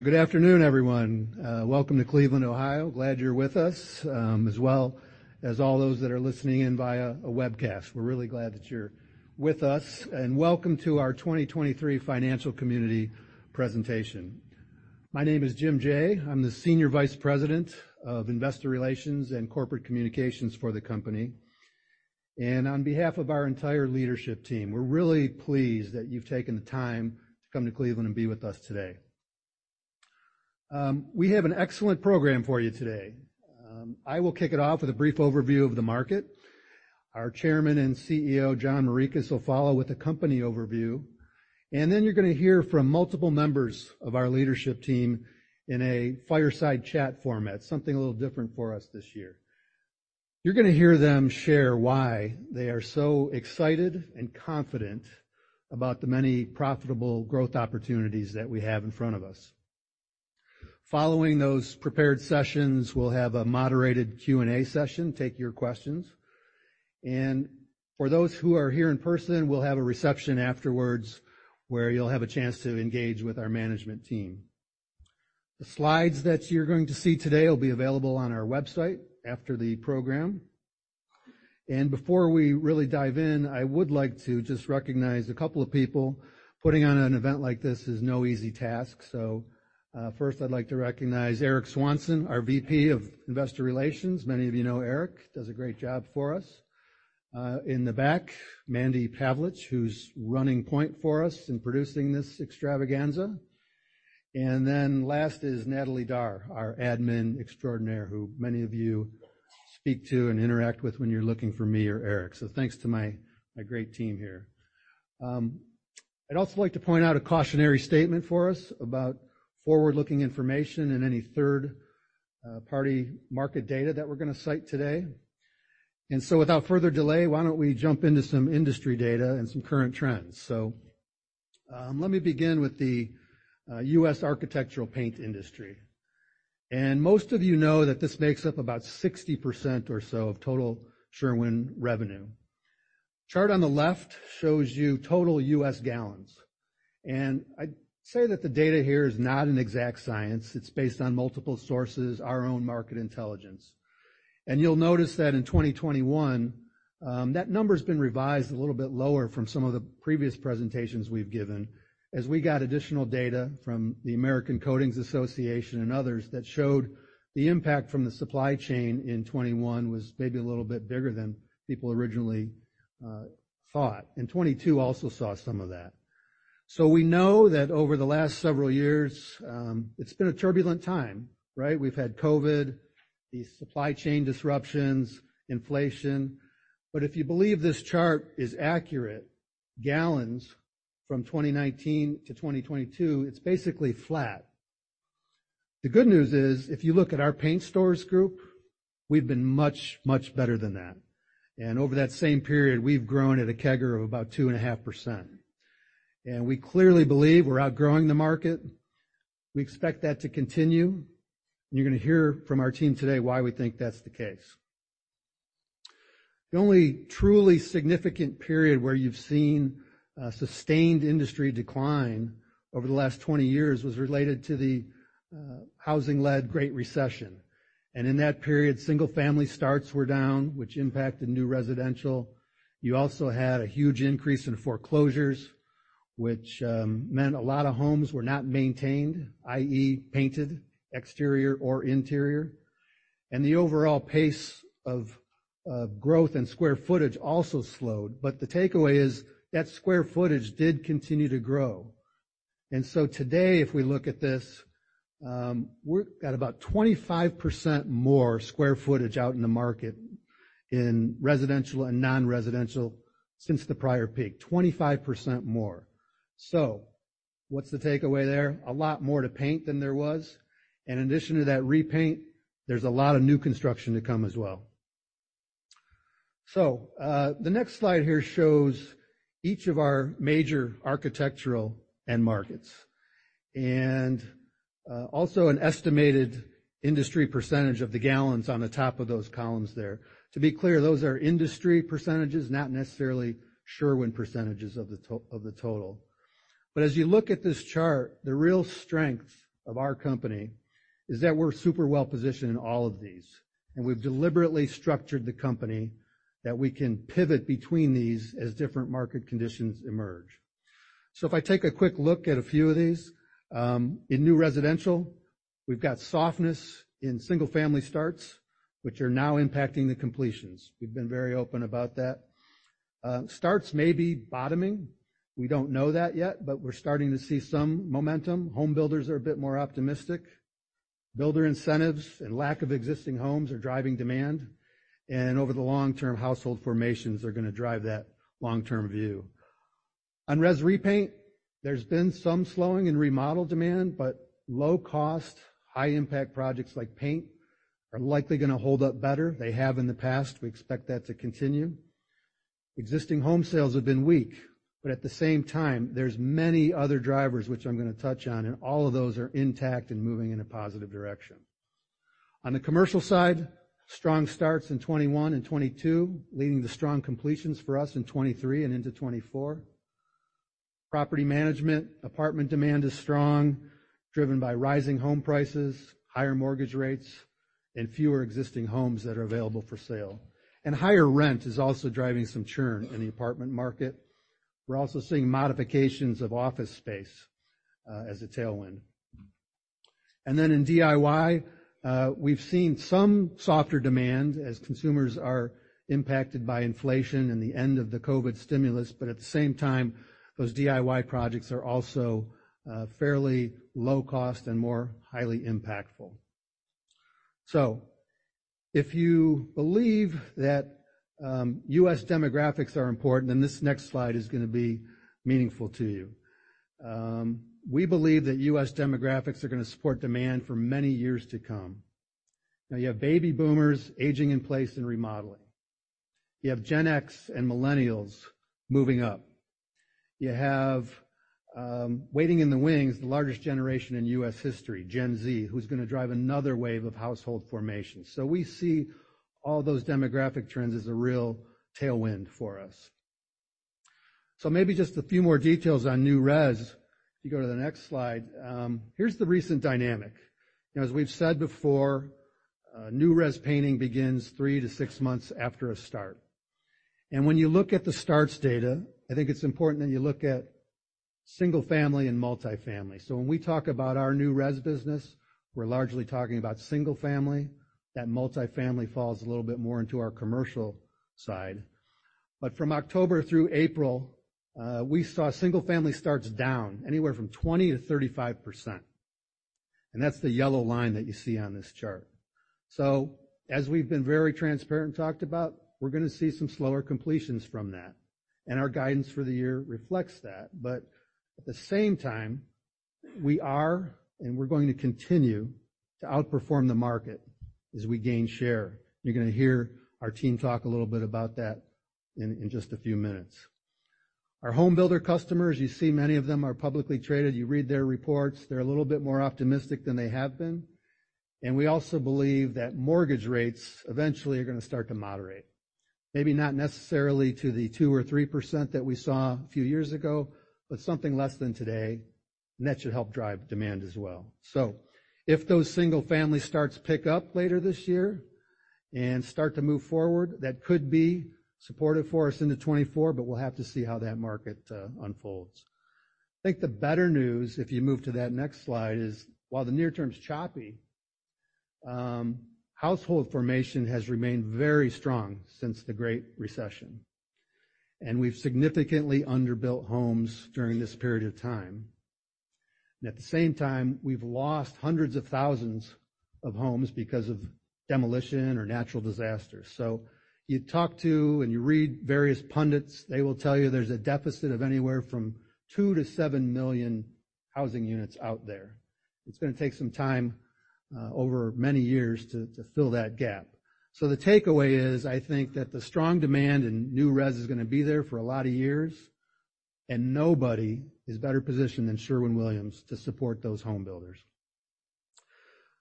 Good afternoon, everyone. Welcome to Cleveland, Ohio. Glad you're with us, as well as all those that are listening in via a webcast. We're really glad that you're with us, and welcome to our 2023 financial community presentation. My name is Jim Jaye. I'm the Senior Vice President of Investor Relations and Corporate Communications for the company. On behalf of our entire leadership team, we're really pleased that you've taken the time to come to Cleveland and be with us today. We have an excellent program for you today. I will kick it off with a brief overview of the market. Our chairman and CEO, John Morikis, will follow with a company overview, and then you're going to hear from multiple members of our leadership team in a fireside chat format, something a little different for us this year. You're gonna hear them share why they are so excited and confident about the many profitable growth opportunities that we have in front of us. Following those prepared sessions, we'll have a moderated Q&A session, take your questions, and for those who are here in person, we'll have a reception afterwards where you'll have a chance to engage with our management team. The slides that you're going to see today will be available on our website after the program. And before we really dive in, I would like to just recognize a couple of people. Putting on an event like this is no easy task, so, first, I'd like to recognize Eric Swanson, our VP of Investor Relations. Many of you know Eric does a great job for us. In the back, Mandy Pavlish, who's running point for us in producing this extravaganza. And then last is Natalie Darr, our admin extraordinaire, who many of you speak to and interact with when you're looking for me or Eric. So thanks to my great team here. I'd also like to point out a cautionary statement for us about forward-looking information and any third-party market data that we're going to cite today. And so, without further delay, why don't we jump into some industry data and some current trends? So, let me begin with the U.S. architectural paint industry. And most of you know that this makes up about 60% or so of total Sherwin revenue. Chart on the left shows you total U.S. gallons, and I'd say that the data here is not an exact science. It's based on multiple sources, our own market intelligence. You'll notice that in 2021, that number has been revised a little bit lower from some of the previous presentations we've given, as we got additional data from the American Coatings Association and others that showed the impact from the supply chain in 2021 was maybe a little bit bigger than people originally thought, and 2022 also saw some of that. We know that over the last several years, it's been a turbulent time, right? We've had COVID, the supply chain disruptions, inflation, but if you believe this chart is accurate, gallons from 2019 to 2022, it's basically flat. The good news is, if you look at our paint stores group, we've been much, much better than that, and over that same period, we've grown at a CAGR of about 2.5%. We clearly believe we're outgrowing the market. We expect that to continue, and you're going to hear from our team today why we think that's the case. The only truly significant period where you've seen a sustained industry decline over the last 20 years was related to the housing-led Great Recession. In that period, single-family starts were down, which impacted new residential. You also had a huge increase in foreclosures, which meant a lot of homes were not maintained, i.e., painted, exterior or interior. The overall pace of growth in square footage also slowed, but the takeaway is that square footage did continue to grow. So today, if we look at this, we're at about 25% more square footage out in the market in residential and non-residential since the prior peak, 25% more. So what's the takeaway there? A lot more to paint than there was. In addition to that repaint, there's a lot of new construction to come as well. So, the next slide here shows each of our major architectural end markets and also an estimated industry percentage of the gallons on the top of those columns there. To be clear, those are industry percentages, not necessarily Sherwin percentages of the total. But as you look at this chart, the real strength of our company is that we're super well positioned in all of these, and we've deliberately structured the company that we can pivot between these as different market conditions emerge. So if I take a quick look at a few of these, in new residential, we've got softness in single-family starts, which are now impacting the completions. We've been very open about that. Starts may be bottoming. We don't know that yet, but we're starting to see some momentum. Home builders are a bit more optimistic. Builder incentives and lack of existing homes are driving demand, and over the long term, household formations are going to drive that long-term view. On res repaint, there's been some slowing in remodel demand, but low-cost, high-impact projects like paint are likely going to hold up better. They have in the past. We expect that to continue. Existing home sales have been weak, but at the same time, there's many other drivers which I'm going to touch on, and all of those are intact and moving in a positive direction. On the commercial side, strong starts in 2021 and 2022, leading to strong completions for us in 2023 and into 2024. Property management, apartment demand is strong, driven by rising home prices, higher mortgage rates, and fewer existing homes that are available for sale. And higher rent is also driving some churn in the apartment market. We're also seeing modifications of office space, as a tailwind. And then in DIY, we've seen some softer demand as consumers are impacted by inflation and the end of the COVID stimulus, but at the same time, those DIY projects are also, fairly low cost and more highly impactful. So if you believe that, U.S. demographics are important, then this next slide is going to be meaningful to you. We believe that U.S. demographics are going to support demand for many years to come. Now, you have baby boomers aging in place and remodeling. You have Gen X and millennials moving up. You have waiting in the wings, the largest generation in U.S. history, Gen Z, who's going to drive another wave of household formation. So we see all those demographic trends as a real tailwind for us. So maybe just a few more details on new res, if you go to the next slide. Here's the recent dynamic. Now, as we've said before, new res painting begins 3 months-6 months after a start. And when you look at the starts data, I think it's important that you look at single-family and multifamily. So when we talk about our new res business, we're largely talking about single family. That multifamily falls a little bit more into our commercial side. But from October through April, we saw single family starts down anywhere from 20%-35%, and that's the yellow line that you see on this chart. So as we've been very transparent and talked about, we're going to see some slower completions from that, and our guidance for the year reflects that. But at the same time, we are, and we're going to continue to outperform the market as we gain share. You're going to hear our team talk a little bit about that in just a few minutes. Our home builder customers, you see many of them are publicly traded. You read their reports, they're a little bit more optimistic than they have been. And we also believe that mortgage rates eventually are going to start to moderate, maybe not necessarily to the 2% or 3% that we saw a few years ago, but something less than today, and that should help drive demand as well. So if those single-family starts to pick up later this year and start to move forward, that could be supportive for us into 2024, but we'll have to see how that market unfolds. I think the better news, if you move to that next slide, is while the near term is choppy, household formation has remained very strong since the Great Recession, and we've significantly underbuilt homes during this period of time. And at the same time, we've lost hundreds of thousands of homes because of demolition or natural disasters. So you talk to and you read various pundits, they will tell you there's a deficit of anywhere from 2 million-7 million housing units out there. It's going to take some time over many years to fill that gap. So the takeaway is, I think that the strong demand in new res is going to be there for a lot of years, and nobody is better positioned than Sherwin-Williams to support those home builders.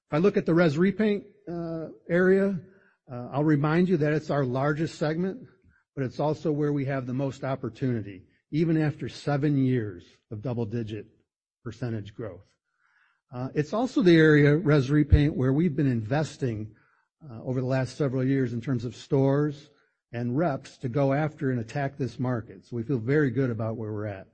If I look at the res repaint area, I'll remind you that it's our largest segment, but it's also where we have the most opportunity, even after seven years of double-digit percentage growth. It's also the area, res repaint, where we've been investing over the last several years in terms of stores and reps to go after and attack this market. So we feel very good about where we're at.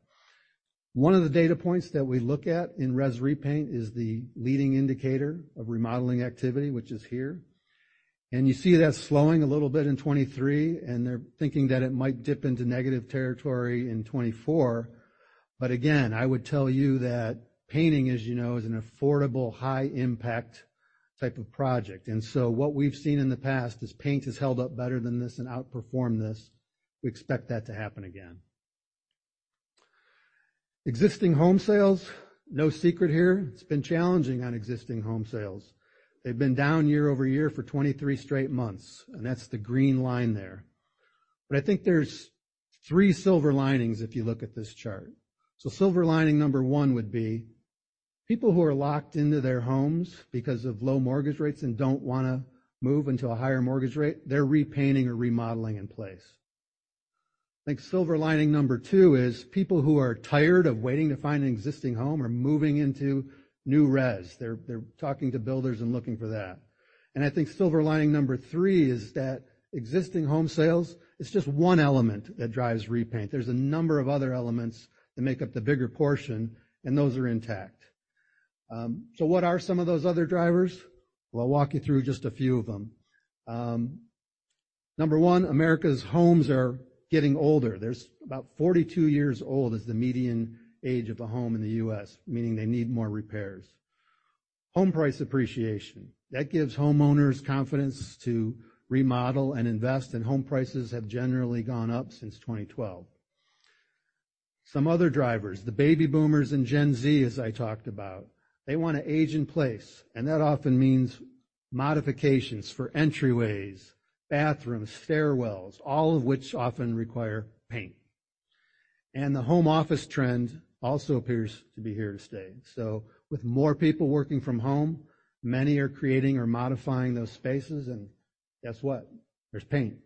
One of the data points that we look at in res repaint is the leading indicator of remodeling activity, which is here, and you see that slowing a little bit in 2023, and they're thinking that it might dip into negative territory in 2024. But again, I would tell you that painting, as you know, is an affordable, high impact type of project. And so what we've seen in the past is paint has held up better than this and outperformed this. We expect that to happen again. Existing home sales, no secret here, it's been challenging on existing home sales. They've been down year-over-year for 23 straight months, and that's the green line there. But I think there's three silver linings if you look at this chart. So silver lining number one would be, people who are locked into their homes because of low mortgage rates and don't want to move into a higher mortgage rate, they're repainting or remodeling in place. I think silver lining number two is people who are tired of waiting to find an existing home are moving into new res. They're, they're talking to builders and looking for that. And I think silver lining number three is that existing home sales is just one element that drives repaint. There's a number of other elements that make up the bigger portion, and those are intact. So what are some of those other drivers? Well, I'll walk you through just a few of them. Number one, America's homes are getting older. There's about 42 years old is the median age of a home in the US, meaning they need more repairs. Home price appreciation, that gives homeowners confidence to remodel and invest, and home prices have generally gone up since 2012. Some other drivers, the baby boomers and Gen Z, as I talked about, they want to age in place, and that often means modifications for entryways, bathrooms, stairwells, all of which often require paint. And the home office trend also appears to be here to stay. So with more people working from home, many are creating or modifying those spaces, and guess what? There's paint.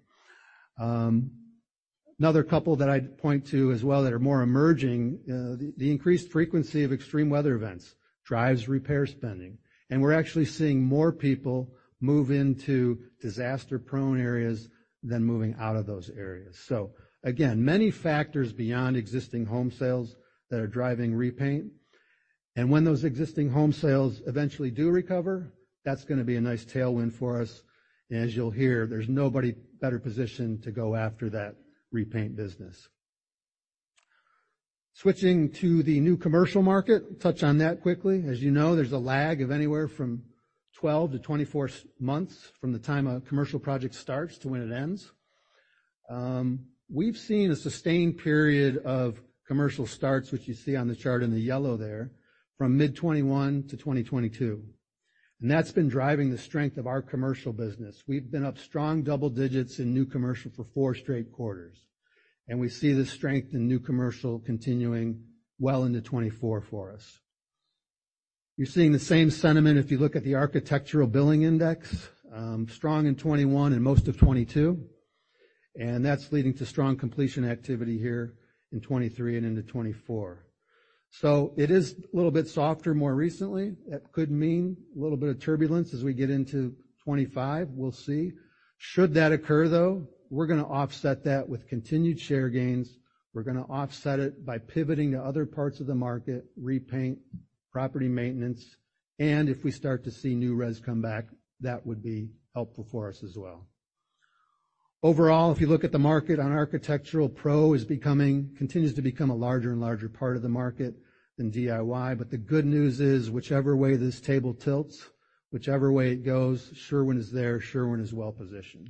Another couple that I'd point to as well that are more emerging, the increased frequency of extreme weather events drives repair spending, and we're actually seeing more people move into disaster-prone areas than moving out of those areas. So again, many factors beyond existing home sales that are driving repaint. And when those existing home sales eventually do recover, that's gonna be a nice tailwind for us. As you'll hear, there's nobody better positioned to go after that repaint business. Switching to the new commercial market, touch on that quickly. As you know, there's a lag of anywhere from 12 months-24 months from the time a commercial project starts to when it ends. We've seen a sustained period of commercial starts, which you see on the chart in the yellow there, from mid-2021 to 2022, and that's been driving the strength of our commercial business. We've been up strong double digits in new commercial for four straight quarters, and we see the strength in new commercial continuing well into 2024 for us. You're seeing the same sentiment if you look at the Architectural Billing Index, strong in 2021 and most of 2022, and that's leading to strong completion activity here in 2023 and into 2024. It is a little bit softer more recently. That could mean a little bit of turbulence as we get into 2025. We'll see. Should that occur, though, we're gonna offset that with continued share gains. We're gonna offset it by pivoting to other parts of the market, repaint, property maintenance, and if we start to see new res come back, that would be helpful for us as well. Overall, if you look at the market on architectural, pro is becoming, continues to become a larger and larger part of the market than DIY. But the good news is, whichever way this table tilts, whichever way it goes, Sherwin is there. Sherwin is well positioned.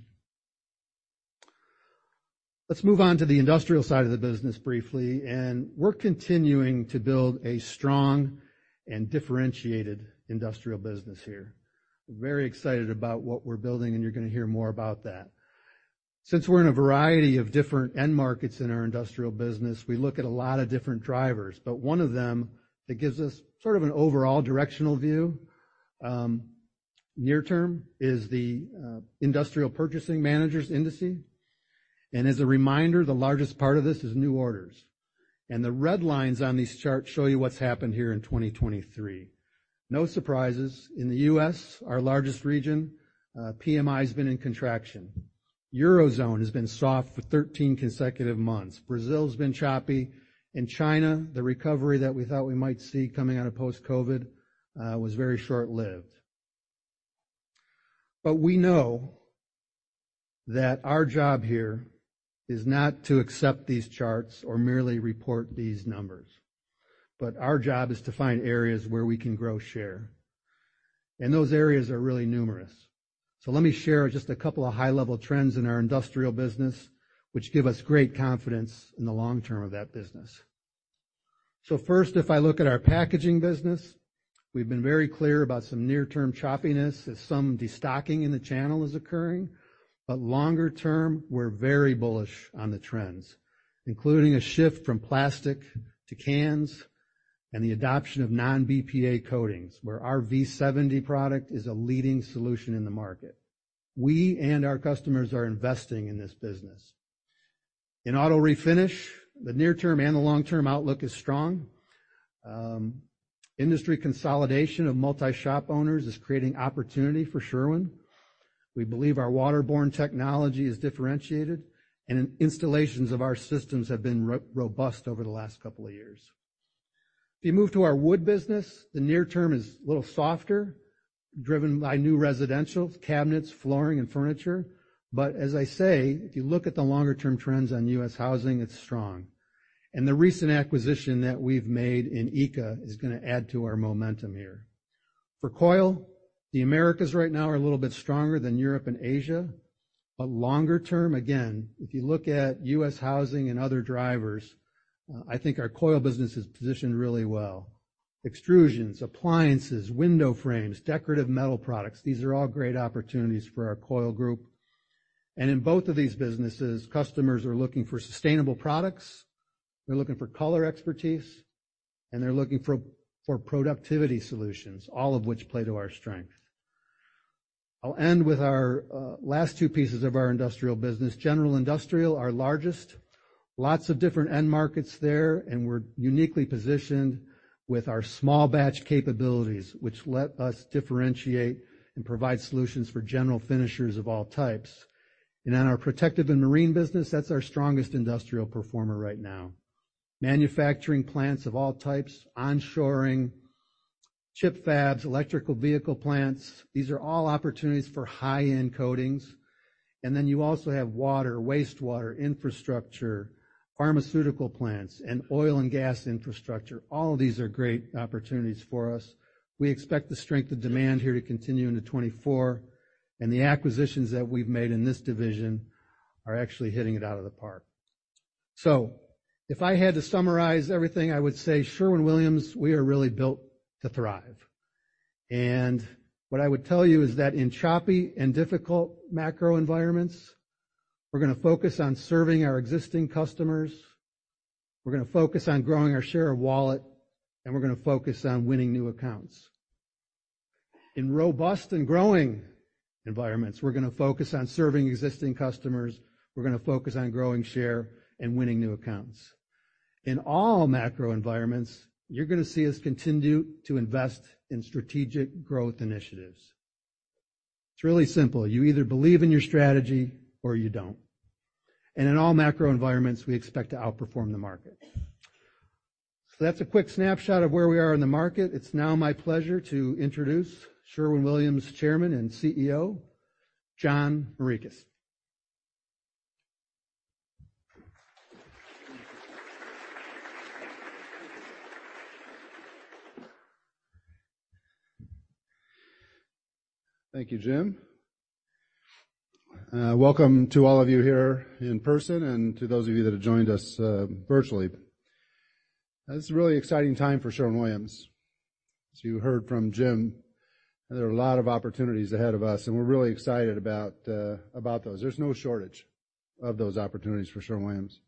Let's move on to the industrial side of the business briefly, and we're continuing to build a strong and differentiated industrial business here. We're very excited about what we're building, and you're gonna hear more about that. Since we're in a variety of different end markets in our industrial business, we look at a lot of different drivers, but one of them that gives us sort of an overall directional view, near term, is the Industrial Purchasing Managers' Indices. As a reminder, the largest part of this is new orders, and the red lines on these charts show you what's happened here in 2023. No surprises. In the U.S., our largest region, PMI's been in contraction. Eurozone has been soft for 13 consecutive months. Brazil's been choppy. In China, the recovery that we thought we might see coming out of post-COVID was very short-lived. But we know that our job here is not to accept these charts or merely report these numbers, but our job is to find areas where we can grow share, and those areas are really numerous. So let me share just a couple of high-level trends in our industrial business, which give us great confidence in the long-term of that business. So first, if I look at our packaging business, we've been very clear about some near-term choppiness as some destocking in the channel is occurring, but longer-term, we're very bullish on the trends, including a shift from plastic to cans and the adoption of non-BPA coatings, where our V70 product is a leading solution in the market. We and our customers are investing in this business. In auto-refinish, the near-term and the long-term outlook is strong. Industry consolidation of multi-shop owners is creating opportunity for Sherwin. We believe our waterborne technology is differentiated, and installations of our systems have been robust over the last couple of years. If you move to our wood business, the near term is a little softer, driven by new residential cabinets, flooring, and furniture. But as I say, if you look at the longer-term trends on U.S. housing, it's strong. And the recent acquisition that we've made in ICA is gonna add to our momentum here. For coil, the Americas right now are a little bit stronger than Europe and Asia, but longer-term, again, if you look at U.S. housing and other drivers, I think our coil business is positioned really well. Extrusions, appliances, window frames, decorative metal products, these are all great opportunities for our coil group. In both of these businesses, customers are looking for sustainable products, they're looking for color expertise, and they're looking for productivity solutions, all of which play to our strength. I'll end with our last two pieces of our industrial business. General Industrial, our largest. Lots of different end markets there, and we're uniquely positioned with our small batch capabilities, which let us differentiate and provide solutions for general finishers of all types. And then our Protective and Marine business, that's our strongest industrial performer right now. Manufacturing plants of all types, onshoring, chip fabs, electric vehicle plants, these are all opportunities for high-end coatings. And then you also have water, wastewater, infrastructure, pharmaceutical plants, and oil and gas infrastructure. All of these are great opportunities for us. We expect the strength of demand here to continue into 2024, and the acquisitions that we've made in this division are actually hitting it out of the park. So if I had to summarize everything, I would say, Sherwin-Williams, we are really built to thrive. And what I would tell you is that in choppy and difficult macro environments, we're gonna focus on serving our existing customers, we're gonna focus on growing our share of wallet, and we're gonna focus on winning new accounts. In robust and growing environments, we're gonna focus on serving existing customers, we're gonna focus on growing share and winning new accounts. In all macro environments, you're gonna see us continue to invest in strategic growth initiatives. It's really simple. You either believe in your strategy or you don't. And in all macro environments, we expect to outperform the market. So that's a quick snapshot of where we are in the market. It's now my pleasure to introduce Sherwin-Williams Chairman and CEO, John Morikis. Thank you, Jim. Welcome to all of you here in person, and to those of you that have joined us virtually. This is a really exciting time for Sherwin-Williams. As you heard from Jim, there are a lot of opportunities ahead of us, and we're really excited about about those. There's no shortage of those opportunities for Sherwin-Williams.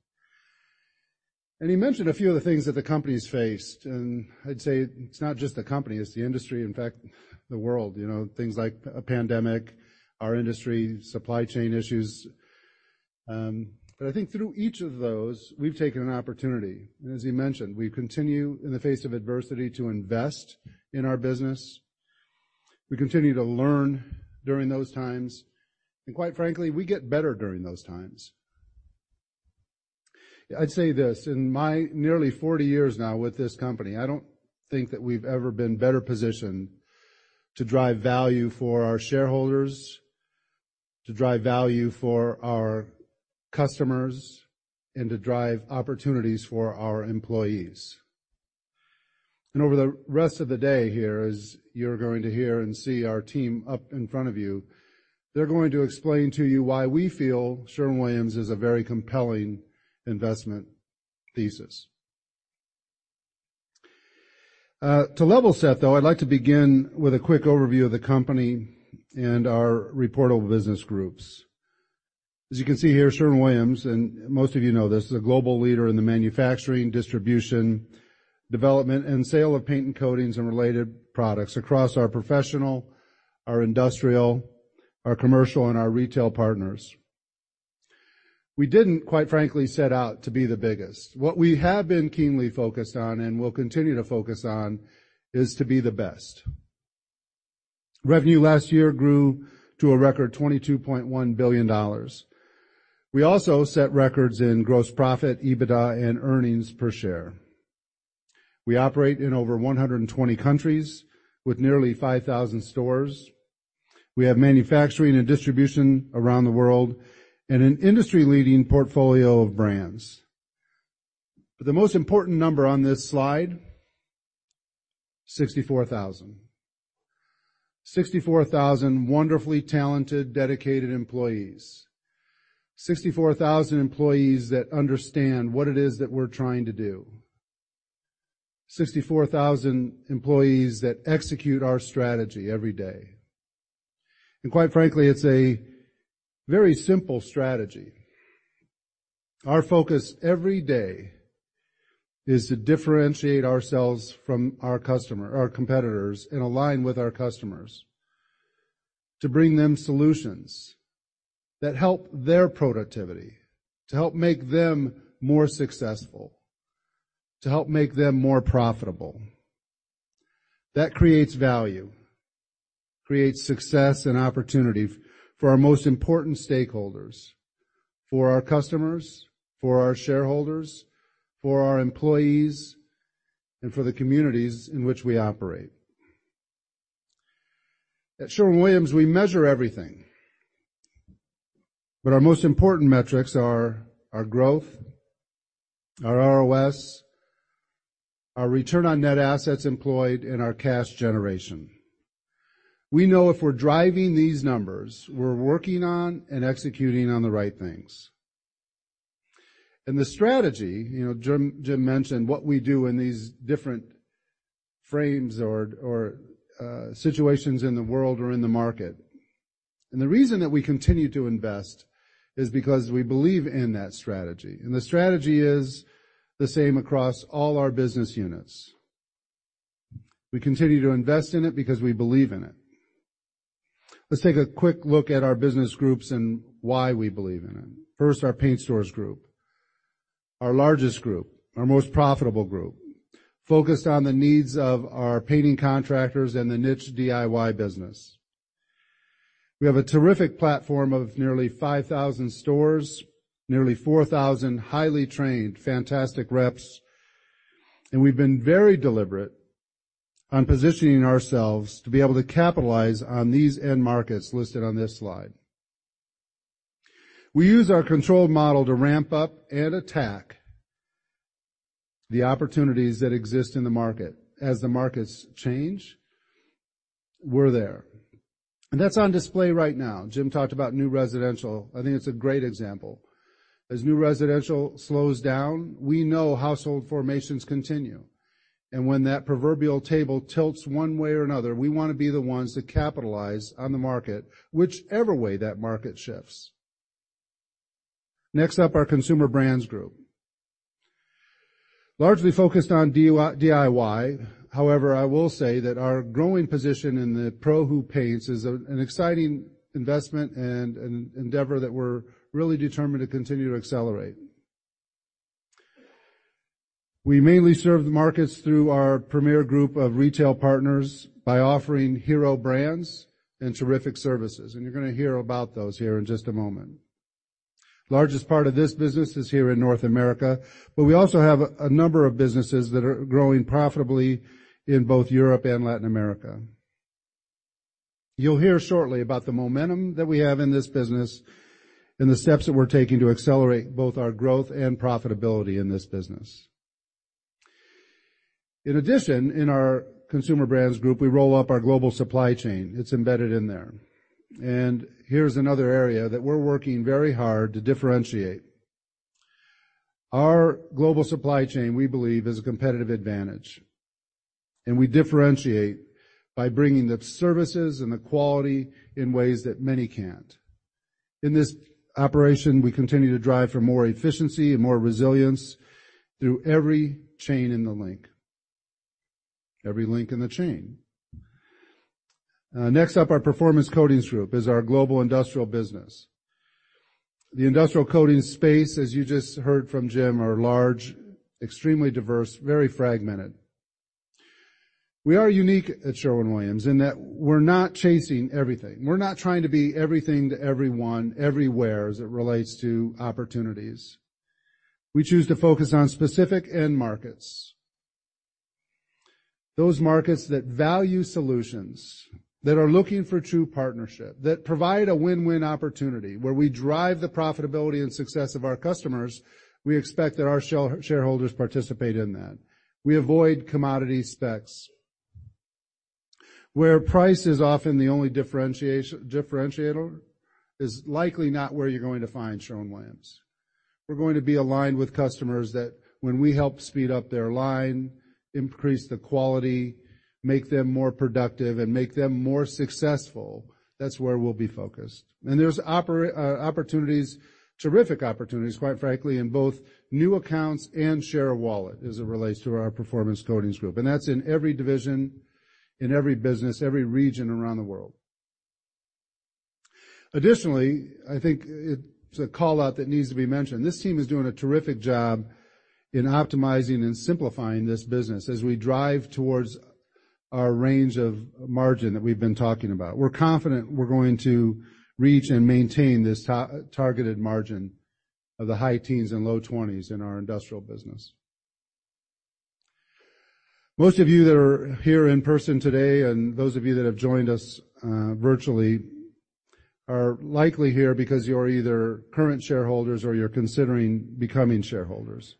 He mentioned a few of the things that the company's faced, and I'd say it's not just the company, it's the industry, in fact, the world. You know, things like a pandemic, our industry, supply chain issues. I think through each of those, we've taken an opportunity. As he mentioned, we continue, in the face of adversity, to invest in our business. We continue to learn during those times, and quite frankly, we get better during those times. I'd say this, in my nearly 40 years now with this company, I don't think that we've ever been better positioned to drive value for our shareholders, to drive value for our customers, and to drive opportunities for our employees. Over the rest of the day here, as you're going to hear and see our team up in front of you, they're going to explain to you why we feel Sherwin-Williams is a very compelling investment thesis. To level set, though, I'd like to begin with a quick overview of the company and our reportable business groups. As you can see here, Sherwin-Williams, and most of you know this, is a global leader in the manufacturing, distribution, development, and sale of paint and coatings and related products across our professional, our industrial, our commercial, and our retail partners. We didn't, quite frankly, set out to be the biggest. What we have been keenly focused on, and will continue to focus on, is to be the best. Revenue last year grew to a record $22.1 billion. We also set records in gross profit, EBITDA, and earnings per share. We operate in over 120 countries with nearly 5,000 stores. We have manufacturing and distribution around the world and an industry-leading portfolio of brands. But the most important number on this slide, 64,000. 64,000 wonderfully talented, dedicated employees. 64,000 employees that understand what it is that we're trying to do. 64,000 employees that execute our strategy every day. And quite frankly, it's a very simple strategy. Our focus every day is to differentiate ourselves from our customers, our competitors, and align with our customers to bring them solutions that help their productivity, to help make them more successful, to help make them more profitable. That creates value, creates success and opportunity for our most important stakeholders, for our customers, for our shareholders, for our employees, and for the communities in which we operate. At Sherwin-Williams, we measure everything, but our most important metrics are our growth, our ROS, our return on net assets employed, and our cash generation. We know if we're driving these numbers, we're working on and executing on the right things. The strategy, you know, Jim, Jim mentioned what we do in these different frames or situations in the world or in the market. The reason that we continue to invest is because we believe in that strategy, and the strategy is the same across all our business units. We continue to invest in it because we believe in it. Let's take a quick look at our business groups and why we believe in it. First, our paint stores group, our largest group, our most profitable group, focused on the needs of our painting contractors and the niche DIY business. We have a terrific platform of nearly 5,000 stores, nearly 4,000 highly trained, fantastic reps, and we've been very deliberate on positioning ourselves to be able to capitalize on these end markets listed on this slide. We use our controlled model to ramp up and attack the opportunities that exist in the market. As the markets change, we're there. And that's on display right now. Jim talked about new residential. I think it's a great example. As new residential slows down, we know household formations continue, and when that proverbial table tilts one way or another, we wanna be the ones to capitalize on the market, whichever way that market shifts. Next up, our Consumer Brands Group. Largely focused on DIY. However, I will say that our growing position in the Pro Who Paints is an exciting investment and an endeavor that we're really determined to continue to accelerate. We mainly serve the markets through our premier group of retail partners by offering hero brands and terrific services, and you're gonna hear about those here in just a moment. Largest part of this business is here in North America, but we also have a number of businesses that are growing profitably in both Europe and Latin America. You'll hear shortly about the momentum that we have in this business and the steps that we're taking to accelerate both our growth and profitability in this business. In addition, in our Consumer Brands Group, we roll up our global supply chain. It's embedded in there. And here's another area that we're working very hard to differentiate. Our global supply chain, we believe, is a competitive advantage, and we differentiate by bringing the services and the quality in ways that many can't. In this operation, we continue to drive for more efficiency and more resilience through every chain in the link - every link in the chain. Next up, our Performance Coatings Group is our global industrial business. The industrial coatings space, as you just heard from Jim, are large, extremely diverse, very fragmented. We are unique at Sherwin-Williams in that we're not chasing everything. We're not trying to be everything to everyone, everywhere, as it relates to opportunities. We choose to focus on specific end markets. Those markets that value solutions, that are looking for true partnership, that provide a win-win opportunity, where we drive the profitability and success of our customers, we expect that our shareholders participate in that. We avoid commodity specs. Where price is often the only differentiator, is likely not where you're going to find Sherwin-Williams. We're going to be aligned with customers that when we help speed up their line, increase the quality, make them more productive, and make them more successful, that's where we'll be focused. And there's opportunities, terrific opportunities, quite frankly, in both new accounts and share of wallet as it relates to our Performance Coatings Group. And that's in every division, in every business, every region around the world. Additionally, I think it's a call-out that needs to be mentioned. This team is doing a terrific job in optimizing and simplifying this business as we drive towards our range of margin that we've been talking about. We're confident we're going to reach and maintain this targeted margin of the high teens and low twenties in our industrial business. Most of you that are here in person today, and those of you that have joined us virtually, are likely here because you're either current shareholders or you're considering becoming shareholders.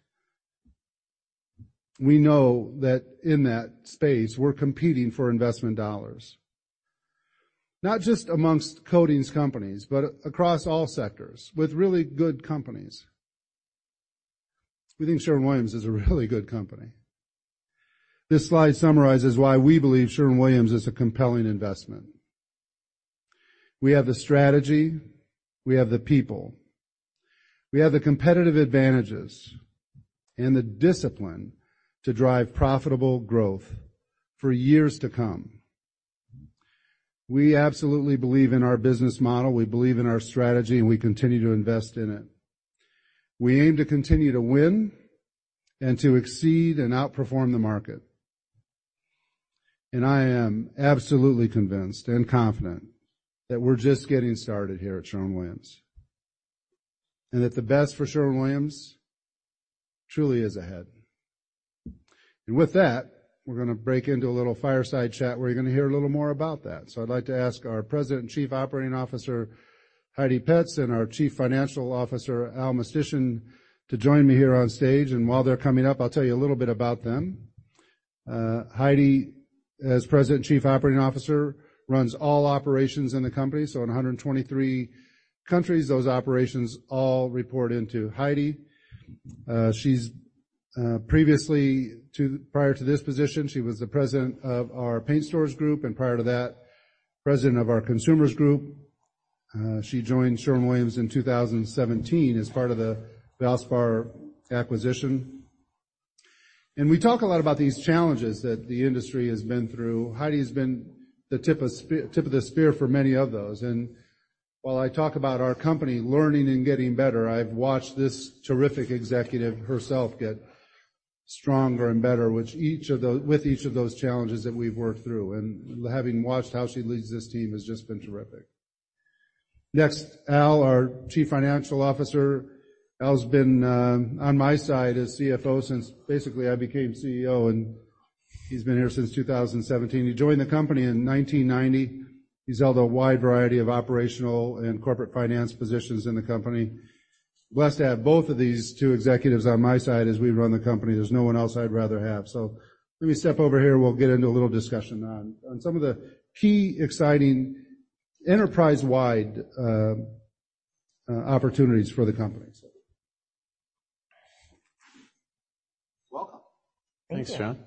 We know that in that space, we're competing for investment dollars, not just amongst coatings companies, but across all sectors with really good companies. We think Sherwin-Williams is a really good company. This slide summarizes why we believe Sherwin-Williams is a compelling investment. We have the strategy, we have the people, we have the competitive advantages and the discipline to drive profitable growth for years to come. We absolutely believe in our business model, we believe in our strategy, and we continue to invest in it. We aim to continue to win and to exceed and outperform the market. I am absolutely convinced and confident that we're just getting started here at Sherwin-Williams, and that the best for Sherwin-Williams truly is ahead. With that, we're gonna break into a little fireside chat, where you're gonna hear a little more about that. I'd like to ask our President and Chief Operating Officer, Heidi Petz, and our Chief Financial Officer, Al Mistysyn, to join me here on stage. While they're coming up, I'll tell you a little bit about them. Heidi, as President and Chief Operating Officer, runs all operations in the company. In 123 countries, those operations all report into Heidi. She's, prior to this position, she was the president of our paint stores group, and prior to that, president of our consumers group. She joined Sherwin-Williams in 2017 as part of the Valspar acquisition. We talk a lot about these challenges that the industry has been through. Heidi has been the tip of the spear for many of those. While I talk about our company learning and getting better, I've watched this terrific executive herself get stronger and better, with each of those challenges that we've worked through. Having watched how she leads this team has just been terrific. Next, Al, our Chief Financial Officer. Al has been on my side as CFO since basically I became CEO, and he's been here since 2017. He joined the company in 1990. He's held a wide variety of operational and corporate finance positions in the company. Blessed to have both of these two executives on my side as we run the company. There's no one else I'd rather have. So let me step over here, and we'll get into a little discussion on some of the key exciting enterprise-wide opportunities for the company. Welcome. Thanks, John.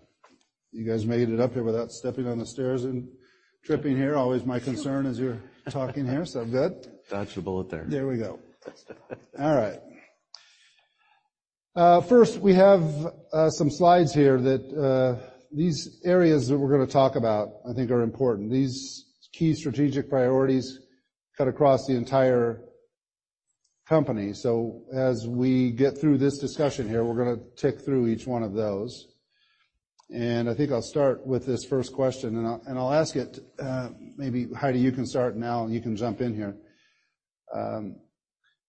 You guys made it up here without stepping on the stairs and tripping here. Always my concern as you're talking here, so good. Dodged a bullet there. There we go. All right. First, we have some slides here that these areas that we're gonna talk about, I think are important. These key strategic priorities cut across the entire company. So as we get through this discussion here, we're gonna tick through each one of those. And I think I'll start with this first question, and I'll, and I'll ask it, maybe, Heidi, you can start now, and you can jump in here.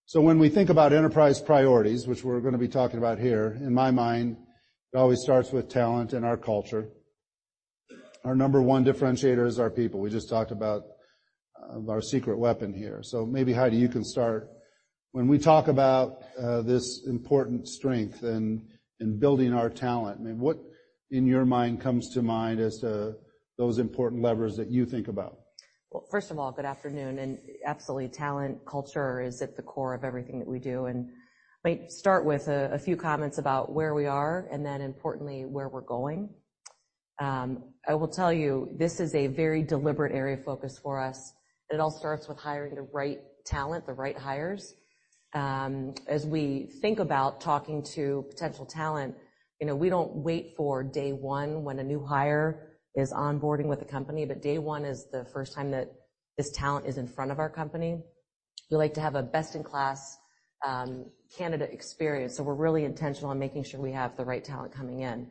So when we think about enterprise priorities, which we're gonna be talking about here, in my mind, it always starts with talent and our culture. Our number one differentiator is our people. We just talked about our secret weapon here. So maybe, Heidi, you can start. When we talk about this important strength in building our talent, I mean, what in your mind comes to mind as to those important levers that you think about? Well, first of all, good afternoon, and absolutely, talent, culture is at the core of everything that we do, and I might start with a few comments about where we are and then importantly, where we're going. I will tell you, this is a very deliberate area of focus for us. It all starts with hiring the right talent, the right hires. As we think about talking to potential talent, you know, we don't wait for day one when a new hire is onboarding with the company, but day one is the first time that this talent is in front of our company. We like to have a best-in-class candidate experience, so we're really intentional in making sure we have the right talent coming in.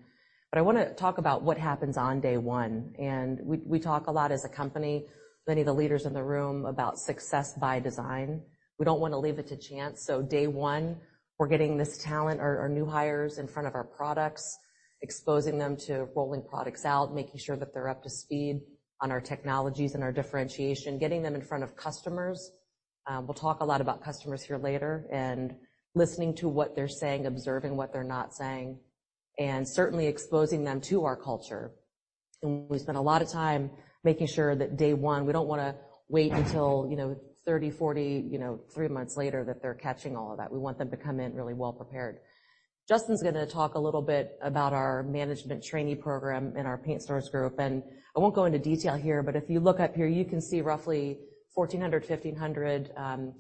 But I wanna talk about what happens on day one, and we, we talk a lot as a company, many of the leaders in the room, about success by design. We don't wanna leave it to chance. So day one, we're getting this talent, our, our new hires in front of our products, exposing them to rolling products out, making sure that they're up to speed on our technologies and our differentiation, getting them in front of customers. We'll talk a lot about customers here later and listening to what they're saying, observing what they're not saying, and certainly exposing them to our culture. And we spend a lot of time making sure that day one, we don't wanna wait until, you know, 30, 40, you know, three months later that they're catching all of that. We want them to come in really well prepared. Justin's gonna talk a little bit about our management trainee program in our paint stores group, and I won't go into detail here, but if you look up here, you can see roughly 1,400 trainees-1,500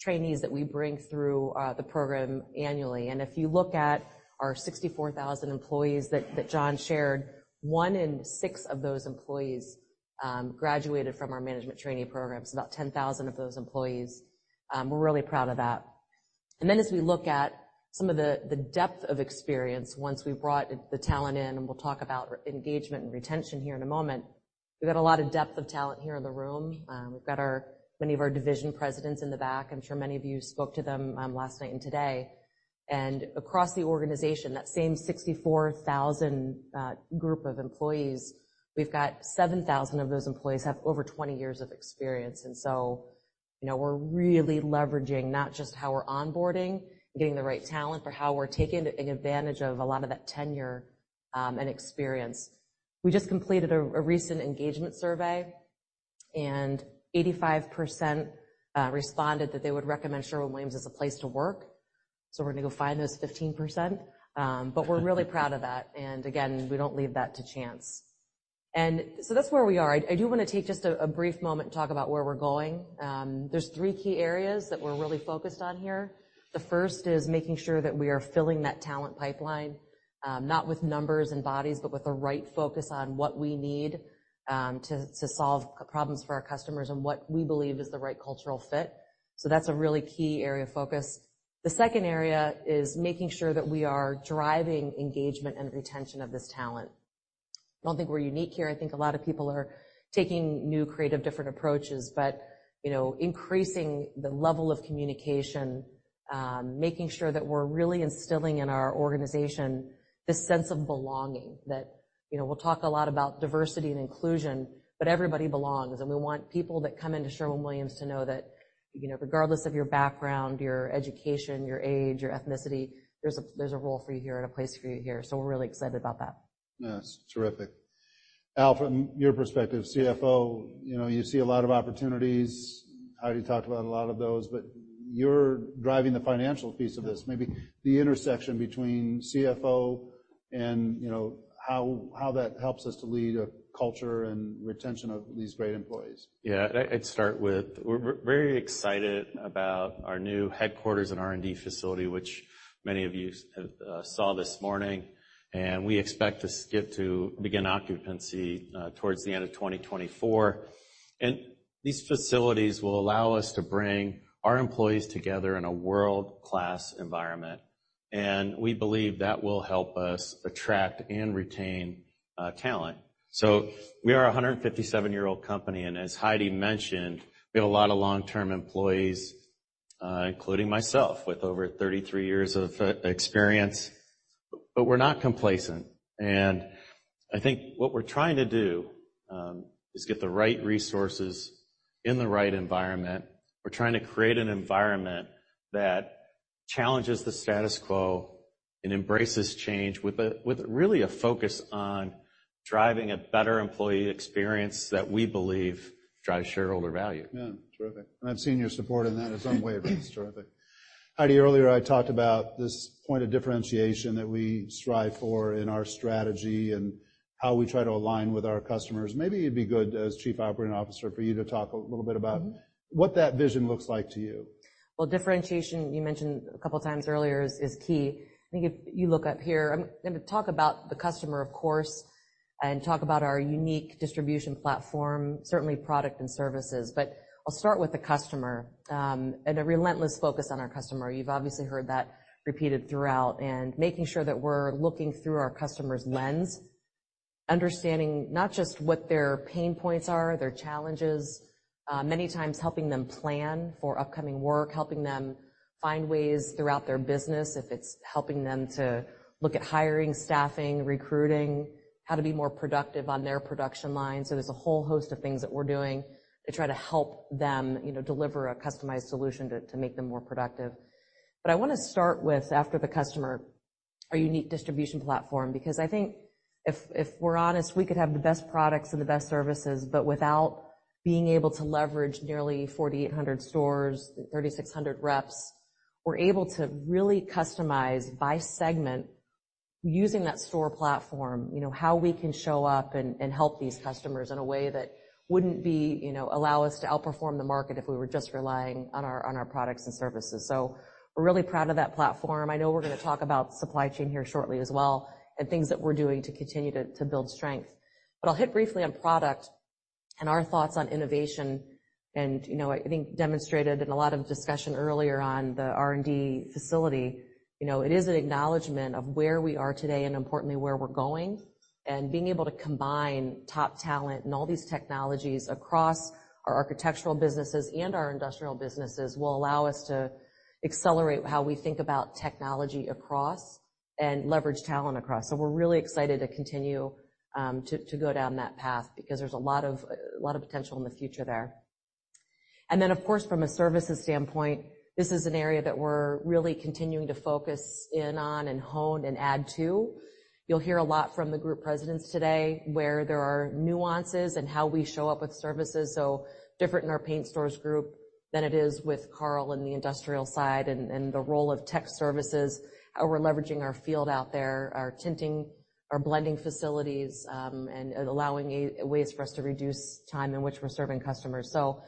trainees that we bring through the program annually. And if you look at our 64,000 employees that John shared, one in six of those employees graduated from our management trainee program, so about 10,000 of those employees. We're really proud of that. And then as we look at some of the depth of experience, once we've brought the talent in, and we'll talk about engagement and retention here in a moment, we've got a lot of depth of talent here in the room. We've got many of our division presidents in the back. I'm sure many of you spoke to them last night and today. Across the organization, that same 64,000 group of employees, we've got 7,000 of those employees have over 20 years of experience. So, you know, we're really leveraging not just how we're onboarding and getting the right talent, but how we're taking advantage of a lot of that tenure and experience. We just completed a recent engagement survey, and 85% responded that they would recommend Sherwin-Williams as a place to work. So we're gonna go find those 15%, but we're really proud of that, and again, we don't leave that to chance. So that's where we are. I do wanna take just a brief moment to talk about where we're going. There's three key areas that we're really focused on here. The first is making sure that we are filling that talent pipeline, not with numbers and bodies, but with the right focus on what we need to solve problems for our customers and what we believe is the right cultural fit. So that's a really key area of focus. The second area is making sure that we are driving engagement and retention of this talent. I don't think we're unique here. I think a lot of people are taking new, creative, different approaches, but, you know, increasing the level of communication, making sure that we're really instilling in our organization this sense of belonging, that, you know, we'll talk a lot about diversity and inclusion, but everybody belongs, and we want people that come into Sherwin-Williams to know that, you know, regardless of your background, your education, your age, your ethnicity, there's a, there's a role for you here and a place for you here. So we're really excited about that. That's terrific. Al, from your perspective, CFO, you know, you see a lot of opportunities. Heidi talked about a lot of those, but you're driving the financial piece of this, maybe the intersection between CFO and, you know, how, how that helps us to lead a culture and retention of these great employees. Yeah, I'd start with, we're very excited about our new headquarters and R&D facility, which many of you saw this morning, and we expect to get to begin occupancy towards the end of 2024. And these facilities will allow us to bring our employees together in a world-class environment, and we believe that will help us attract and retain talent. So we are a 157-year-old company, and as Heidi mentioned, we have a lot of long-term employees, including myself, with over 33 years of experience, but we're not complacent, and I think what we're trying to do is get the right resources in the right environment. We're trying to create an environment that challenges the status quo and embraces change with really a focus on driving a better employee experience that we believe drives shareholder value. Yeah, terrific. And I've seen your support in that in some way, but it's terrific. Heidi, earlier, I talked about this point of differentiation that we strive for in our strategy and how we try to align with our customers. Maybe it'd be good, as Chief Operating Officer, for you to talk a little bit about- Mm-hmm. what that vision looks like to you. Well, differentiation, you mentioned a couple of times earlier, is key. I think if you look up here, I'm gonna talk about the customer, of course, and talk about our unique distribution platform, certainly product and services. But I'll start with the customer and a relentless focus on our customer. You've obviously heard that repeated throughout, and making sure that we're looking through our customer's lens, understanding not just what their pain points are, their challenges, many times helping them plan for upcoming work, helping them find ways throughout their business, if it's helping them to look at hiring, staffing, recruiting, how to be more productive on their production line. So there's a whole host of things that we're doing to try to help them, you know, deliver a customized solution to make them more productive. But I wanna start with, after the customer, our unique distribution platform, because I think if we're honest, we could have the best products and the best services, but without being able to leverage nearly 4,800 stores, 3,600 reps, we're able to really customize by segment using that store platform, you know, how we can show up and help these customers in a way that wouldn't be, you know, allow us to outperform the market if we were just relying on our products and services. So we're really proud of that platform. I know we're gonna talk about supply chain here shortly as well, and things that we're doing to continue to build strength. But I'll hit briefly on product and our thoughts on innovation, and, you know, I think demonstrated in a lot of discussion earlier on the R&D facility, you know, it is an acknowledgment of where we are today and importantly, where we're going. And being able to combine top talent and all these technologies across our architectural businesses and our industrial businesses will allow us to accelerate how we think about technology across and leverage talent across. So we're really excited to continue to go down that path because there's a lot of potential in the future there. And then, of course, from a services standpoint, this is an area that we're really continuing to focus in on and hone and add to. You'll hear a lot from the group presidents today, where there are nuances in how we show up with services, so different in our paint stores group than it is with Karl and the industrial side and the role of tech services, how we're leveraging our field out there, our tinting, our blending facilities, and allowing ways for us to reduce time in which we're serving customers. So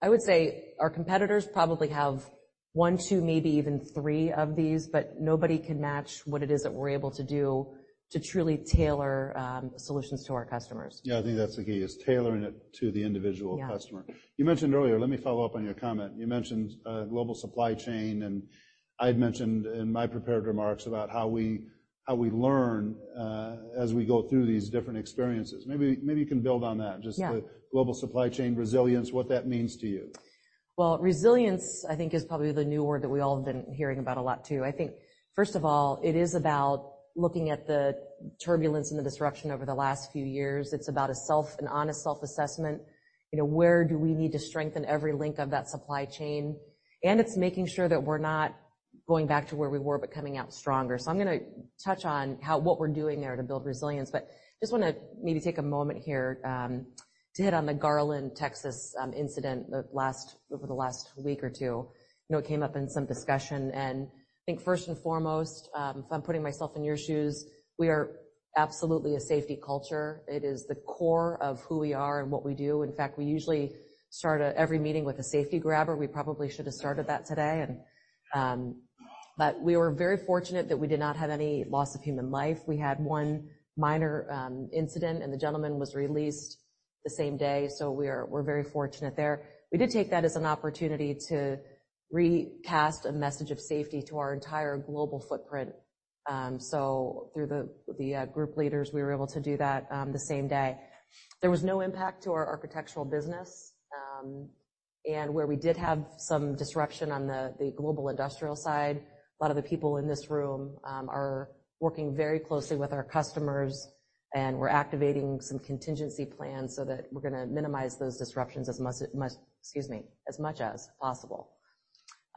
I would say our competitors probably have one, two, maybe even three of these, but nobody can match what it is that we're able to do to truly tailor solutions to our customers. Yeah, I think that's the key, is tailoring it to the individual customer. Yeah. You mentioned earlier, let me follow up on your comment. You mentioned global supply chain, and I'd mentioned in my prepared remarks about how we, how we learn, as we go through these different experiences. Maybe, maybe you can build on that. Yeah. Just the global supply chain resilience, what that means to you? Well, resilience, I think, is probably the new word that we all have been hearing about a lot, too. I think, first of all, it is about looking at the turbulence and the disruption over the last few years. It's about a self, an honest self-assessment. You know, where do we need to strengthen every link of that supply chain? And it's making sure that we're not going back to where we were, but coming out stronger. So I'm gonna touch on how—what we're doing there to build resilience, but just wanna maybe take a moment here to hit on the Garland, Texas, incident over the last week or two. You know, it came up in some discussion, and I think first and foremost, if I'm putting myself in your shoes, we are absolutely a safety culture. It is the core of who we are and what we do. In fact, we usually start every meeting with a safety grabber. We probably should have started that today, and... But we were very fortunate that we did not have any loss of human life. We had one minor incident, and the gentleman was released the same day, so we're very fortunate there. We did take that as an opportunity to recast a message of safety to our entire global footprint. So through the group leaders, we were able to do that, the same day. There was no impact to our architectural business, and where we did have some disruption on the global industrial side, a lot of the people in this room are working very closely with our customers, and we're activating some contingency plans so that we're gonna minimize those disruptions as much as, excuse me, as much as possible.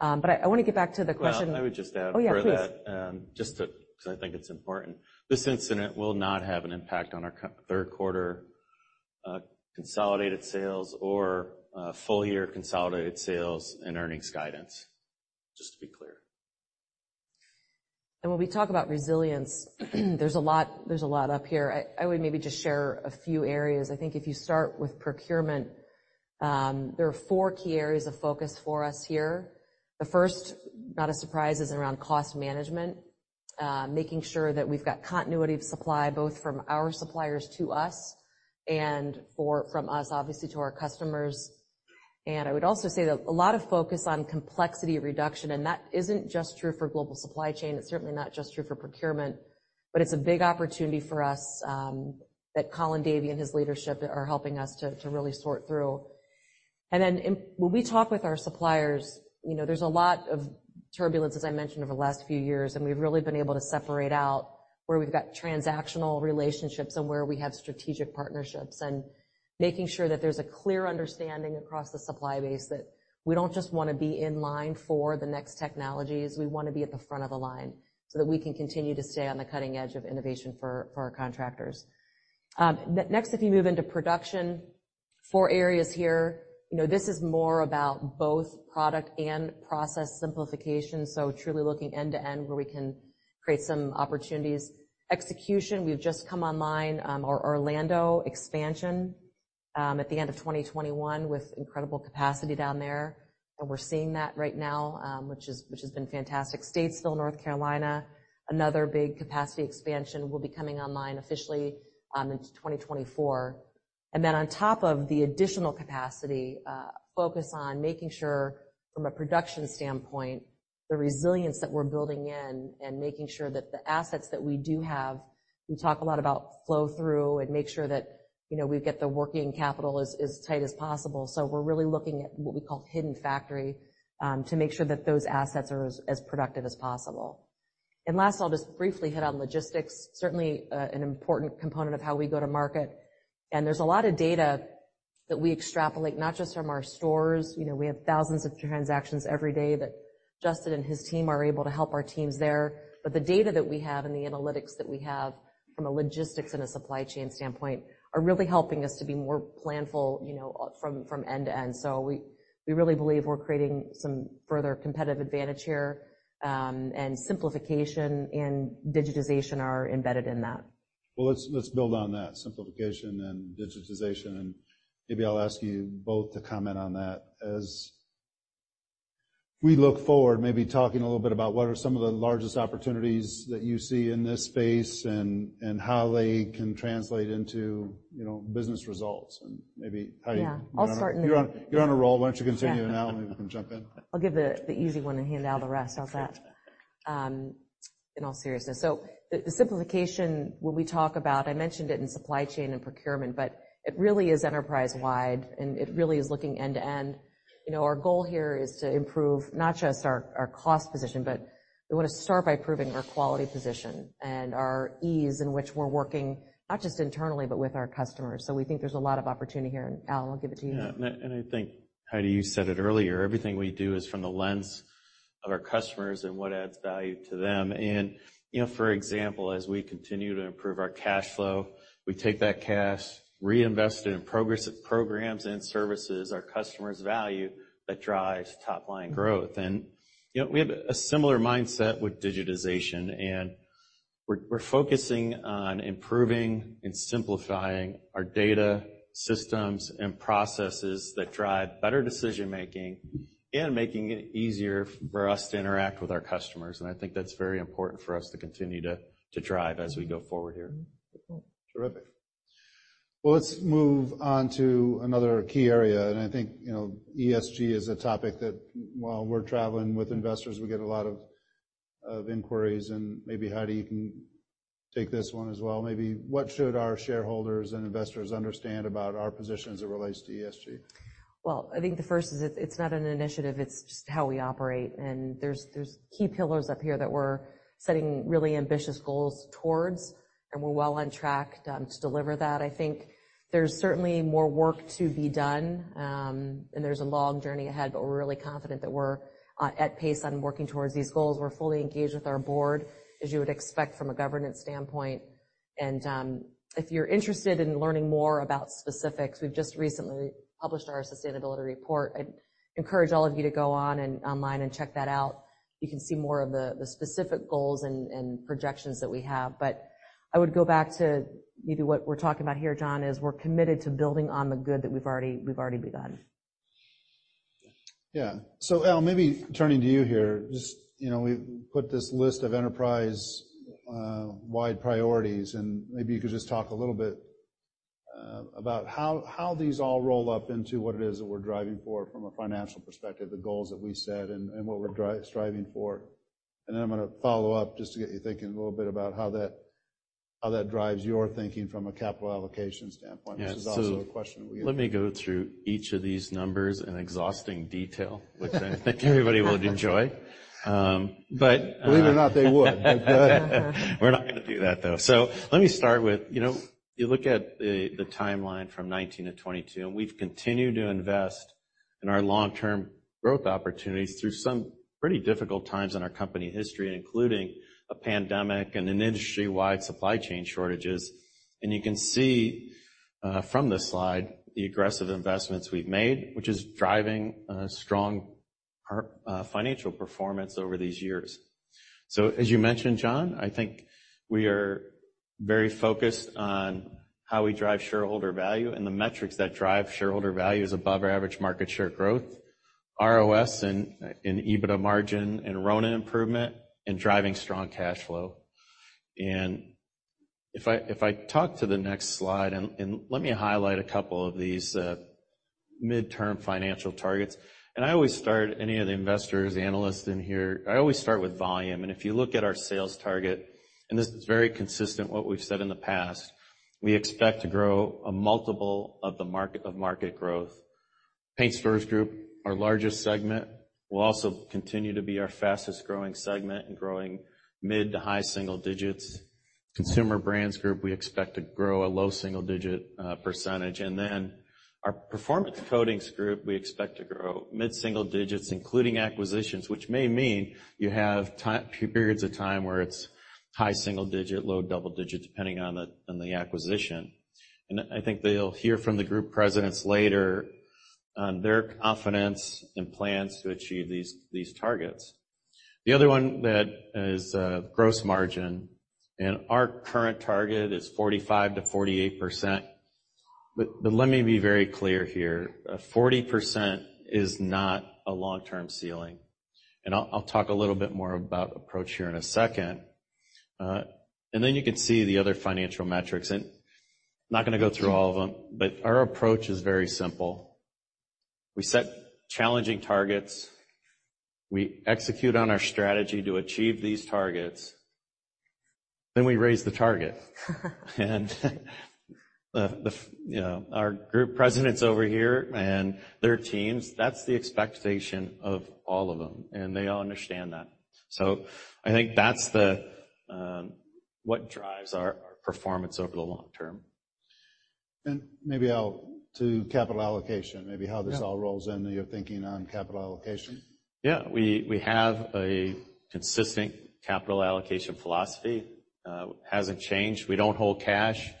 But I wanna get back to the question- Well, I would just add before that- Oh, yeah, please. Just to, because I think it's important. This incident will not have an impact on our third quarter consolidated sales or full-year consolidated sales and earnings guidance, just to be clear. When we talk about resilience, there's a lot up here. I would maybe just share a few areas. I think if you start with procurement, there are four key areas of focus for us here. The first, not a surprise, is around cost management, making sure that we've got continuity of supply, both from our suppliers to us and from us, obviously, to our customers. I would also say that a lot of focus on complexity reduction, and that isn't just true for global supply chain, it's certainly not just true for procurement, but it's a big opportunity for us, that Colin Davie and his leadership are helping us to, to really sort through. And then when we talk with our suppliers, you know, there's a lot of turbulence, as I mentioned, over the last few years, and we've really been able to separate out where we've got transactional relationships and where we have strategic partnerships, and making sure that there's a clear understanding across the supply base that we don't just wanna be in line for the next technologies. We wanna be at the front of the line so that we can continue to stay on the cutting edge of innovation for, for our contractors. Next, if you move into production, four areas here. You know, this is more about both product and process simplification, so truly looking end-to-end where we can create some opportunities. Execution, we've just come online, our Orlando expansion, at the end of 2021 with incredible capacity down there, and we're seeing that right now, which has been fantastic. Statesville, North Carolina, another big capacity expansion will be coming online officially, in 2024. And then on top of the additional capacity, focus on making sure from a production standpoint, the resilience that we're building in and making sure that the assets that we do have, we talk a lot about flow-through and make sure that, you know, we get the working capital as tight as possible. So we're really looking at what we call hidden factory, to make sure that those assets are as, as productive as possible. And last, I'll just briefly hit on logistics. Certainly, an important component of how we go to market, and there's a lot of data that we extrapolate, not just from our stores. You know, we have thousands of transactions every day that Justin and his team are able to help our teams there. But the data that we have and the analytics that we have from a logistics and a supply chain standpoint are really helping us to be more planful, you know, from, from end to end. So we, we really believe we're creating some further competitive advantage here, and simplification and digitization are embedded in that. Well, let's, let's build on that, simplification and digitization, and maybe I'll ask you both to comment on that. As we look forward, maybe talking a little bit about what are some of the largest opportunities that you see in this space and, and how they can translate into, you know, business results, and maybe, Heidi- Yeah, I'll start. You're on, you're on a roll. Why don't you continue, and Al, maybe you can jump in? I'll give the easy one and hand out the rest. How's that? In all seriousness, the simplification, when we talk about... I mentioned it in supply chain and procurement, but it really is enterprise-wide, and it really is looking end-to-end. You know, our goal here is to improve not just our cost position, but we wanna start by improving our quality position and our ease in which we're working, not just internally, but with our customers. So we think there's a lot of opportunity here, and Al, I'll give it to you. Yeah, and I, and I think, Heidi, you said it earlier, everything we do is from the lens of our customers and what adds value to them. And you know, for example, as we continue to improve our cash flow, we take that cash, reinvest it in programs and services our customers value that drives top-line growth. And, you know, we have a similar mindset with digitization, and we're, we're focusing on improving and simplifying our data systems and processes that drive better decision-making and making it easier for us to interact with our customers. And I think that's very important for us to continue to, to drive as we go forward here. Mm-hmm. Terrific. Well, let's move on to another key area, and I think, you know, ESG is a topic that, while we're traveling with investors, we get a lot of inquiries, and maybe, Heidi, you can take this one as well. Maybe, what should our shareholders and investors understand about our position as it relates to ESG? Well, I think the first is, it's not an initiative, it's just how we operate, and there's key pillars up here that we're setting really ambitious goals towards, and we're well on track to deliver that. I think there's certainly more work to be done, and there's a long journey ahead, but we're really confident that we're at pace on working towards these goals. We're fully engaged with our board, as you would expect from a governance standpoint. And, if you're interested in learning more about specifics, we've just recently published our sustainability report. I'd encourage all of you to go on and online and check that out. You can see more of the specific goals and projections that we have. I would go back to maybe what we're talking about here, John, is we're committed to building on the good that we've already begun. Yeah. So Al, maybe turning to you here, just, you know, we've put this list of enterprise-wide priorities, and maybe you could just talk a little bit about how, how these all roll up into what it is that we're driving for from a financial perspective, the goals that we set and what we're striving for. And then I'm gonna follow up just to get you thinking a little bit about how that, how that drives your thinking from a capital allocation standpoint. Yeah. This is also a question we get- Let me go through each of these numbers in exhausting detail, which I think everybody would enjoy. Believe it or not, they would. We're not gonna do that, though. So let me start with, you know, you look at the timeline from 2019 to 2022, and we've continued to invest in our long-term growth opportunities through some pretty difficult times in our company history, including a pandemic and an industry-wide supply chain shortages. And you can see from this slide, the aggressive investments we've made, which is driving a strong financial performance over these years. So as you mentioned, John, I think we are very focused on how we drive shareholder value, and the metrics that drive shareholder value is above our average market share growth, ROS and EBITDA margin, and RONA improvement, and driving strong cash flow. And if I talk to the next slide, and let me highlight a couple of these midterm financial targets. I always start, any of the investors, analysts in here, I always start with volume. If you look at our sales target, and this is very consistent what we've said in the past, we expect to grow a multiple of the market of market growth... Paint Stores Group, our largest segment, will also continue to be our fastest-growing segment and growing mid- to high-single digits. Consumer Brands Group, we expect to grow a low single-digit %. Then our Performance Coatings Group, we expect to grow mid-single digits, including acquisitions, which may mean you have periods of time where it's high single-digit, low double-digit, depending on the acquisition. I think that you'll hear from the group presidents later on their confidence and plans to achieve these, these targets. The other one that is, gross margin, and our current target is 45%-48%. But, but let me be very clear here, 40% is not a long-term ceiling, and I'll, I'll talk a little bit more about approach here in a second. And then you can see the other financial metrics, and I'm not gonna go through all of them, but our approach is very simple. We set challenging targets, we execute on our strategy to achieve these targets, then we raise the target. And the, the, you know, our group presidents over here and their teams, that's the expectation of all of them, and they all understand that. So I think that's the, what drives our, our performance over the long term. Maybe to capital allocation, maybe how this all rolls into your thinking on capital allocation. Yeah. We have a consistent capital allocation philosophy. It hasn't changed. We don't hold cash.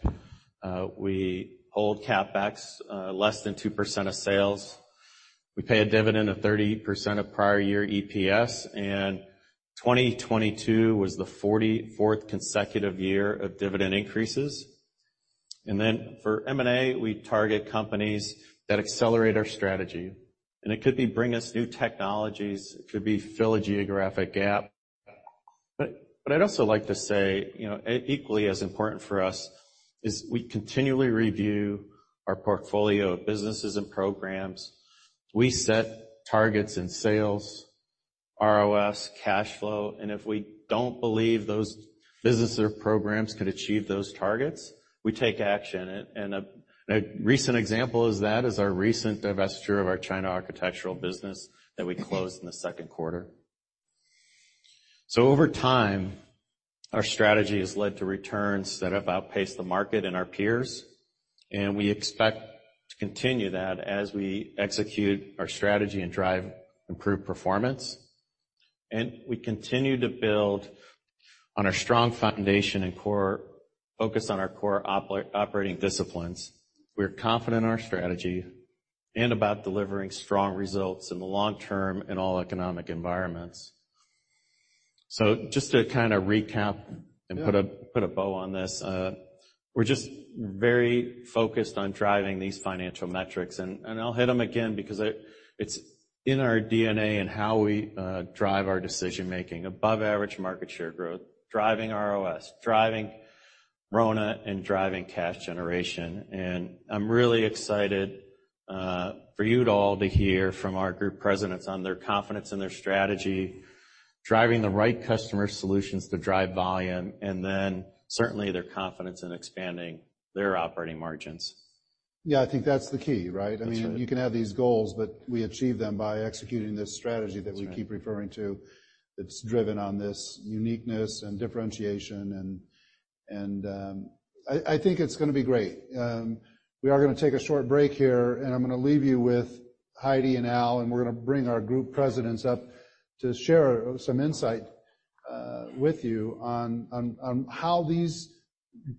We hold CapEx less than 2% of sales. We pay a dividend of 30% of prior year EPS, and 2022 was the 44th consecutive year of dividend increases. And then for M&A, we target companies that accelerate our strategy, and it could be bring us new technologies, it could be fill a geographic gap. But I'd also like to say, you know, equally as important for us is we continually review our portfolio of businesses and programs. We set targets in sales, ROS, cash flow, and if we don't believe those businesses or programs can achieve those targets, we take action. And a recent example is our recent divestiture of our China Architectural business that we closed in the second quarter. So over time, our strategy has led to returns that have outpaced the market and our peers, and we expect to continue that as we execute our strategy and drive improved performance. We continue to build on our strong foundation and core focus on our core operating disciplines. We're confident in our strategy and about delivering strong results in the long term in all economic environments. So just to kind of recap- Yeah... and put a bow on this, we're just very focused on driving these financial metrics. And I'll hit them again because I-- it's in our DNA and how we drive our decision making: above average market share growth, driving ROS, driving RONA, and driving cash generation. And I'm really excited for you to all to hear from our group presidents on their confidence and their strategy, driving the right customer solutions to drive volume, and then certainly their confidence in expanding their operating margins. Yeah, I think that's the key, right? That's right. I mean, you can have these goals, but we achieve them by executing this strategy- That's right... that we keep referring to, that's driven on this uniqueness and differentiation. And I think it's gonna be great. We are gonna take a short break here, and I'm gonna leave you with Heidi and Al, and we're gonna bring our group presidents up to share some insight with you on how these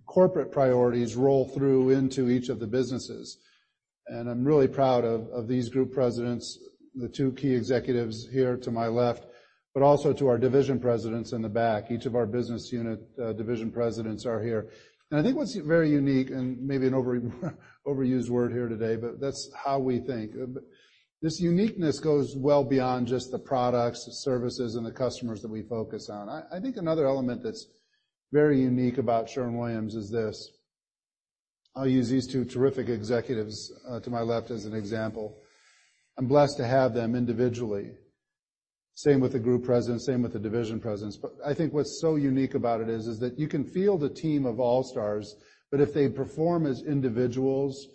corporate priorities roll through into each of the businesses. And I'm really proud of these group presidents, the two key executives here to my left, but also to our division presidents in the back. Each of our business unit division presidents are here. And I think what's very unique, and maybe an overused word here today, but that's how we think. But this uniqueness goes well beyond just the products, the services, and the customers that we focus on. I think another element that's very unique about Sherwin-Williams is this: I'll use these two terrific executives to my left as an example. I'm blessed to have them individually. Same with the group presidents, same with the division presidents. But I think what's so unique about it is that you can field a team of all-stars, but if they perform as individuals,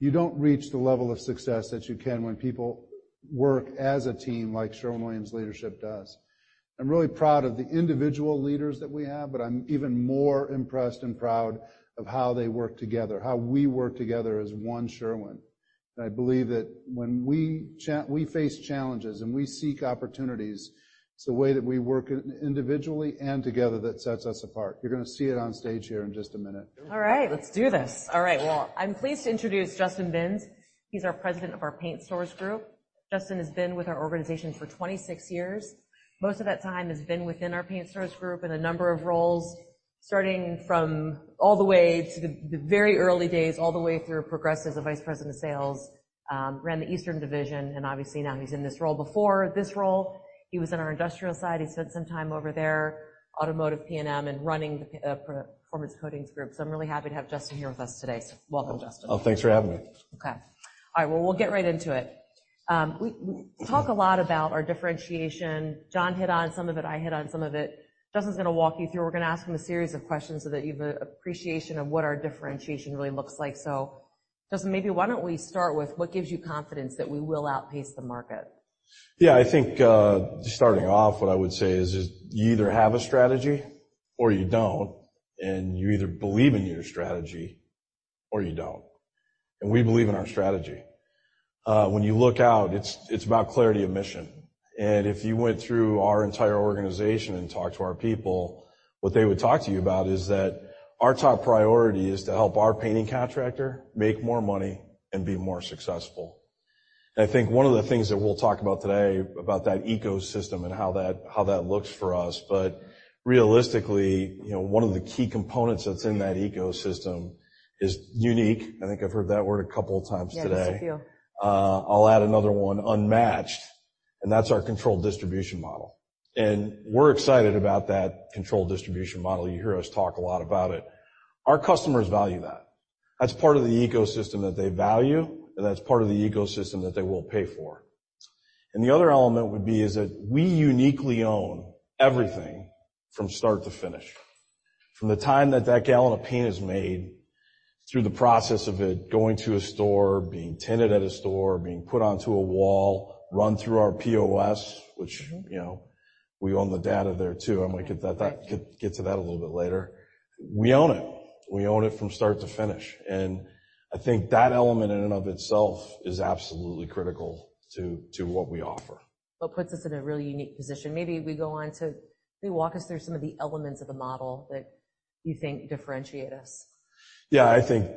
you don't reach the level of success that you can when people work as a team, like Sherwin-Williams leadership does. I'm really proud of the individual leaders that we have, but I'm even more impressed and proud of how they work together, how we work together as one Sherwin. And I believe that when we face challenges, and we seek opportunities, it's the way that we work individually and together that sets us apart. You're gonna see it on stage here in just a minute. All right, let's do this. All right, well, I'm pleased to introduce Justin Binns. He's our President of our Paint Stores Group. Justin has been with our organization for 26 years. Most of that time has been within our Paint Stores Group, in a number of roles, starting from all the way to the very early days, all the way through progressive to Vice President of Sales, ran the Eastern Division, and obviously now he's in this role. Before this role, he was in our industrial side. He spent some time over there, Automotive, P&M and running the Performance Coatings Group. So I'm really happy to have Justin here with us today. So welcome, Justin. Well, thanks for having me. Okay. All right, well, we'll get right into it.... We talk a lot about our differentiation. John hit on some of it, I hit on some of it. Justin's gonna walk you through. We're gonna ask him a series of questions so that you have an appreciation of what our differentiation really looks like. So Justin, maybe why don't we start with what gives you confidence that we will outpace the market? Yeah, I think just starting off, what I would say is just you either have a strategy or you don't, and you either believe in your strategy or you don't. And we believe in our strategy. When you look out, it's about clarity of mission. And if you went through our entire organization and talked to our people, what they would talk to you about is that our top priority is to help our painting contractor make more money and be more successful. And I think one of the things that we'll talk about today about that ecosystem and how that looks for us, but realistically, you know, one of the key components that's in that ecosystem is unique. I think I've heard that word a couple of times today. Yeah, just a few. I'll add another one, unmatched, and that's our controlled distribution model. We're excited about that controlled distribution model. You hear us talk a lot about it. Our customers value that. That's part of the ecosystem that they value, and that's part of the ecosystem that they will pay for. The other element would be is that we uniquely own everything from start to finish. From the time that that gallon of paint is made, through the process of it going to a store, being tinted at a store, being put onto a wall, run through our POS, which, you know, we own the data there, too. I'm gonna get to that a little bit later. We own it. We own it from start to finish, and I think that element in and of itself is absolutely critical to what we offer. What puts us in a really unique position. Maybe we go on to... Maybe walk us through some of the elements of the model that you think differentiate us. Yeah, I think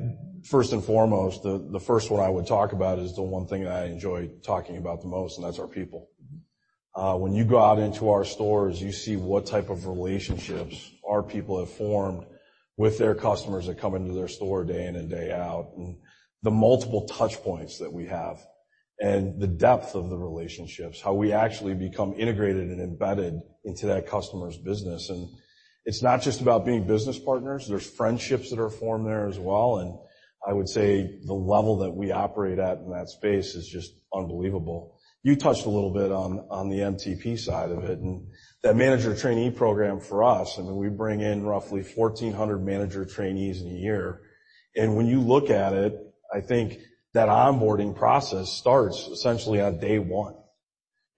first and foremost, the first one I would talk about is the one thing I enjoy talking about the most, and that's our people. When you go out into our stores, you see what type of relationships our people have formed with their customers that come into their store day in and day out, and the multiple touch points that we have and the depth of the relationships, how we actually become integrated and embedded into that customer's business. And it's not just about being business partners. There's friendships that are formed there as well, and I would say the level that we operate at in that space is just unbelievable. You touched a little bit on the MTP side of it, and that manager trainee program for us, I mean, we bring in roughly 1,400 manager trainees in a year. When you look at it, I think that onboarding process starts essentially on day one.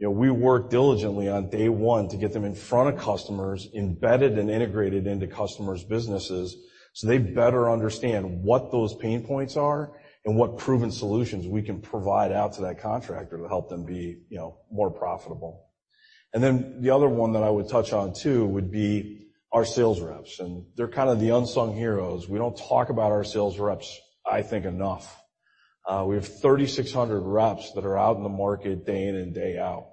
You know, we work diligently on day one to get them in front of customers, embedded and integrated into customers' businesses, so they better understand what those pain points are and what proven solutions we can provide out to that contractor to help them be, you know, more profitable. And then the other one that I would touch on, too, would be our sales reps, and they're kind of the unsung heroes. We don't talk about our sales reps, I think, enough. We have 3,600 reps that are out in the market day in and day out,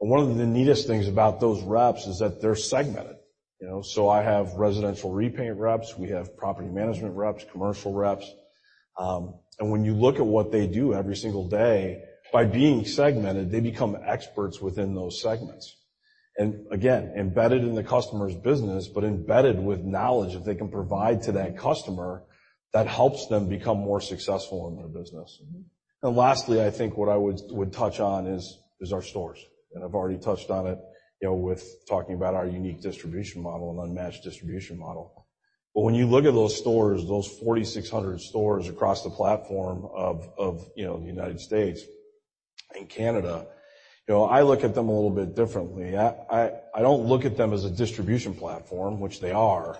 and one of the neatest things about those reps is that they're segmented. You know, so I have residential repaint reps, we have property management reps, commercial reps. And when you look at what they do every single day, by being segmented, they become experts within those segments. And again, embedded in the customer's business, but embedded with knowledge that they can provide to that customer that helps them become more successful in their business. And lastly, I think what I would touch on is our stores, and I've already touched on it, you know, with talking about our unique distribution model and unmatched distribution model. But when you look at those stores, those 4,600 stores across the platform of, you know, the United States and Canada, you know, I look at them a little bit differently. I don't look at them as a distribution platform, which they are,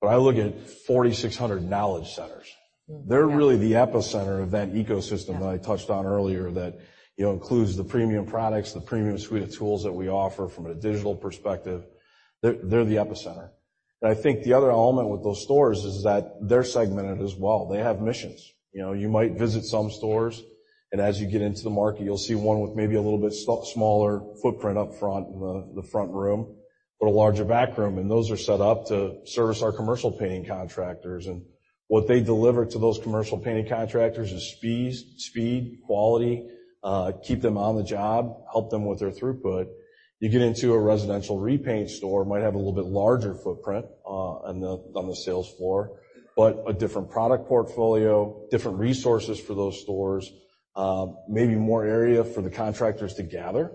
but I look at 4,600 knowledge centers. Mm, yeah. They're really the epicenter of that ecosystem- Yeah. that I touched on earlier, that, you know, includes the premium products, the premium suite of tools that we offer from a digital perspective. They're, they're the epicenter. And I think the other element with those stores is that they're segmented as well. They have missions. You know, you might visit some stores, and as you get into the market, you'll see one with maybe a little bit smaller footprint up front in the, the front room, but a larger back room, and those are set up to service our commercial painting contractors. And what they deliver to those commercial painting contractors is speed, quality, keep them on the job, help them with their throughput. You get into a residential repaint store, might have a little bit larger footprint on the sales floor, but a different product portfolio, different resources for those stores, maybe more area for the contractors to gather,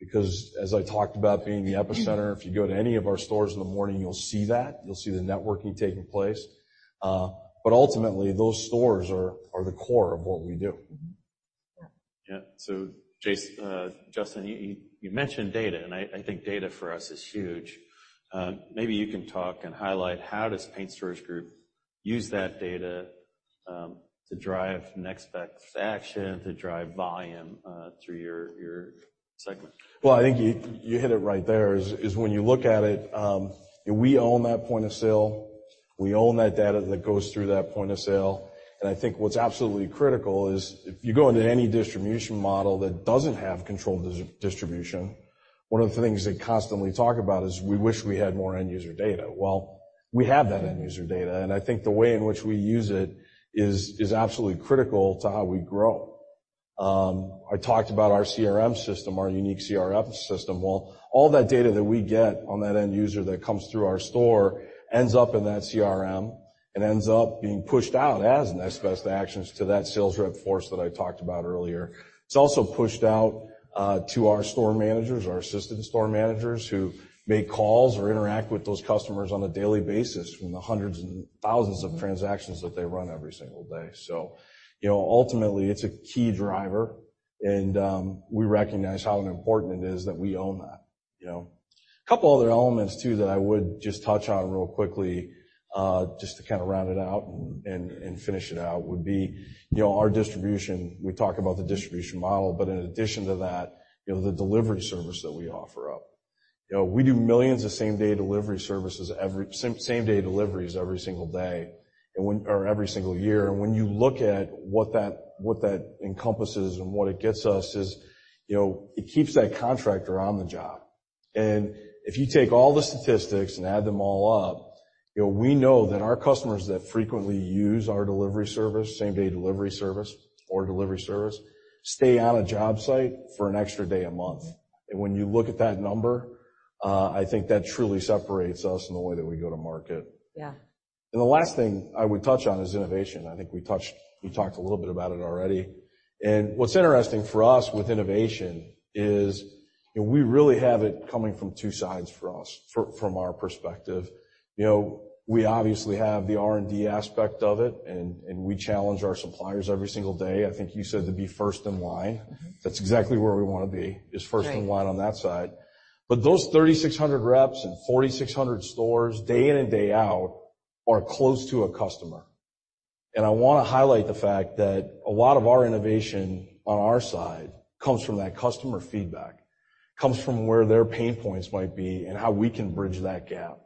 because as I talked about being the epicenter, if you go to any of our stores in the morning, you'll see that. You'll see the networking taking place. But ultimately, those stores are the core of what we do. Mm-hmm. Yeah. So, Justin, you mentioned data, and I think data for us is huge. Maybe you can talk and highlight how does Paint Stores Group use that data to drive next best action, to drive volume through your segment? Well, I think you hit it right there, is when you look at it, we own that point of sale, we own that data that goes through that point of sale. And I think what's absolutely critical is if you go into any distribution model that doesn't have controlled distribution, one of the things they constantly talk about is: We wish we had more end user data. Well, we have that end user data, and I think the way in which we use it is absolutely critical to how we grow. I talked about our CRM system, our unique CRM system. Well, all that data that we get on that end user that comes through our store ends up in that CRM and ends up being pushed out as next best actions to that sales rep force that I talked about earlier. It's also pushed out to our store managers, our assistant store managers, who make calls or interact with those customers on a daily basis from the hundreds and thousands of transactions that they run every single day. So, you know, ultimately, it's a key driver, and we recognize how important it is that we own that, you know? A couple other elements, too, that I would just touch on real quickly just to kind of round it out and finish it out, would be, you know, our distribution. We talk about the distribution model, but in addition to that, you know, the delivery service that we offer up. You know, we do millions of same-day deliveries every single day, or every single year, and when you look at what that, what that encompasses and what it gets us is, you know, it keeps that contractor on the job. And if you take all the statistics and add them all up, you know, we know that our customers that frequently use our delivery service, same-day delivery service or delivery service, stay on a job site for an extra day a month. And when you look at that number, I think that truly separates us in the way that we go to market. Yeah. The last thing I would touch on is innovation. I think we touched—we talked a little bit about it already. What's interesting for us with innovation is, you know, we really have it coming from two sides for us, from, from our perspective. You know, we obviously have the R&D aspect of it, and, and we challenge our suppliers every single day. I think you said to be first in line. Mm-hmm. That's exactly where we wanna be, is first- Right In line on that side. But those 3,600 reps and 4,600 stores, day in and day out, are close to a customer. And I wanna highlight the fact that a lot of our innovation on our side comes from that customer feedback, comes from where their pain points might be and how we can bridge that gap.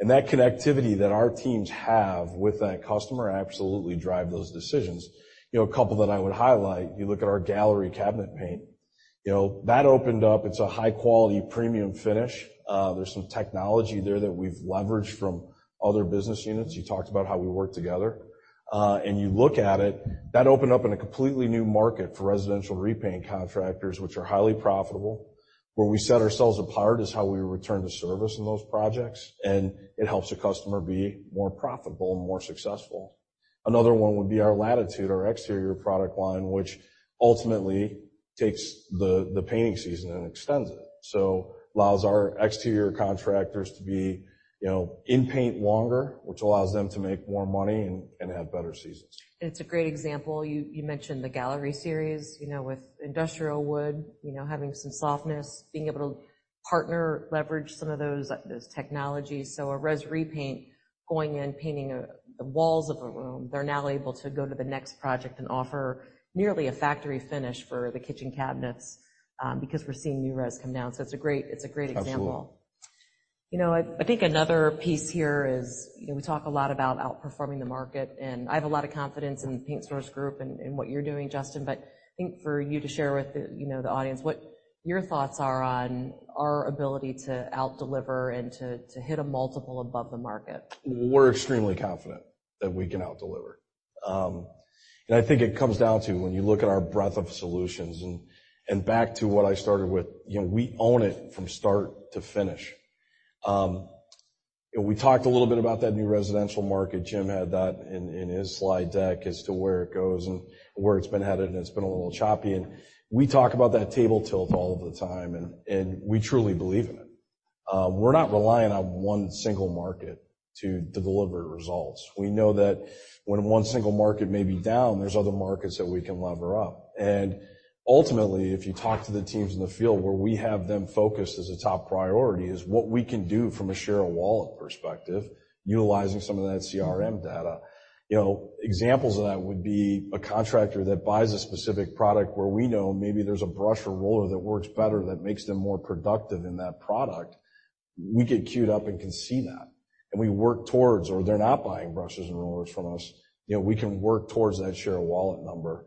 And that connectivity that our teams have with that customer absolutely drive those decisions. You know, a couple that I would highlight, you look at our Gallery cabinet paint. You know, that opened up. It's a high-quality, premium finish. There's some technology there that we've leveraged from other business units. You talked about how we work together. And you look at it, that opened up in a completely new market for residential repaint contractors, which are highly profitable. Where we set ourselves apart is how we return to service in those projects, and it helps the customer be more profitable and more successful. Another one would be our Latitude, our exterior product line, which ultimately takes the painting season and extends it, so allows our exterior contractors to be, you know, in paint longer, which allows them to make more money and have better seasons. It's a great example. You mentioned the Gallery Series, you know, with industrial wood, you know, having some softness, being able to partner, leverage some of those technologies. So a res repaint going in, painting the walls of a room, they're now able to go to the next project and offer nearly a factory finish for the kitchen cabinets, because we're seeing new res come down. So it's a great example. Absolutely. You know, I think another piece here is, you know, we talk a lot about outperforming the market, and I have a lot of confidence in the Paint Stores Group and what you're doing, Justin, but I think for you to share with the, you know, the audience, what your thoughts are on our ability to out-deliver and to hit a multiple above the market. We're extremely confident that we can out-deliver. I think it comes down to when you look at our breadth of solutions and back to what I started with, you know, we own it from start to finish. We talked a little bit about that new residential market. Jim had that in his slide deck as to where it goes and where it's been headed, and it's been a little choppy, and we talk about that table tilt all of the time, and we truly believe in it. We're not relying on one single market to deliver results. We know that when one single market may be down, there's other markets that we can lever up. Ultimately, if you talk to the teams in the field, where we have them focused as a top priority is what we can do from a share of wallet perspective, utilizing some of that CRM data. You know, examples of that would be a contractor that buys a specific product where we know maybe there's a brush or roller that works better, that makes them more productive in that product. We get queued up and can see that, and we work towards... Or they're not buying brushes and rollers from us. You know, we can work towards that share of wallet number.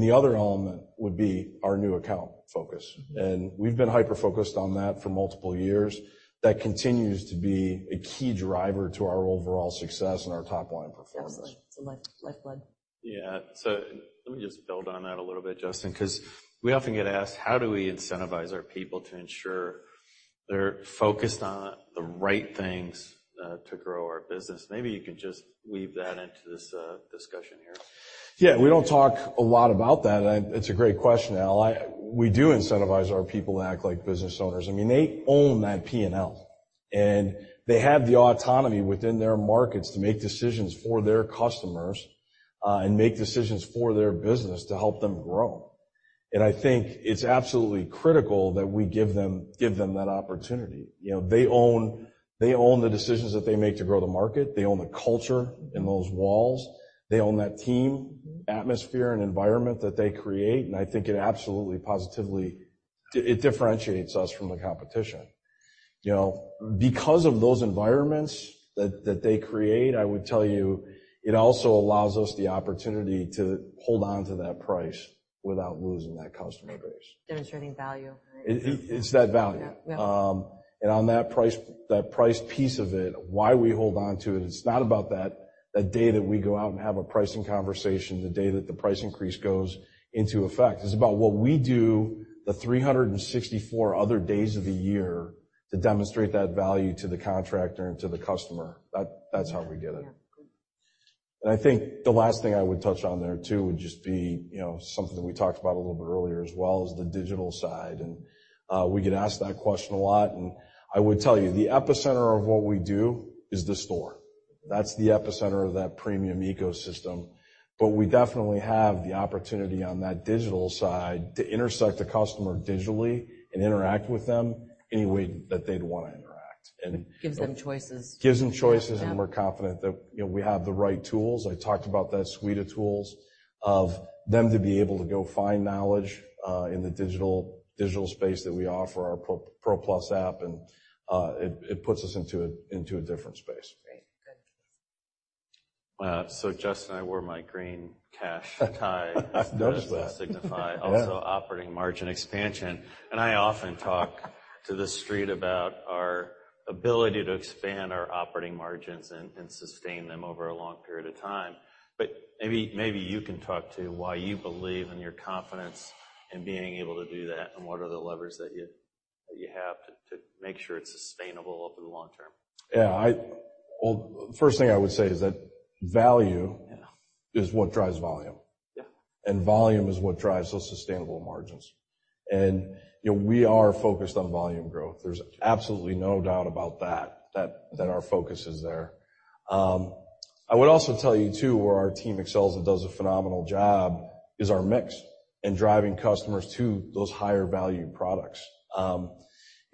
The other element would be our new account focus, and we've been hyper-focused on that for multiple years. That continues to be a key driver to our overall success and our top-line performance. Excellent. It's a lifeline. Yeah. So let me just build on that a little bit, Justin, 'cause we often get asked, how do we incentivize our people to ensure they're focused on the right things, to grow our business? Maybe you can just weave that into this, discussion here. Yeah, we don't talk a lot about that, and I... It's a great question, Al. I—we do incentivize our people to act like business owners. I mean, they own that P&L, and they have the autonomy within their markets to make decisions for their customers, and make decisions for their business to help them grow. And I think it's absolutely critical that we give them, give them that opportunity. You know, they own, they own the decisions that they make to grow the market. They own the culture in those walls. They own that team, atmosphere, and environment that they create, and I think it absolutely, positively... It, it differentiates us from the competition. You know, because of those environments that, that they create, I would tell you, it also allows us the opportunity to hold on to that price without losing that customer base. Demonstrating value, right? It's that value. Yeah. Yeah. And on that price, that price piece of it, why we hold on to it, it's not about that, that day that we go out and have a pricing conversation, the day that the price increase goes into effect. It's about what we do the 364 other days of the year to demonstrate that value to the contractor and to the customer, that, that's how we get it. And I think the last thing I would touch on there, too, would just be, you know, something that we talked about a little bit earlier, as well, is the digital side. And, we get asked that question a lot, and I would tell you, the epicenter of what we do is the store. That's the epicenter of that premium ecosystem, but we definitely have the opportunity on that digital side to intersect the customer digitally and interact with them any way that they'd want to interact. And- Gives them choices. Gives them choices- Yeah. We're confident that, you know, we have the right tools. I talked about that suite of tools to be able to go find knowledge in the digital space that we offer our PRO+ app, and it puts us into a different space. Great. Good. So Justin, I wore my green cash tie- I've noticed that. -to signify- Yeah Also operating margin expansion. And I often talk to the street about our ability to expand our operating margins and, and sustain them over a long period of time. But maybe, maybe you can talk to why you believe in your confidence in being able to do that, and what are the levers that you, that you have to, to make sure it's sustainable over the long term? Yeah, well, first thing I would say is that value- Yeah. is what drives volume. Yeah. And volume is what drives those sustainable margins. And, you know, we are focused on volume growth. There's absolutely no doubt about that, our focus is there. I would also tell you, too, where our team excels and does a phenomenal job is our mix and driving customers to those higher value products.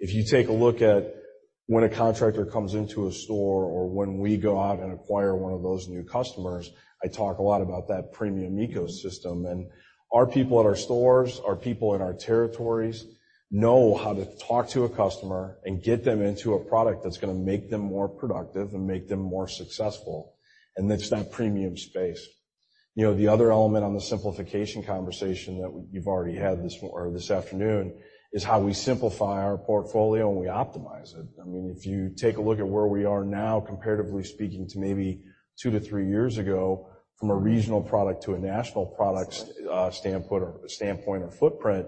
If you take a look at when a contractor comes into a store, or when we go out and acquire one of those new customers, I talk a lot about that premium ecosystem. And our people at our stores, our people in our territories, know how to talk to a customer and get them into a product that's gonna make them more productive and make them more successful, and it's that premium space. You know, the other element on the simplification conversation that we've already had this morning or this afternoon is how we simplify our portfolio, and we optimize it. I mean, if you take a look at where we are now, comparatively speaking, to maybe 2 years-3 years ago, from a regional product to a national products standpoint or footprint,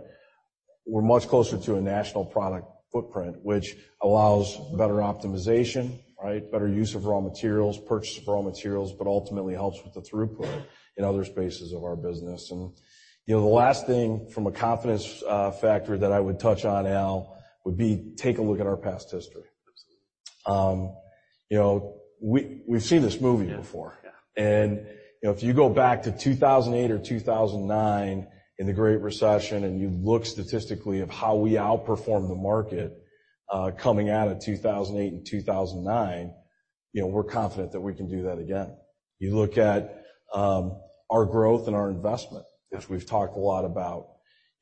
we're much closer to a national product footprint, which allows better optimization, right? Better use of raw materials, purchase of raw materials, but ultimately helps with the throughput in other spaces of our business. And, you know, the last thing from a confidence factor that I would touch on, Al, would be take a look at our past history. Absolutely. You know, we, we've seen this movie before. Yeah, yeah. You know, if you go back to 2008 or 2009, in the Great Recession, and you look statistically at how we outperformed the market, coming out of 2008 and 2009, you know, we're confident that we can do that again. You look at our growth and our investment, as we've talked a lot about,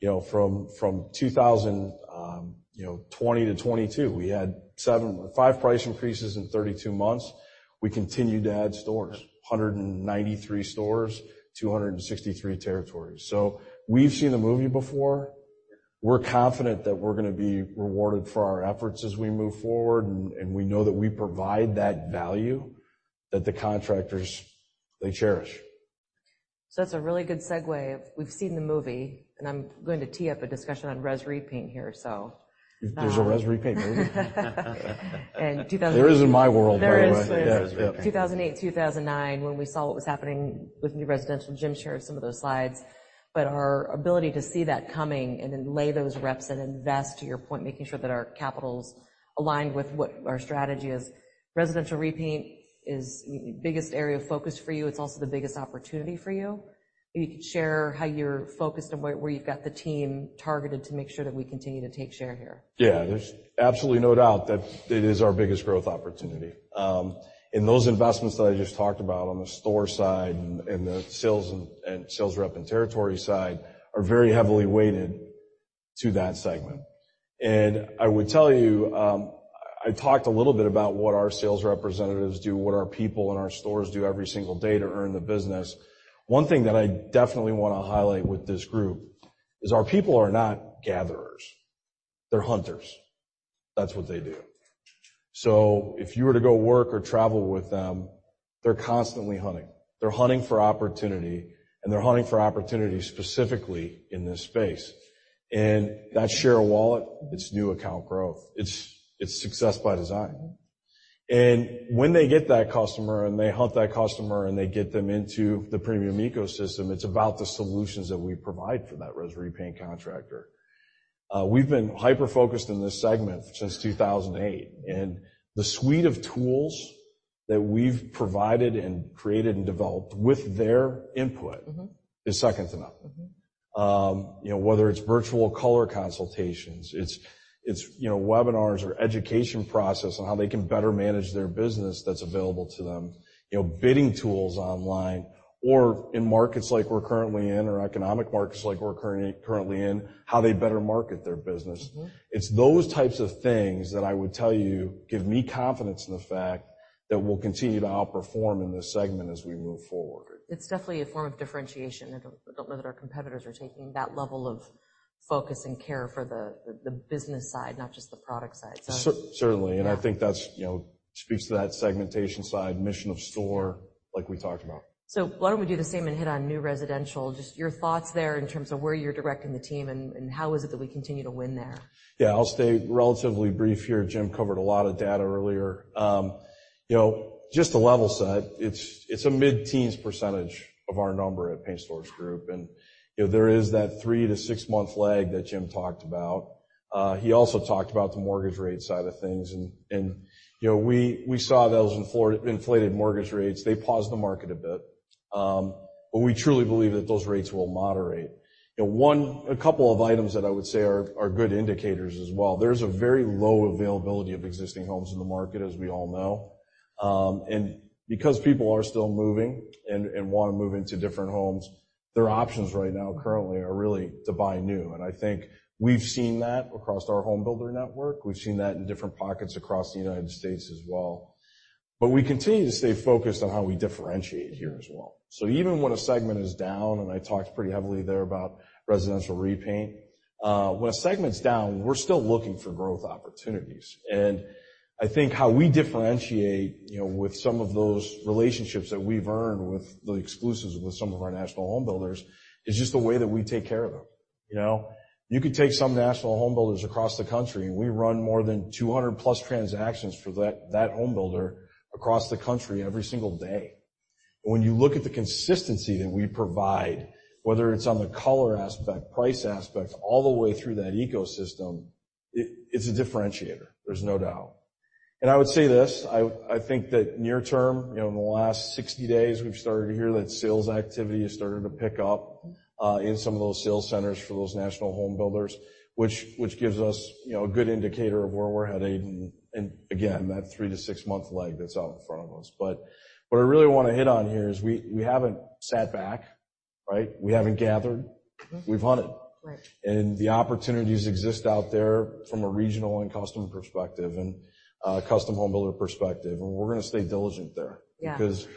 you know, from 2020 to 2022, we had five price increases in 32 months. We continued to add stores, 193 stores, 263 territories. So we've seen the movie before. We're confident that we're gonna be rewarded for our efforts as we move forward, and we know that we provide that value that the contractors, they cherish. That's a really good segue. We've seen the movie, and I'm going to tee up a discussion on res repaint here, so. There's a res repaint movie? In 2,000- There is in my world. There is. Yeah, yep. 2008, 2009, when we saw what was happening with new residential, Jim shared some of those slides. But our ability to see that coming and then lay those reps and invest, to your point, making sure that our capital's aligned with what our strategy is. Residential repaint is the biggest area of focus for you. It's also the biggest opportunity for you. Maybe you could share how you're focused and where, where you've got the team targeted to make sure that we continue to take share here. Yeah, there's absolutely no doubt that it is our biggest growth opportunity. And those investments that I just talked about on the store side and, and the sales and, and sales rep and territory side are very heavily weighted to that segment. And I would tell you, I talked a little bit about what our sales representatives do, what our people in our stores do every single day to earn the business. One thing that I definitely want to highlight with this group is our people are not gatherers, they're hunters. That's what they do. So if you were to go work or travel with them, they're constantly hunting. They're hunting for opportunity, and they're hunting for opportunity specifically in this space. And that share of wallet, it's new account growth. It's, it's success by design. When they get that customer, and they hunt that customer, and they get them into the premium ecosystem, it's about the solutions that we provide for that res repaint contractor. We've been hyper-focused on this segment since 2008, and the suite of tools that we've provided and created and developed with their input- Mm-hmm. is second to none. Mm-hmm. You know, whether it's virtual color consultations, it's you know, webinars or education process on how they can better manage their business that's available to them. You know, bidding tools online or in markets like we're currently in, or economic markets like we're currently in, how they better market their business. Mm-hmm. It's those types of things that I would tell you give me confidence in the fact that we'll continue to outperform in this segment as we move forward. It's definitely a form of differentiation that our competitors are taking that level of focus and care for the business side, not just the product side. So- Cer- certainly- Yeah and I think that's, you know, speaks to that segmentation side, mission of store like we talked about. So why don't we do the same and hit on new residential? Just your thoughts there in terms of where you're directing the team and how is it that we continue to win there? Yeah, I'll stay relatively brief here. Jim covered a lot of data earlier. You know, just to level set, it's a mid-teens percentage of our number at Paint Stores Group, and, you know, there is that 3-month-6-month lag that Jim talked about. He also talked about the mortgage rate side of things, and, you know, we saw those inflated mortgage rates. They paused the market a bit, but we truly believe that those rates will moderate. You know, a couple of items that I would say are good indicators as well. There's a very low availability of existing homes in the market, as we all know. And because people are still moving and, and wanna move into different homes, their options right now currently are really to buy new, and I think we've seen that across our home builder network. We've seen that in different pockets across the United States as well. But we continue to stay focused on how we differentiate here as well. So even when a segment is down, and I talked pretty heavily there about residential repaint, when a segment's down, we're still looking for growth opportunities. And I think how we differentiate, you know, with some of those relationships that we've earned with the exclusives with some of our national home builders, is just the way that we take care of them. You know, you could take some national home builders across the country. We run more than 200+ transactions for that home builder across the country every single day. When you look at the consistency that we provide, whether it's on the color aspect, price aspect, all the way through that ecosystem, it's a differentiator. There's no doubt. I would say this, I think that near term, you know, in the last 60 days, we've started to hear that sales activity is starting to pick up in some of those sales centers for those national home builders, which gives us, you know, a good indicator of where we're headed. And again, that 3-month to 6-month lag that's out in front of us. But what I really wanna hit on here is we haven't sat back, right? We haven't gathered. We've hunted. Right. The opportunities exist out there from a regional and customer perspective and, custom home builder perspective, and we're gonna stay diligent there. Yeah. 'Cause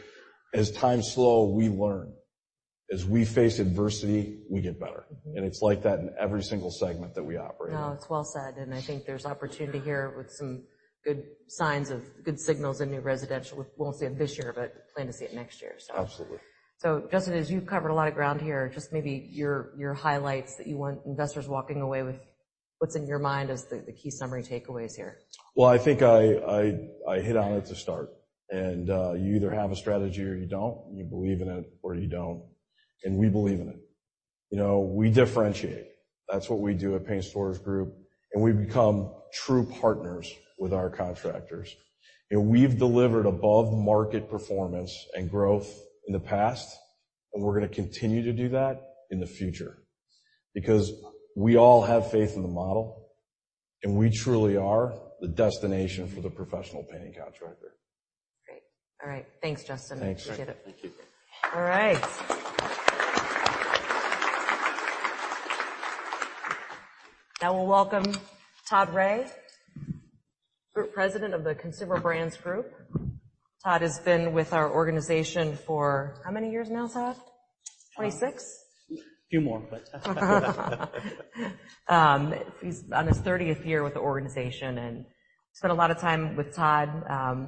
as times slow, we learn. As we face adversity, we get better, and it's like that in every single segment that we operate in. No, it's well said, and I think there's opportunity here with some good signs of good signals in new residential. We won't see it this year, but plan to see it next year, so. Absolutely. So Justin, as you've covered a lot of ground here, just maybe your, your highlights that you want investors walking away with. What's in your mind as the, the key summary takeaways here? Well, I think I hit on it to start, and you either have a strategy or you don't, and you believe in it or you don't, and we believe in it. You know, we differentiate. That's what we do at Paint Stores Group, and we've become true partners with our contractors, and we've delivered above-market performance and growth in the past, and we're gonna continue to do that in the future. Because we all have faith in the model, and we truly are the destination for the professional painting contractor. Great. All right. Thanks, Justin. Thanks, Heidi. Appreciate it. Thank you. All right. Now we'll welcome Todd Rea, Group President of the Consumer Brands Group. Todd has been with our organization for how many years now, Todd? 26? A few more, but that's about right. He's on his 30th year with the organization and spent a lot of time with Todd,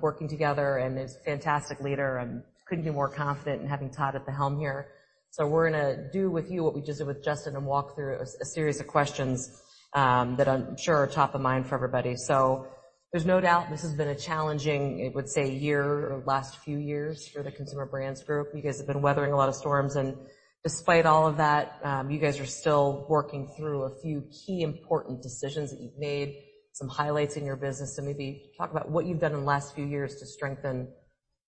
working together and is a fantastic leader and couldn't be more confident in having Todd at the helm here. So we're gonna do with you what we just did with Justin and walk through a series of questions that I'm sure are top of mind for everybody. So there's no doubt this has been a challenging, I would say, year or last few years for the Consumer Brands Group. You guys have been weathering a lot of storms, and despite all of that, you guys are still working through a few key important decisions that you've made, some highlights in your business. So maybe talk about what you've done in the last few years to strengthen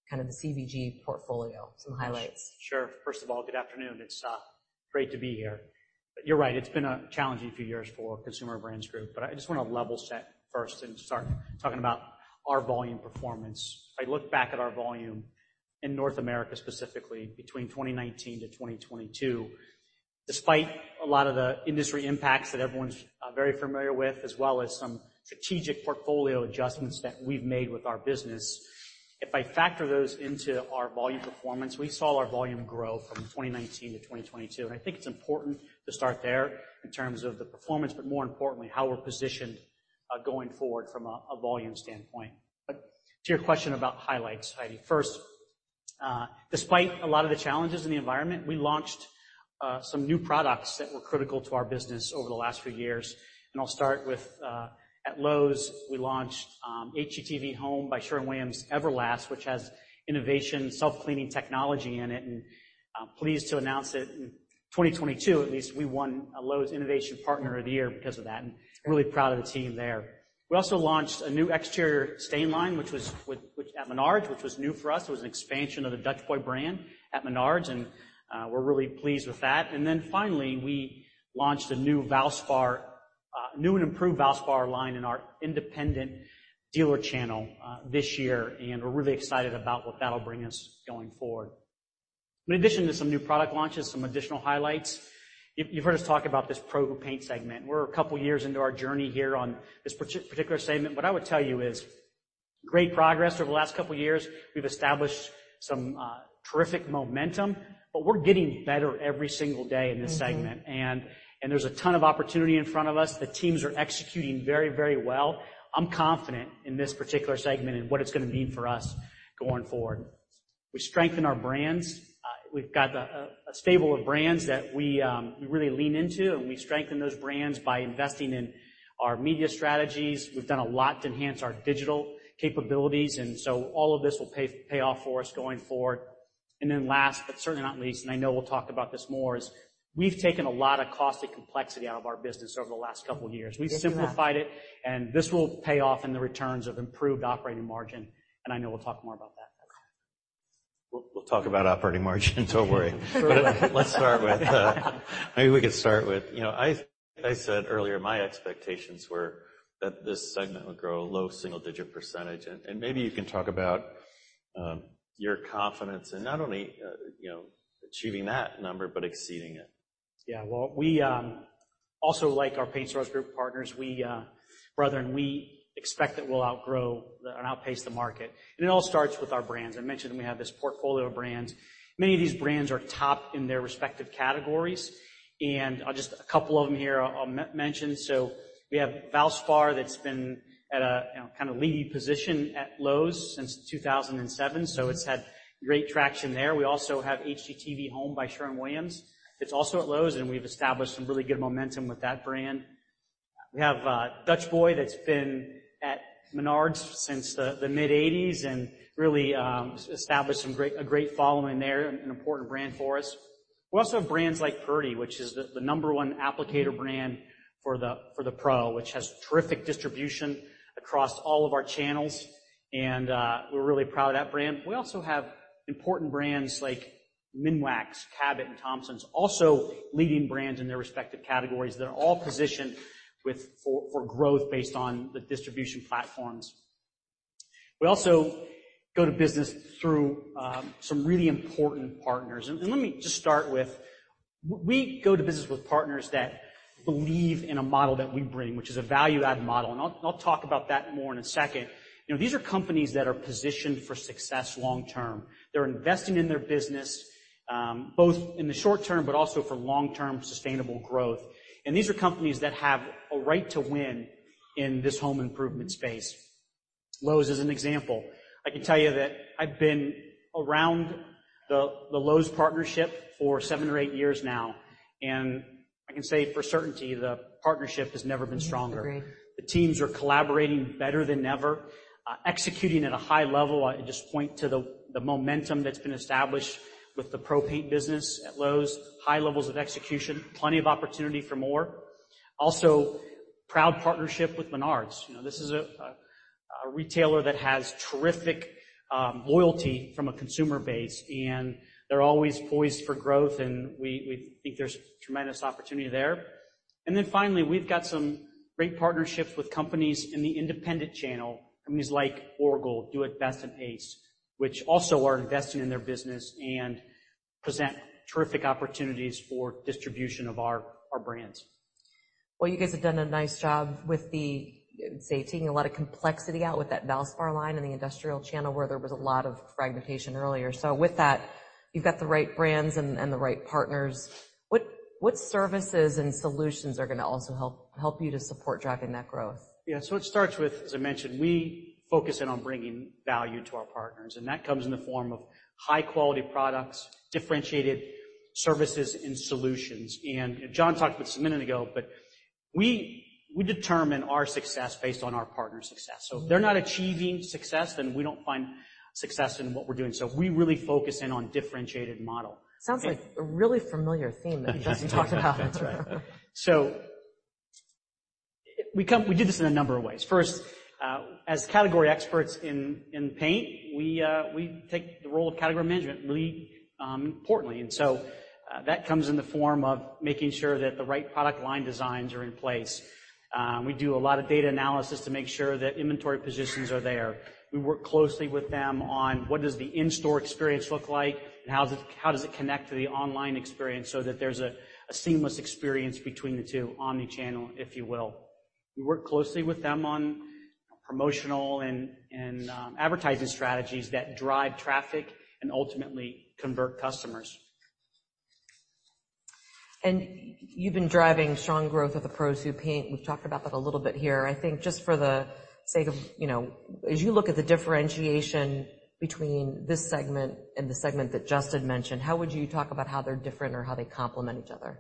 kind of the CBG portfolio. Some highlights. Sure. First of all, good afternoon. It's great to be here. You're right, it's been a challenging few years for Consumer Brands Group, but I just wanna level set first and start talking about our volume performance. If I look back at our volume in North America, specifically between 2019 to 2022, despite a lot of the industry impacts that everyone's very familiar with, as well as some strategic portfolio adjustments that we've made with our business, if I factor those into our volume performance, we saw our volume grow from 2019 to 2022, and I think it's important to start there in terms of the performance, but more importantly, how we're positioned going forward from a volume standpoint. But to your question about highlights, Heidi, first, despite a lot of the challenges in the environment, we launched some new products that were critical to our business over the last few years, and I'll start with at Lowe's, we launched HGTV Home by Sherwin-Williams EverLast, which has innovation, self-cleaning technology in it, and I'm pleased to announce that in 2022 at least, we won a Lowe's Innovation Partner of the Year because of that, and really proud of the team there. We also launched a new exterior stain line, which at Menards, which was new for us. It was an expansion of the Dutch Boy brand at Menards, and we're really pleased with that. Then finally, we launched a new Valspar, new and improved Valspar line in our independent dealer channel, this year, and we're really excited about what that'll bring us going forward. In addition to some new product launches, some additional highlights. You've heard us talk about this pro paint segment. We're a couple of years into our journey here on this particular segment, but I would tell you is great progress over the last couple of years. We've established some terrific momentum, but we're getting better every single day in this segment. Mm-hmm. There's a ton of opportunity in front of us. The teams are executing very, very well. I'm confident in this particular segment and what it's gonna mean for us going forward... We strengthen our brands. We've got a stable of brands that we really lean into, and we strengthen those brands by investing in our media strategies. We've done a lot to enhance our digital capabilities, and so all of this will pay off for us going forward. And then last, but certainly not least, and I know we'll talk about this more, is we've taken a lot of cost and complexity out of our business over the last couple of years. We've simplified it, and this will pay off in the returns of improved operating margin, and I know we'll talk more about that. We'll talk about operating margins, don't worry. But let's start with. Maybe we could start with, you know, I said earlier, my expectations were that this segment would grow low single-digit percentage, and maybe you can talk about your confidence in not only, you know, achieving that number, but exceeding it. Yeah, well, we also like our Paint Stores Group partners, and we expect that we'll outgrow and outpace the market. It all starts with our brands. I mentioned we have this portfolio of brands. Many of these brands are top in their respective categories, and I'll just mention a couple of them here. So we have Valspar, that's been at a, you know, kind of leading position at Lowe's since 2007, so it's had great traction there. We also have HGTV Home by Sherwin-Williams. It's also at Lowe's, and we've established some really good momentum with that brand. We have Dutch Boy, that's been at Menards since the mid-1980s and really established a great following there, an important brand for us. We also have brands like Purdy, which is the number one applicator brand for the Pro, which has terrific distribution across all of our channels, and we're really proud of that brand. We also have important brands like Minwax, Cabot, and Thompson's, also leading brands in their respective categories. They're all positioned for growth based on the distribution platforms. We also go to business through some really important partners. And let me just start with, we go to business with partners that believe in a model that we bring, which is a value-added model, and I'll talk about that more in a second. You know, these are companies that are positioned for success long term. They're investing in their business, both in the short term, but also for long-term sustainable growth. These are companies that have a right to win in this home improvement space. Lowe's is an example. I can tell you that I've been around the Lowe's partnership for seven or eight years now, and I can say for certainty, the partnership has never been stronger. Mm-hmm, agree. The teams are collaborating better than ever, executing at a high level. I just point to the momentum that's been established with the pro-paint business at Lowe's. High levels of execution, plenty of opportunity for more. Also, proud partnership with Menards. You know, this is a retailer that has terrific loyalty from a consumer base, and they're always poised for growth, and we think there's tremendous opportunity there. And then finally, we've got some great partnerships with companies in the independent channel, companies like Orgill, Do it Best, and Ace, which also are investing in their business and present terrific opportunities for distribution of our brands. Well, you guys have done a nice job with the, I'd say, taking a lot of complexity out with that Valspar line and the industrial channel, where there was a lot of fragmentation earlier. So with that, you've got the right brands and the right partners. What services and solutions are gonna also help you to support driving that growth? Yeah, so it starts with, as I mentioned, we focus in on bringing value to our partners, and that comes in the form of high-quality products, differentiated services and solutions. And John talked about this a minute ago, but we, we determine our success based on our partner's success. So if they're not achieving success, then we don't find success in what we're doing. So we really focus in on differentiated model. Sounds like a really familiar theme that Justin talked about. That's right. So we do this in a number of ways. First, as category experts in paint, we take the role of category management really importantly. So that comes in the form of making sure that the right product line designs are in place. We do a lot of data analysis to make sure that inventory positions are there. We work closely with them on what does the in-store experience look like, and how does it connect to the online experience so that there's a seamless experience between the two, omni-channel, if you will. We work closely with them on promotional and advertising strategies that drive traffic and ultimately convert customers. You've been driving strong growth with the pros who paint. We've talked about that a little bit here. I think just for the sake of... You know, as you look at the differentiation between this segment and the segment that Justin mentioned, how would you talk about how they're different or how they complement each other?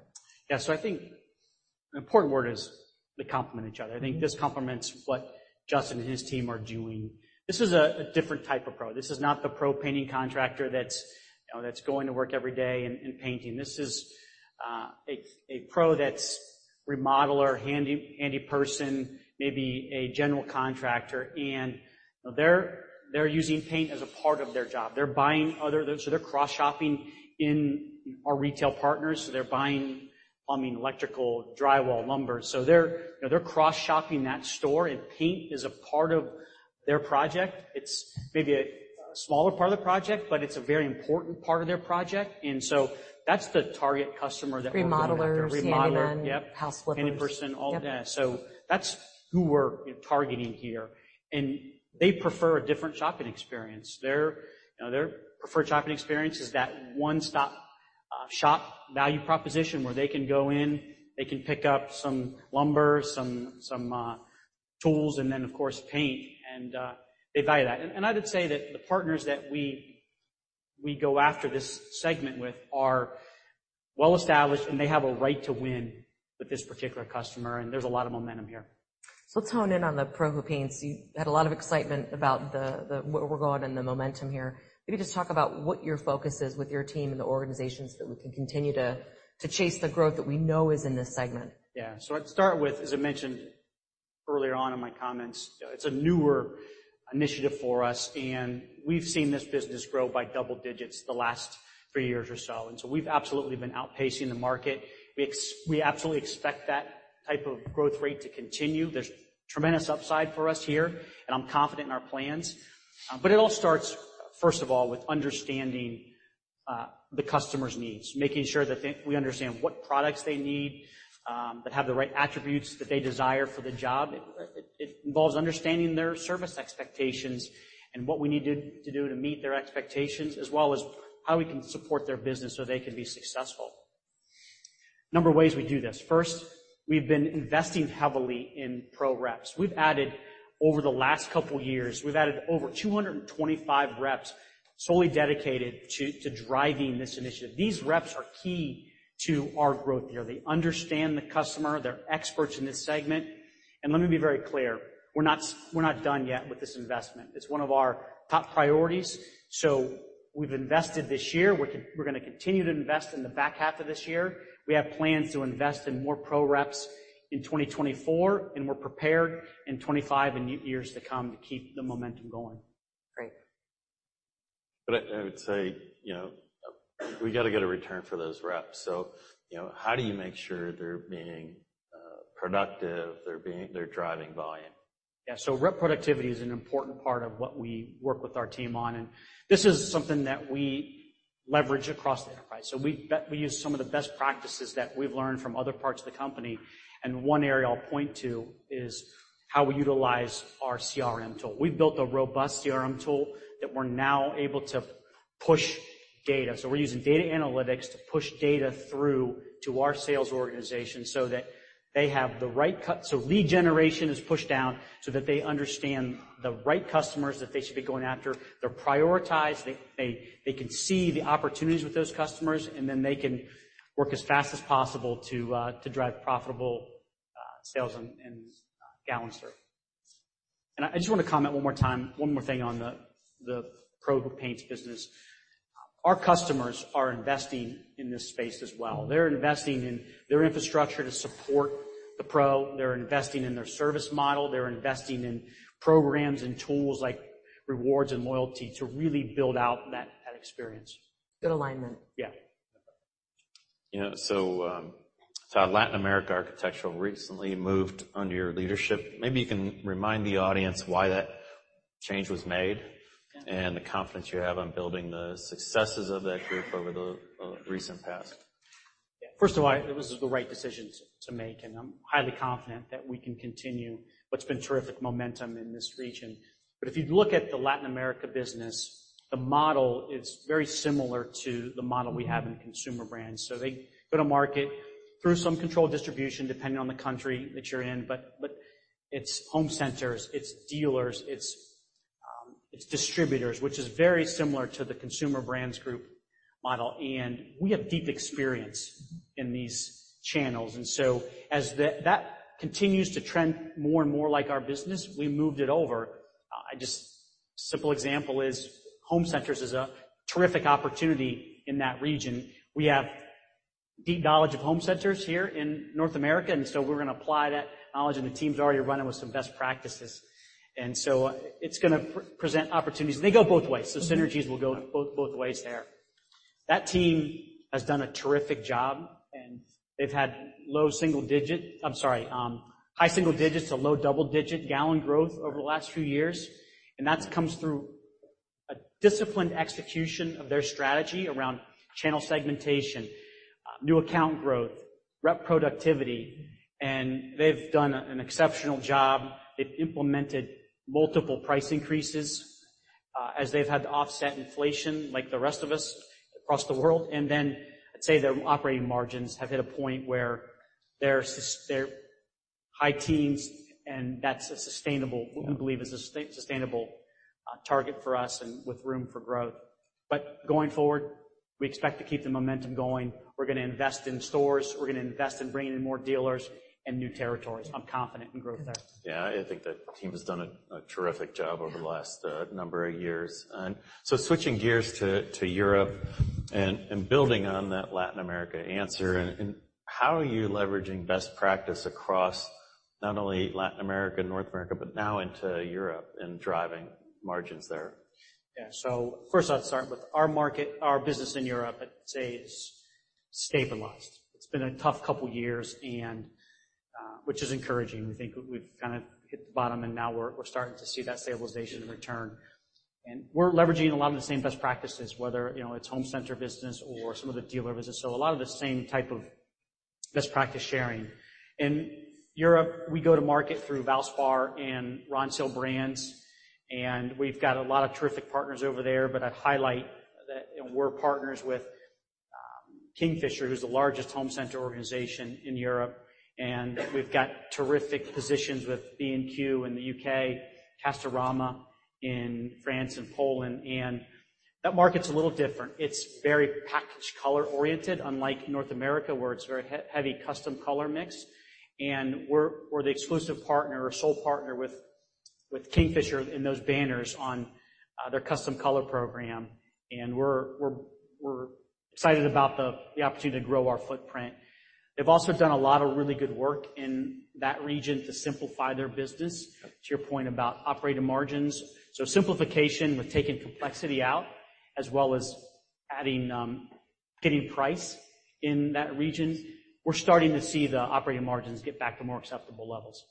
Yeah, so I think an important word is they complement each other. I think this complements what Justin and his team are doing. This is a different type of pro. This is not the pro painting contractor that's, you know, that's going to work every day and painting. This is a pro that's remodeler, handy person, maybe a general contractor, and they're using paint as a part of their job. They're buying other. So they're cross-shopping in our retail partners, so they're buying plumbing, electrical, drywall, lumber. So they're, you know, they're cross-shopping that store, and paint is a part of their project. It's maybe a smaller part of the project, but it's a very important part of their project, and so that's the target customer that we're going after. Remodelers- Remodeler- Handyman. Yep. House flippers. Handy person, all that. Yep. So that's who we're targeting here, and they prefer a different shopping experience. Their, you know, their preferred shopping experience is that one-stop-shop value proposition where they can go in, they can pick up some lumber, some tools, and then, of course, paint, and they value that. And, and I'd say that the partners that we go after this segment with are well-established, and they have a right to win with this particular customer, and there's a lot of momentum here. So let's hone in on the pro paints. You had a lot of excitement about the where we're going and the momentum here. Maybe just talk about what your focus is with your team and the organizations that we can continue to chase the growth that we know is in this segment. Yeah. So I'd start with, as I mentioned earlier on in my comments, it's a newer initiative for us, and we've seen this business grow by double digits the last three years or so, and so we've absolutely been outpacing the market. We absolutely expect that type of growth rate to continue. There's tremendous upside for us here, and I'm confident in our plans. But it all starts, first of all, with understanding the customer's needs, making sure that we understand what products they need that have the right attributes that they desire for the job. It involves understanding their service expectations and what we need to do to meet their expectations, as well as how we can support their business so they can be successful. Number of ways we do this: First, we've been investing heavily in pro reps. We've added over the last couple years, we've added over 225 reps solely dedicated to driving this initiative. These reps are key to our growth here. They understand the customer. They're experts in this segment. And let me be very clear, we're not done yet with this investment. It's one of our top priorities, so we've invested this year. We're gonna continue to invest in the back half of this year. We have plans to invest in more pro reps in 2024, and we're prepared in 2025 and years to come to keep the momentum going. Great. But I would say, you know, we got to get a return for those reps. So, you know, how do you make sure they're being productive, they're being... They're driving volume? Yeah. So rep productivity is an important part of what we work with our team on, and this is something that we leverage across the enterprise. So we use some of the best practices that we've learned from other parts of the company, and one area I'll point to is how we utilize our CRM tool. We've built a robust CRM tool that we're now able to push data. So we're using data analytics to push data through to our sales organization so that they have the right cut. So lead generation is pushed down so that they understand the right customers that they should be going after. They're prioritized, they can see the opportunities with those customers, and then they can work as fast as possible to drive profitable sales and gallons and service. I just want to comment one more time, one more thing on the, the pro paints business. Our customers are investing in this space as well. They're investing in their infrastructure to support the pro. They're investing in their service model. They're investing in programs and tools like rewards and loyalty to really build out that, that experience. Good alignment. Yeah. You know, so, so Latin America Architectural recently moved under your leadership. Maybe you can remind the audience why that change was made and the confidence you have on building the successes of that group over the recent past. First of all, it was the right decision to make, and I'm highly confident that we can continue what's been terrific momentum in this region. But if you look at the Latin America business, the model is very similar to the model we have in Consumer Brands. So they go to market through some controlled distribution, depending on the country that you're in, but it's home centers, it's dealers, it's, it's distributors, which is very similar to the Consumer Brands Group model, and we have deep experience in these channels. And so as that continues to trend more and more like our business, we moved it over. Just simple example is, home centers is a terrific opportunity in that region. We have deep knowledge of home centers here in North America, and so we're gonna apply that knowledge, and the team's already running with some best practices. And so it's gonna present opportunities, and they go both ways. So synergies will go both, both ways there. That team has done a terrific job, and they've had high single digits to low double-digit gallon growth over the last few years, and that comes through a disciplined execution of their strategy around channel segmentation, new account growth, rep productivity, and they've done an exceptional job. They've implemented multiple price increases, as they've had to offset inflation like the rest of us across the world. And then I'd say their operating margins have hit a point where they're high teens, and that's a sustainable- Yeah. what we believe is a sustainable target for us and with room for growth. But going forward, we expect to keep the momentum going. We're gonna invest in stores. We're gonna invest in bringing in more dealers and new territories. I'm confident in growth there. Yeah, I think the team has done a terrific job over the last number of years. So switching gears to Europe and building on that Latin America answer, and how are you leveraging best practice across not only Latin America and North America, but now into Europe and driving margins there? Yeah. So first, I'd start with our market, our business in Europe, I'd say, is stabilized. It's been a tough couple of years and, which is encouraging. We think we've kind of hit the bottom, and now we're, we're starting to see that stabilization return. And we're leveraging a lot of the same best practices, whether, you know, it's home center business or some of the dealer business. So a lot of the same best practice sharing. In Europe, we go to market through Valspar and Ronseal brands, and we've got a lot of terrific partners over there, but I'd highlight that, you know, we're partners with Kingfisher, who's the largest home center organization in Europe, and we've got terrific positions with B&Q in the U.K., Castorama in France and Poland. And that market's a little different. It's very package color-oriented, unlike North America, where it's very heavy custom color mix, and we're the exclusive partner or sole partner with Kingfisher in those banners on their custom color program, and we're excited about the opportunity to grow our footprint. They've also done a lot of really good work in that region to simplify their business, to your point about operating margins. So simplification, we're taking complexity out, as well as adding getting price in that region. We're starting to see the operating margins get back to more acceptable levels.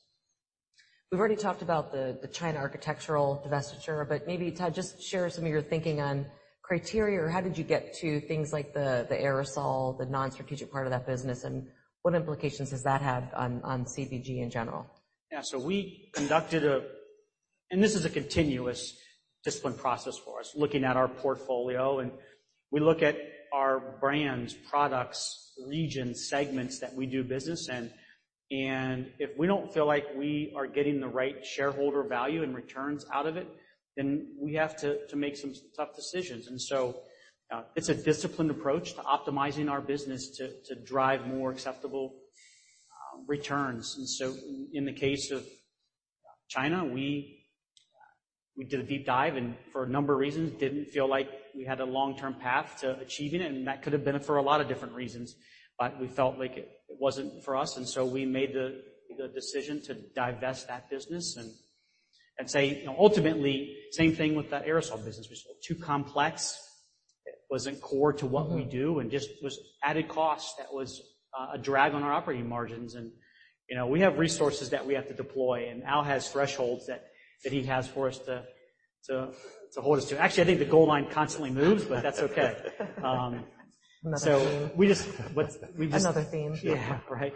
We've already talked about the China Architectural divestiture, but maybe, Todd, just share some of your thinking on criteria, or how did you get to things like the aerosol, the non-strategic part of that business, and what implications does that have on CBG in general? Yeah, so we conducted. And this is a continuous discipline process for us, looking at our portfolio, and we look at our brands, products, regions, segments that we do business in. And if we don't feel like we are getting the right shareholder value and returns out of it, then we have to make some tough decisions. And so, it's a disciplined approach to optimizing our business to drive more acceptable returns. And so in the case of China, we did a deep dive, and for a number of reasons, didn't feel like we had a long-term path to achieving it, and that could have been for a lot of different reasons. But we felt like it wasn't for us, and so we made the decision to divest that business and say, you know, ultimately, same thing with the aerosol business, which was too complex. It wasn't core to what we do, and just was added cost that was a drag on our operating margins. And, you know, we have resources that we have to deploy, and Al has thresholds that he has for us to hold us to. Actually, I think the goal line constantly moves, but that's okay. So we just, what's- Another theme. Yeah, right.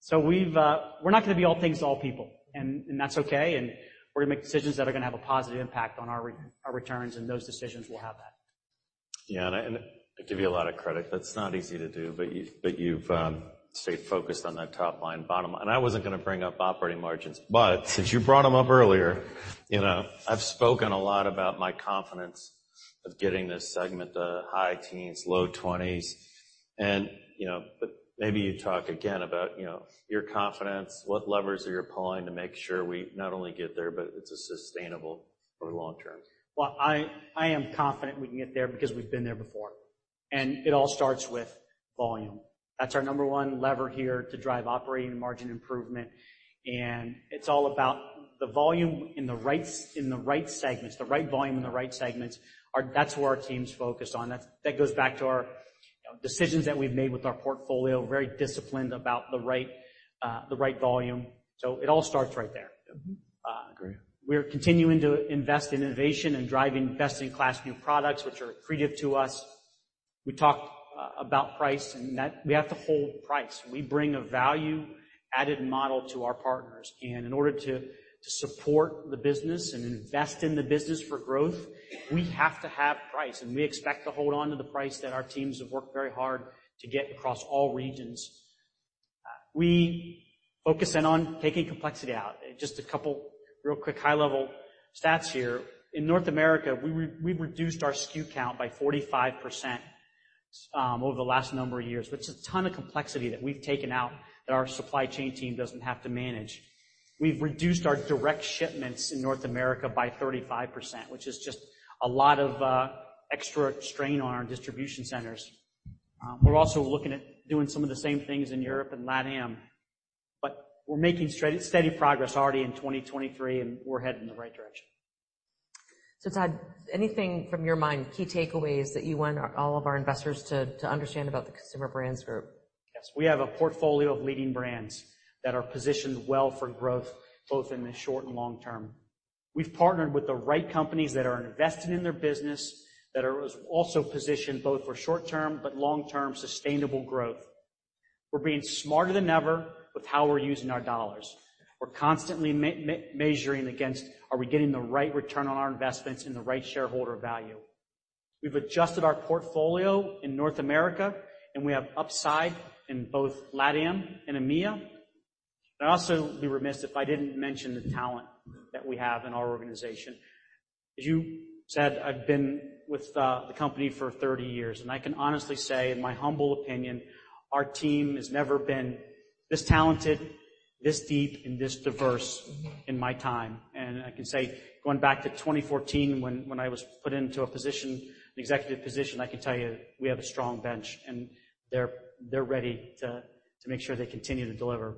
So we've, we're not gonna be all things to all people, and that's okay, and we're gonna make decisions that are gonna have a positive impact on our returns, and those decisions will have that. Yeah, and I give you a lot of credit. That's not easy to do, but you've stayed focused on that top line, bottom line. I wasn't gonna bring up operating margins, but since you brought them up earlier, you know, I've spoken a lot about my confidence of getting this segment to high teens, low twenties. You know, but maybe you talk again about your confidence, what levers are you pulling to make sure we not only get there, but it's sustainable for the long term? Well, I am confident we can get there because we've been there before, and it all starts with volume. That's our number one lever here to drive operating margin improvement, and it's all about the volume in the right segments, the right volume in the right segments. That's where our team's focused on. That goes back to our, you know, decisions that we've made with our portfolio, very disciplined about the right volume. So it all starts right there. Mm-hmm. Agree. We're continuing to invest in innovation and drive best-in-class new products, which are accretive to us. We talked about price, and that we have to hold price. We bring a value-added model to our partners, and in order to support the business and invest in the business for growth, we have to have price, and we expect to hold on to the price that our teams have worked very hard to get across all regions. We focus in on taking complexity out. Just a couple real quick, high-level stats here. In North America, we've reduced our SKU count by 45%, over the last number of years, which is a ton of complexity that we've taken out, that our supply chain team doesn't have to manage. We've reduced our direct shipments in North America by 35%, which is just a lot of extra strain on our distribution centers. We're also looking at doing some of the same things in Europe and LatAm, but we're making steady, steady progress already in 2023, and we're heading in the right direction. So, Todd, anything from your mind, key takeaways that you want all of our investors to, to understand about the Consumer Brands Group? Yes. We have a portfolio of leading brands that are positioned well for growth, both in the short and long term. We've partnered with the right companies that are invested in their business, that are also positioned both for short term, but long-term sustainable growth. We're being smarter than ever with how we're using our dollars. We're constantly measuring against, are we getting the right return on our investments and the right shareholder value? We've adjusted our portfolio in North America, and we have upside in both LatAm and EMEA. I'd also be remiss if I didn't mention the talent that we have in our organization. As you said, I've been with the company for 30 years, and I can honestly say, in my humble opinion, our team has never been this talented, this deep, and this diverse- Mm-hmm. in my time. And I can say, going back to 2014, when I was put into a position, an executive position, I can tell you, we have a strong bench, and they're ready to make sure they continue to deliver.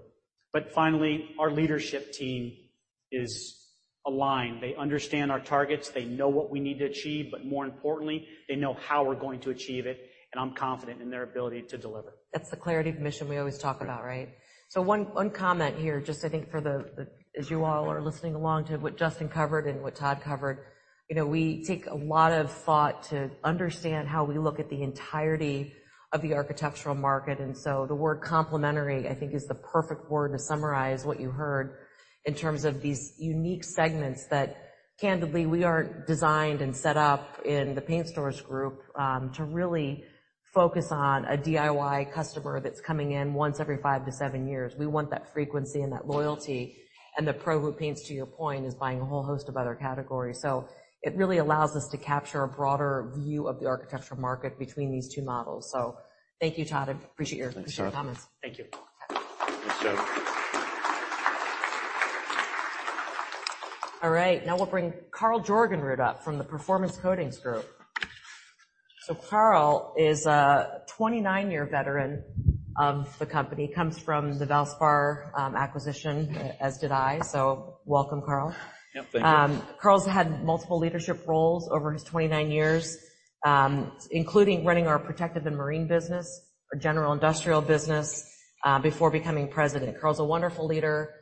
But finally, our leadership team is aligned. They understand our targets, they know what we need to achieve, but more importantly, they know how we're going to achieve it, and I'm confident in their ability to deliver. That's the clarity of mission we always talk about, right? So one comment here, just I think for the as you all are listening along to what Justin covered and what Todd covered, you know, we take a lot of thought to understand how we look at the entirety of the architectural market, and so the word complementary, I think, is the perfect word to summarize what you heard in terms of these unique segments that, candidly, we aren't designed and set up in the Paint Stores Group to really focus on a DIY customer that's coming in once every five to seven years. We want that frequency and that loyalty and the Pro Who Paints, to your point, is buying a whole host of other categories. So it really allows us to capture a broader view of the architectural market between these two models. Thank you, Todd. I appreciate your comments. Thank you. Thanks, Joe. All right, now we'll bring Karl Jorgenrud up from the Performance Coatings Group. So Karl is a 29-year veteran of the company, comes from the Valspar acquisition, as did I. So welcome, Karl. Yep, thank you. Karl's had multiple leadership roles over his 29 years, including running our protective and marine business, our general industrial business, before becoming president. Karl's a wonderful leader,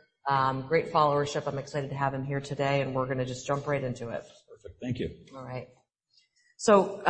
great followership. I'm excited to have him here today, and we're gonna just jump right into it. Perfect. Thank you. All right. So,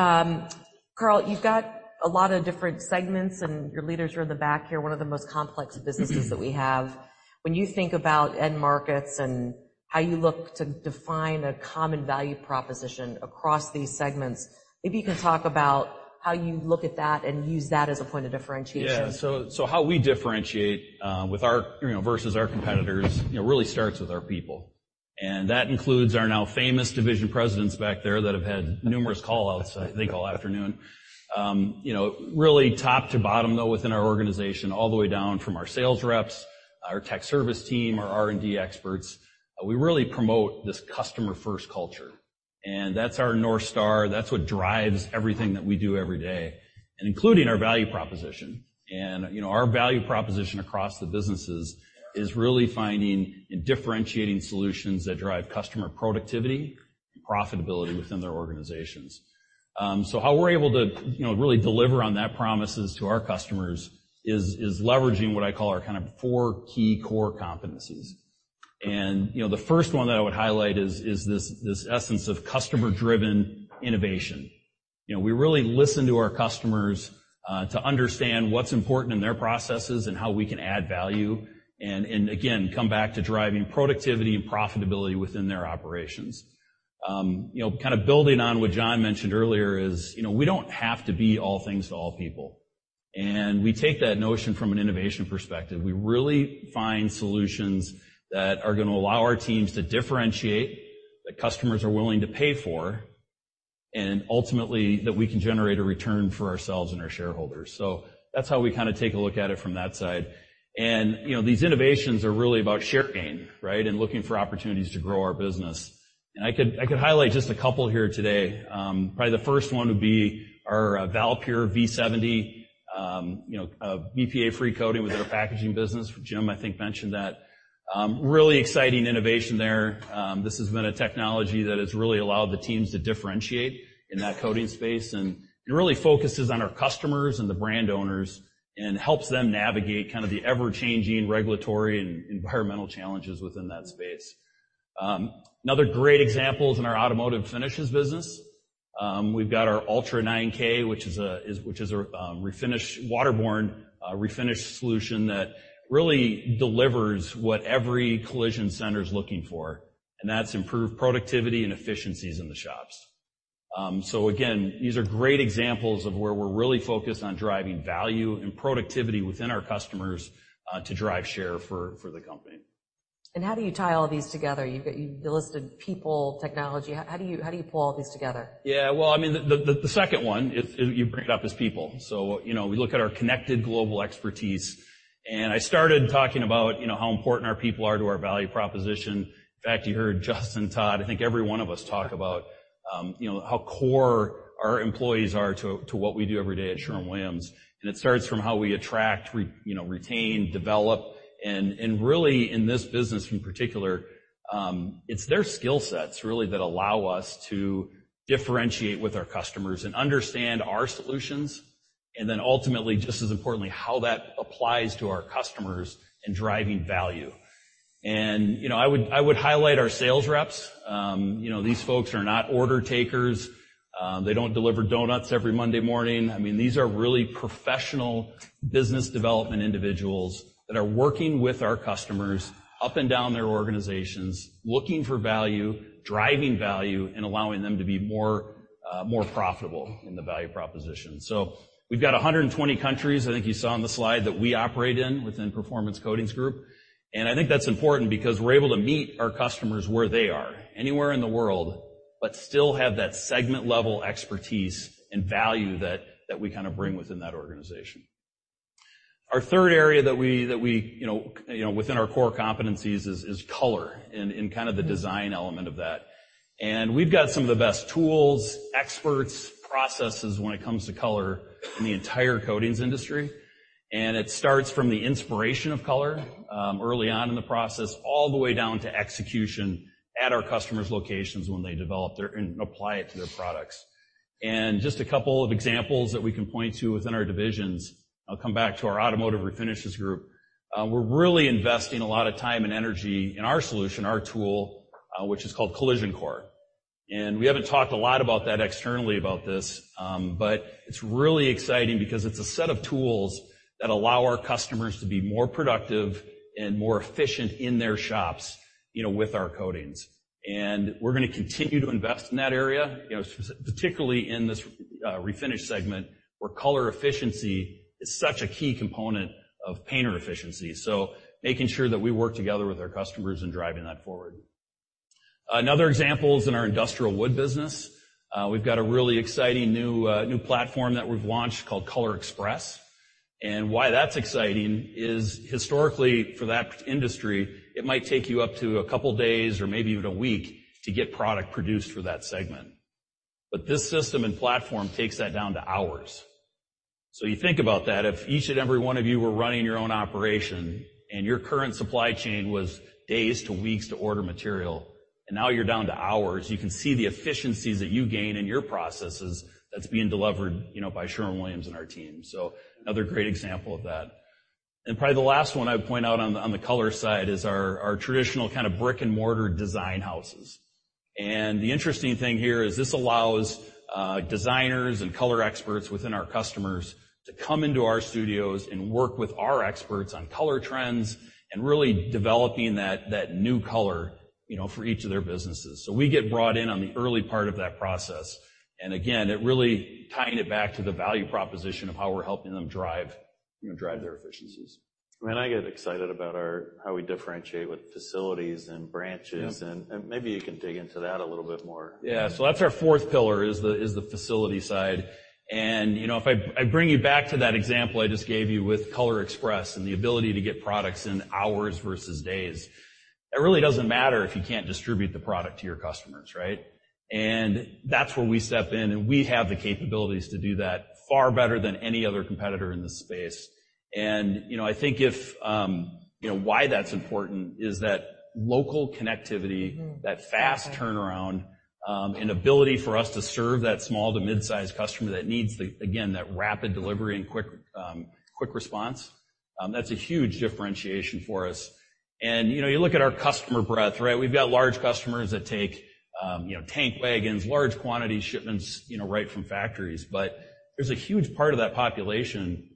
Karl, you've got a lot of different segments, and your leaders are in the back here, one of the most complex businesses that we have. When you think about end markets and how you look to define a common value proposition across these segments, maybe you can talk about how you look at that and use that as a point of differentiation. Yeah, so how we differentiate with our, you know, versus our competitors, you know, really starts with our people. And that includes our now famous division presidents back there that have had numerous call-outs, I think, all afternoon. You know, really top to bottom, though, within our organization, all the way down from our sales reps, our tech service team, our R&D experts, we really promote this customer-first culture, and that's our North Star. That's what drives everything that we do every day, and including our value proposition. And, you know, our value proposition across the businesses is really finding and differentiating solutions that drive customer productivity and profitability within their organizations. So how we're able to, you know, really deliver on that promise to our customers is leveraging what I call our kind of four key core competencies. You know, the first one that I would highlight is this essence of customer-driven innovation. You know, we really listen to our customers to understand what's important in their processes and how we can add value and again, come back to driving productivity and profitability within their operations. You know, kind of building on what John mentioned earlier is, you know, we don't have to be all things to all people, and we take that notion from an innovation perspective. We really find solutions that are gonna allow our teams to differentiate, that customers are willing to pay for, and ultimately, that we can generate a return for ourselves and our shareholders. So that's how we kinda take a look at it from that side. You know, these innovations are really about share gain, right, and looking for opportunities to grow our business. I could highlight just a couple here today. Probably the first one would be our Valpure V70, you know, a BPA-free coating within our packaging business, which Jim, I think, mentioned that really exciting innovation there. This has been a technology that has really allowed the teams to differentiate in that coating space, and it really focuses on our customers and the brand owners and helps them navigate kind of the ever-changing regulatory and environmental challenges within that space. Another great example is in our automotive finishes business. We've got our Ultra 9K, which is a refinish, waterborne refinish solution that really delivers what every collision center is looking for, and that's improved productivity and efficiencies in the shops. So again, these are great examples of where we're really focused on driving value and productivity within our customers, to drive share for the company. How do you tie all of these together? You've got—you listed people, technology. How, how do you, how do you pull all these together? Yeah, well, I mean, the second one is you bring it up is people. So, you know, we look at our connected global expertise, and I started talking about, you know, how important our people are to our value proposition. In fact, you heard Justin, Todd, I think every one of us talk about, you know, how core our employees are to what we do every day at Sherwin-Williams, and it starts from how we attract, you know, retain, develop, and really, in this business, in particular, it's their skill sets, really, that allow us to differentiate with our customers and understand our solutions, and then ultimately, just as importantly, how that applies to our customers in driving value. And, you know, I would highlight our sales reps. You know, these folks are not order takers. They don't deliver donuts every Monday morning. I mean, these are really professional business development individuals that are working with our customers up and down their organizations, looking for value, driving value, and allowing them to be more, more profitable in the value proposition. So we've got 120 countries, I think you saw on the slide, that we operate in within Performance Coatings Group, and I think that's important because we're able to meet our customers where they are, anywhere in the world, but still have that segment-level expertise and value that, that we kinda bring within that organization. Our third area that we, you know, within our core competencies is color and kind of the design element of that. We've got some of the best tools, experts, processes when it comes to color in the entire coatings industry, and it starts from the inspiration of color early on in the process, all the way down to execution at our customers' locations when they develop their and apply it to their products. Just a couple of examples that we can point to within our divisions. I'll come back to our automotive refinishes group. We're really investing a lot of time and energy in our solution, our tool, which is called Collision Core. We haven't talked a lot about that externally about this, but it's really exciting because it's a set of tools that allow our customers to be more productive and more efficient in their shops, you know, with our coatings. We're gonna continue to invest in that area, you know, specifically, particularly in this refinish segment, where color efficiency is such a key component of painter efficiency. Making sure that we work together with our customers in driving that forward. Another example is in our industrial wood business. We've got a really exciting new platform that we've launched called Color Express, and why that's exciting is historically, for that industry, it might take you up to a couple days or maybe even a week to get product produced for that segment. This system and platform takes that down to hours. So you think about that. If each and every one of you were running your own operation, and your current supply chain was days to weeks to order material, and now you're down to hours, you can see the efficiencies that you gain in your processes that's being delivered, you know, by Sherwin-Williams and our team. So another great example of that. And probably the last one I would point out on the, on the color side is our, our traditional kind of brick-and-mortar design houses. And the interesting thing here is this allows, designers and color experts within our customers to come into our studios and work with our experts on color trends and really developing that, that new color, you know, for each of their businesses. So we get brought in on the early part of that process, and again, it really, tying it back to the value proposition of how we're helping them drive, you know, drive their efficiencies. Man, I get excited about our, how we differentiate with facilities and branches. Yep. Maybe you can dig into that a little bit more. Yeah. So that's our fourth pillar, is the facility side. And, you know, if I bring you back to that example I just gave you with Color Express and the ability to get products in hours versus days, it really doesn't matter if you can't distribute the product to your customers, right? And that's where we step in, and we have the capabilities to do that far better than any other competitor in this space. And, you know, I think if, you know, why that's important is that local connectivity- Mm-hmm. That fast turnaround and ability for us to serve that small to mid-sized customer that needs the, again, that rapid delivery and quick, quick response, that's a huge differentiation for us. And, you know, you look at our customer breadth, right? We've got large customers that take, you know, tank wagons, large quantity shipments, you know, right from factories. But there's a huge part of that population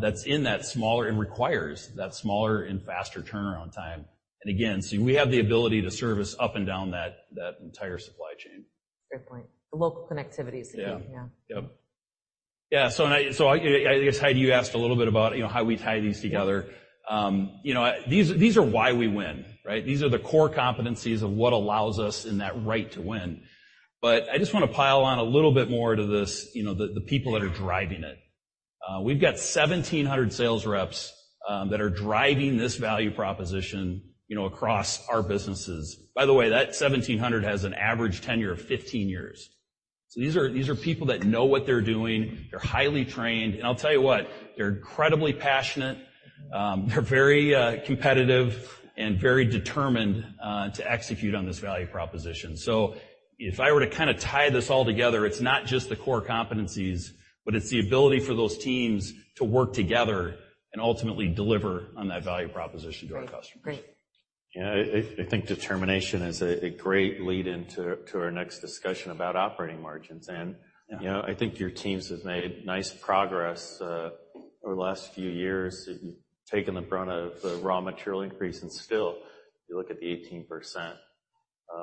that's in that smaller and requires that smaller and faster turnaround time. And again, so we have the ability to service up and down that entire supply chain. Fair point. The local connectivity is key. Yeah. Yeah. Yep. Yeah, so I guess, Heidi, you asked a little bit about, you know, how we tie these together. Yeah. You know, these are why we win, right? These are the core competencies of what allows us in that right to win. But I just want to pile on a little bit more to this, you know, the people that are driving it. We've got 1,700 sales reps that are driving this value proposition, you know, across our businesses. By the way, that 1,700 has an average tenure of 15 years. So these are people that know what they're doing. They're highly trained, and I'll tell you what, they're incredibly passionate. They're very competitive and very determined to execute on this value proposition. So if I were to kind of tie this all together, it's not just the core competencies, but it's the ability for those teams to work together and ultimately deliver on that value proposition to our customers. Great. Great. Yeah, I think determination is a great lead-in to our next discussion about operating margins. And- Yeah. you know, I think your teams have made nice progress over the last few years. You've taken the brunt of the raw material increase, and still, you look at the 18%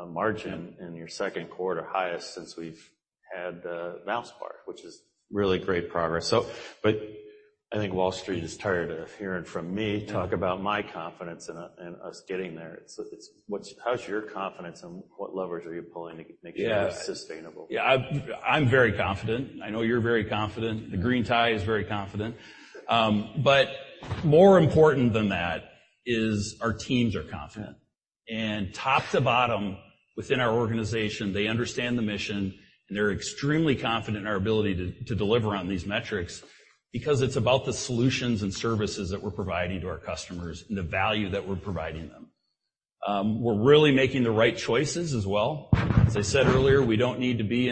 margin in your second quarter, highest since we've had Valspar, which is really great progress. So, but I think Wall Street is tired of hearing from me- Yeah talk about my confidence in us getting there. What's, how's your confidence, and what levers are you pulling to make sure it's sustainable? Yeah. I'm, I'm very confident. I know you're very confident. Yeah. The green tie is very confident. More important than that is our teams are confident. Yeah. Top to bottom, within our organization, they understand the mission, and they're extremely confident in our ability to deliver on these metrics because it's about the solutions and services that we're providing to our customers and the value that we're providing them. We're really making the right choices as well. As I said earlier, we don't need to be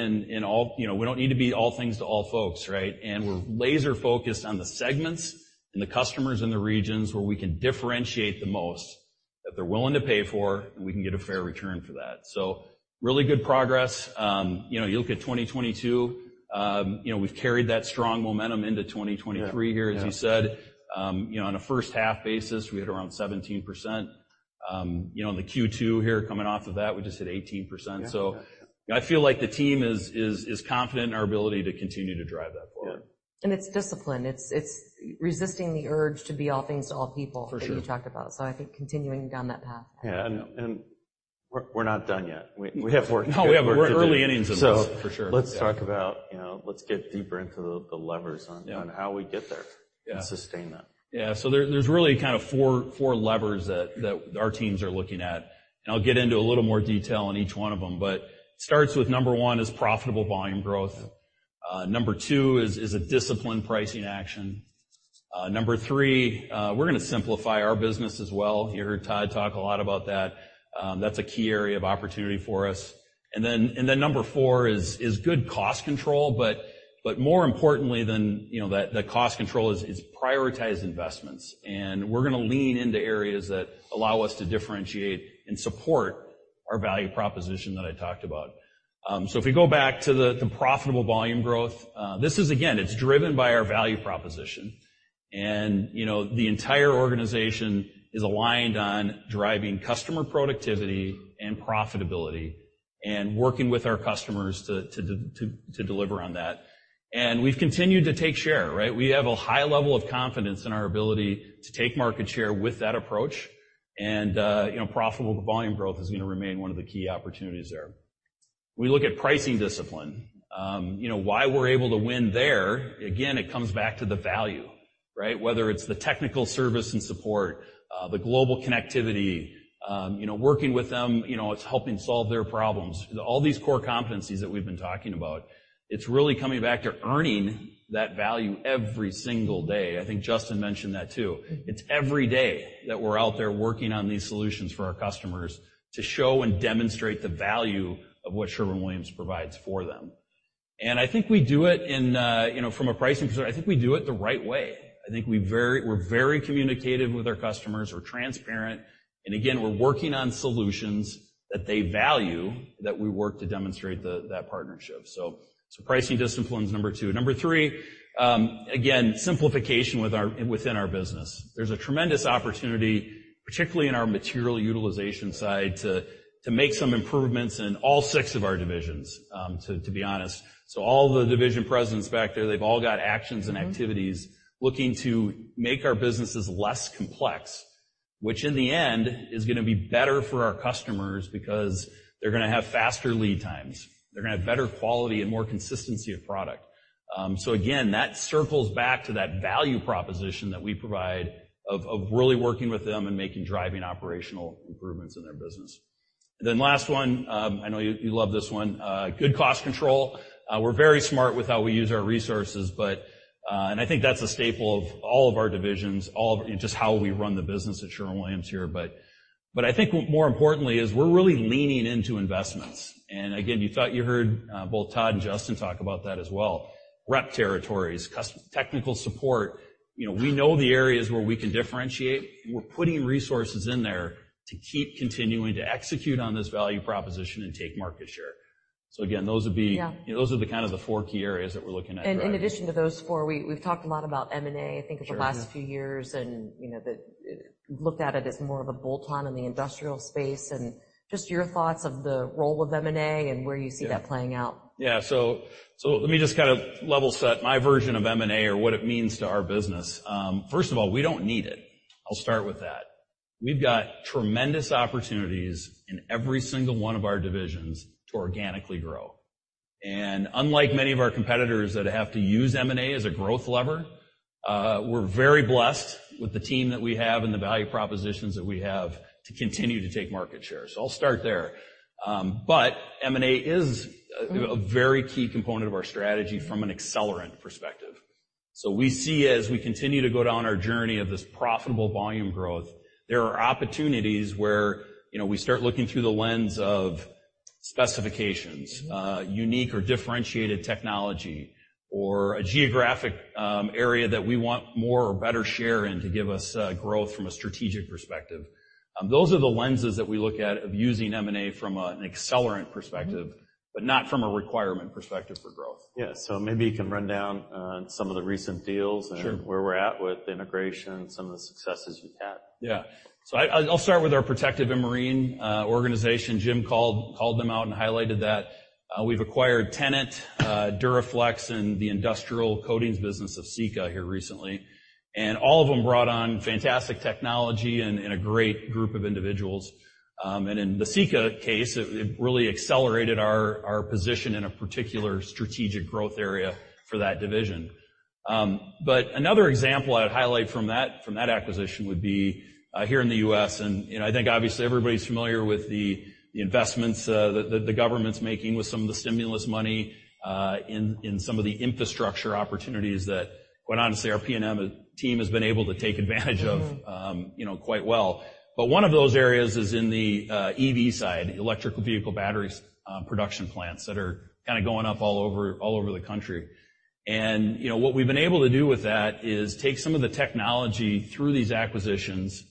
all things to all folks, right? We're laser-focused on the segments and the customers in the regions where we can differentiate the most, that they're willing to pay for, and we can get a fair return for that. So really good progress. You know, you look at 2022, you know, we've carried that strong momentum into 2023 here- Yeah, yeah. -as you said. You know, on a first half basis, we had around 17%. You know, in the Q2 here, coming off of that, we just hit 18%. Yeah. So I feel like the team is confident in our ability to continue to drive that forward. Yeah. It's discipline. It's, it's resisting the urge to be all things to all people- For sure. that you talked about, so I think continuing down that path. Yeah, and we're not done yet. We have work to do. No, we have work to do. We're early innings in this. For sure. Let's talk about, you know, let's get deeper into the levers on- Yeah... on how we get there- Yeah and sustain that. Yeah. So there's really kind of four levers that our teams are looking at, and I'll get into a little more detail on each one of them. But starts with number one is profitable volume growth. Number two is a disciplined pricing action. Number three, we're gonna simplify our business as well. You heard Todd talk a lot about that. That's a key area of opportunity for us. And then number four is good cost control, but more importantly than, you know, that, the cost control is prioritized investments, and we're gonna lean into areas that allow us to differentiate and support our value proposition that I talked about. So if we go back to the profitable volume growth, this is again, it's driven by our value proposition. You know, the entire organization is aligned on driving customer productivity and profitability, and working with our customers to deliver on that. We've continued to take share, right? We have a high level of confidence in our ability to take market share with that approach, and you know, profitable volume growth is gonna remain one of the key opportunities there. We look at pricing discipline. You know, why we're able to win there, again, it comes back to the value, right? Whether it's the technical service and support, the global connectivity, you know, working with them, you know, it's helping solve their problems. All these core competencies that we've been talking about, it's really coming back to earning that value every single day. I think Justin mentioned that, too. It's every day that we're out there working on these solutions for our customers to show and demonstrate the value of what Sherwin-Williams provides for them. And I think we do it in, you know, from a pricing perspective. I think we do it the right way. I think we're very communicative with our customers. We're transparent, and again, we're working on solutions that they value, that we work to demonstrate that partnership. So pricing discipline is number two. Number three, again, simplification within our business. There's a tremendous opportunity, particularly in our material utilization side, to make some improvements in all six of our divisions, to be honest. So all the division presidents back there, they've all got actions and activities looking to make our businesses less complex, which in the end, is gonna be better for our customers because they're gonna have faster lead times. They're gonna have better quality and more consistency of product. So again, that circles back to that value proposition that we provide of really working with them and making driving operational improvements in their business. Then last one, I know you love this one, good cost control. We're very smart with how we use our resources, but and I think that's a staple of all of our divisions, just how we run the business at Sherwin-Williams here. But I think what more importantly is we're really leaning into investments. Again, you thought you heard both Todd and Justin talk about that as well. Rep territories, technical support, you know, we know the areas where we can differentiate. We're putting resources in there to keep continuing to execute on this value proposition and take market share. So again, those would be- Yeah. Those are the kind of the four key areas that we're looking at. In addition to those four, we've talked a lot about M&A, I think, over the last few years. Sure. And, you know, looked at it as more of a bolt-on in the industrial space, and just your thoughts of the role of M&A and where you see that playing out. Yeah. So let me just kind of level set my version of M&A or what it means to our business. First of all, we don't need it. I'll start with that. We've got tremendous opportunities in every single one of our divisions to organically grow. And unlike many of our competitors that have to use M&A as a growth lever, we're very blessed with the team that we have and the value propositions that we have to continue to take market share. So I'll start there. But M&A is a very key component of our strategy from an accelerant perspective. So we see as we continue to go down our journey of this profitable volume growth, there are opportunities where, you know, we start looking through the lens of specifications, unique or differentiated technology, or a geographic, area that we want more or better share in to give us, growth from a strategic perspective. Those are the lenses that we look at of using M&A from an accelerant perspective- Mm-hmm. but not from a requirement perspective for growth. Yeah. So maybe you can run down on some of the recent deals- Sure. where we're at with integration, some of the successes we've had. Yeah. So I'll start with our protective and marine organization. Jim called them out and highlighted that. We've acquired Tennant, Dur-A-Flex, and the industrial coatings business of Sika here recently, and all of them brought on fantastic technology and a great group of individuals. And in the Sika case, it really accelerated our position in a particular strategic growth area for that division. But another example I'd highlight from that acquisition would be here in the U.S., and you know, I think obviously everybody's familiar with the investments the government's making with some of the stimulus money in some of the infrastructure opportunities that, quite honestly, our P&M team has been able to take advantage of, you know, quite well. But one of those areas is in the EV side, electric vehicle batteries, production plants that are kind of going up all over, all over the country. And, you know, what we've been able to do with that is take some of the technology through these acquisitions,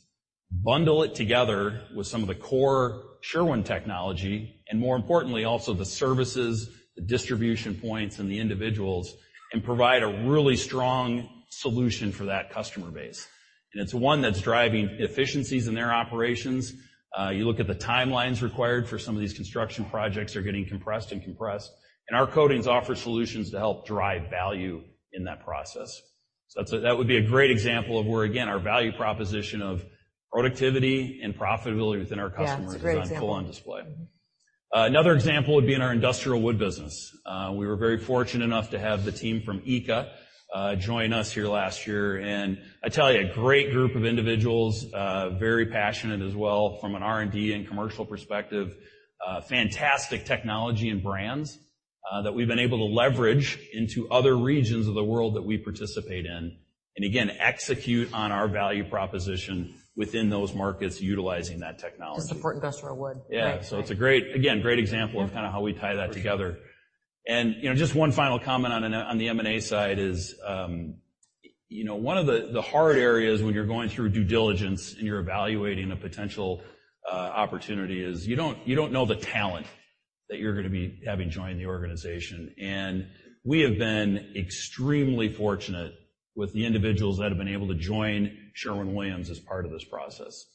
bundle it together with some of the core Sherwin technology, and more importantly, also the services, the distribution points, and the individuals, and provide a really strong solution for that customer base. And it's one that's driving efficiencies in their operations. You look at the timelines required for some of these construction projects are getting compressed and compressed, and our coatings offer solutions to help drive value in that process. So that would be a great example of where, again, our value proposition of productivity and profitability within our customers- Yeah, it's a great example. is on full on display. Another example would be in our industrial wood business. We were very fortunate enough to have the team from ICA join us here last year, and I tell you, a great group of individuals, very passionate as well from an R&D and commercial perspective, fantastic technology and brands... that we've been able to leverage into other regions of the world that we participate in, and again, execute on our value proposition within those markets utilizing that technology. To support industrial wood. Yeah. Right. It's a great, again, great example- Yeah of kind of how we tie that together. And, you know, just one final comment on the M&A side is, you know, one of the hard areas when you're going through due diligence and you're evaluating a potential opportunity is you don't, you don't know the talent that you're gonna be having join the organization. And we have been extremely fortunate with the individuals that have been able to join Sherwin-Williams as part of this process.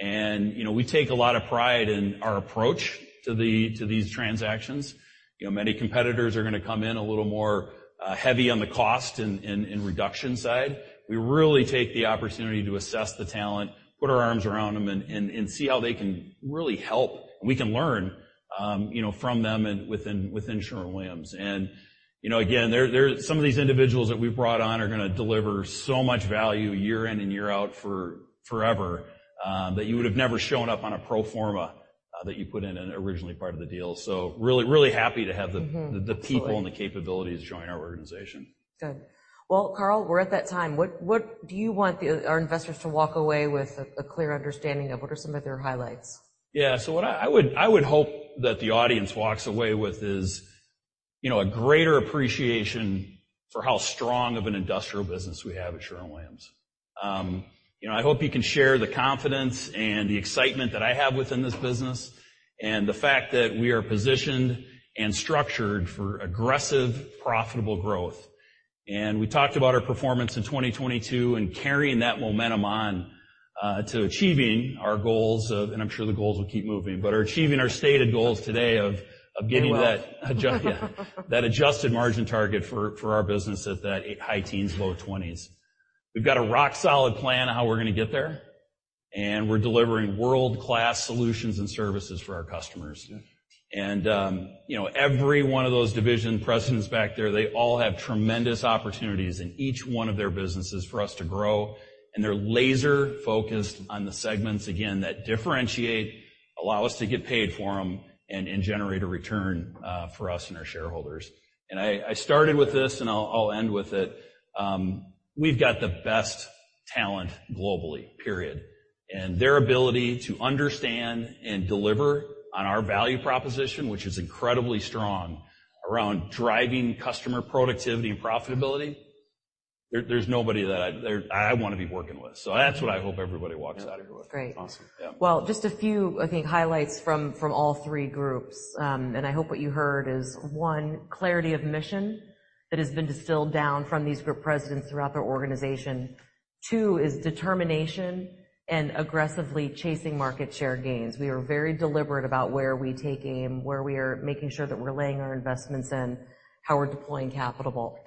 And, you know, we take a lot of pride in our approach to these transactions. You know, many competitors are gonna come in a little more heavy on the cost and reduction side. We really take the opportunity to assess the talent, put our arms around them, and see how they can really help, and we can learn, you know, from them and within Sherwin-Williams. And, you know, again, there—some of these individuals that we've brought on are gonna deliver so much value year in and year out for forever, that you would have never shown up on a pro forma, that you put in originally part of the deal. So really, really happy to have the- Mm-hmm. The people and the capabilities joining our organization. Good. Well, Karl, we're at that time. What do you want our investors to walk away with, a clear understanding of? What are some of your highlights? Yeah. So what I would hope that the audience walks away with is, you know, a greater appreciation for how strong of an industrial business we have at Sherwin-Williams. You know, I hope you can share the confidence and the excitement that I have within this business, and the fact that we are positioned and structured for aggressive, profitable growth. And we talked about our performance in 2022 and carrying that momentum on to achieving our goals of... and I'm sure the goals will keep moving, but are achieving our stated goals today of getting that- And well. Yeah, that adjusted margin target for our business at that high teens-low twenties. We've got a rock-solid plan on how we're gonna get there, and we're delivering world-class solutions and services for our customers. Yeah. You know, every one of those division presidents back there, they all have tremendous opportunities in each one of their businesses for us to grow, and they're laser-focused on the segments, again, that differentiate, allow us to get paid for them, and generate a return for us and our shareholders. I started with this, and I'll end with it. We've got the best talent globally, period. Their ability to understand and deliver on our value proposition, which is incredibly strong around driving customer productivity and profitability, there's nobody that I want to be working with. So that's what I hope everybody walks out of here with. Great. Awesome. Yeah. Well, just a few, I think, highlights from all three groups, and I hope what you heard is, one, clarity of mission that has been distilled down from these group presidents throughout their organization. Two, is determination and aggressively chasing market share gains. We are very deliberate about where we take aim, where we are making sure that we're laying our investments in, how we're deploying capital.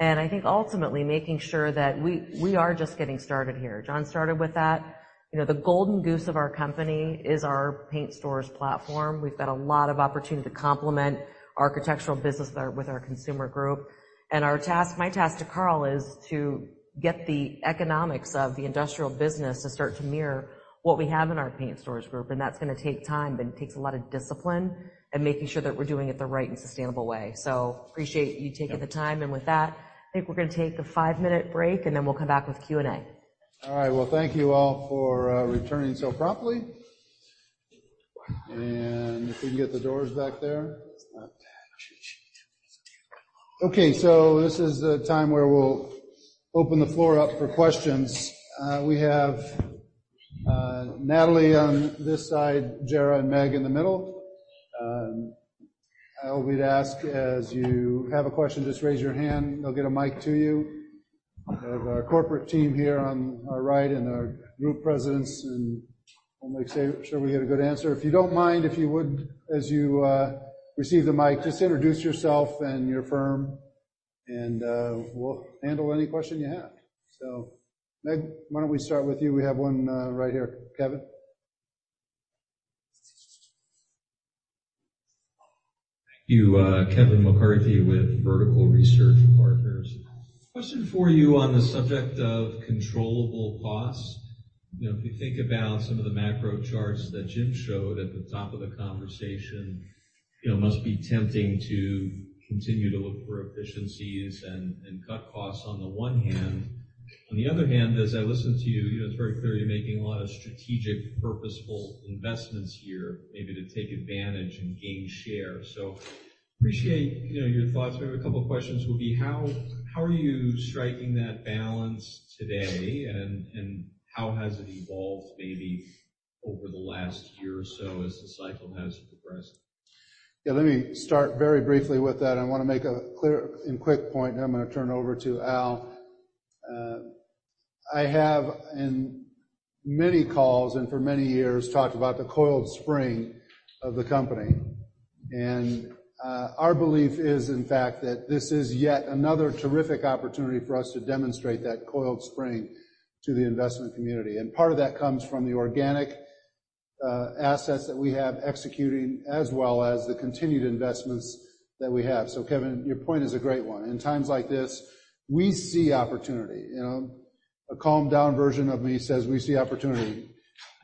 And I think ultimately making sure that we are just getting started here. John started with that. You know, the golden goose of our company is our paint stores platform. We've got a lot of opportunity to complement architectural business with our consumer group. Our task, my task to Karl is to get the economics of the industrial business to start to mirror what we have in our Paint Stores Group, and that's gonna take time, but it takes a lot of discipline and making sure that we're doing it the right and sustainable way. So appreciate you taking the time. Yeah. With that, I think we're gonna take a five-minute break, and then we'll come back with Q&A. All right. Well, thank you all for returning so promptly. And if we can get the doors back there. Okay, so this is a time where we'll open the floor up for questions. We have Natalie on this side, Jara and Meg in the middle. I would ask, as you have a question, just raise your hand. They'll get a mic to you. We have our corporate team here on our right and our group presidents, and we'll make sure we get a good answer. If you don't mind, if you would, as you receive the mic, just introduce yourself and your firm, and we'll handle any question you have. So, Meg, why don't we start with you? We have one right here. Kevin? Thank you. Kevin McCarthy, with Vertical Research Partners. Question for you on the subject of controllable costs. You know, if you think about some of the macro charts that Jim showed at the top of the conversation, you know, it must be tempting to continue to look for efficiencies and cut costs on the one hand. On the other hand, as I listen to you, you know, it's very clear you're making a lot of strategic, purposeful investments here, maybe to take advantage and gain share. So appreciate, you know, your thoughts. We have a couple of questions, will be: How are you striking that balance today, and how has it evolved maybe over the last year or so as the cycle has progressed? Yeah, let me start very briefly with that. I wanna make a clear and quick point, then I'm gonna turn it over to Al. I have in many calls and for many years, talked about the coiled spring of the company. And, our belief is, in fact, that this is yet another terrific opportunity for us to demonstrate that coiled spring to the investment community, and part of that comes from the organic, assets that we have executing, as well as the continued investments that we have. So Kevin, your point is a great one. In times like this, we see opportunity. You know, a calmed down version of me says we see opportunity....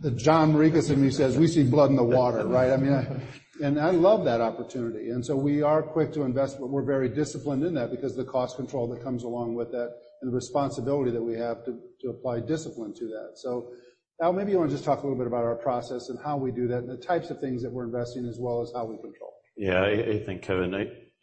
The John Morikis in me says, "We see blood in the water," right? I mean, and I love that opportunity, and so we are quick to invest, but we're very disciplined in that because the cost control that comes along with that and the responsibility that we have to apply discipline to that. So Al, maybe you want to just talk a little bit about our process and how we do that, and the types of things that we're investing, as well as how we control it. Yeah, I think, Kevin,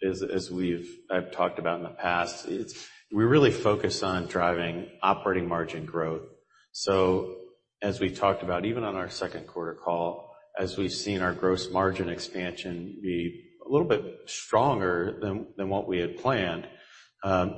as we've, I've talked about in the past, it's, we really focus on driving operating margin growth. So as we've talked about, even on our second quarter call, as we've seen our gross margin expansion be a little bit stronger than what we had planned,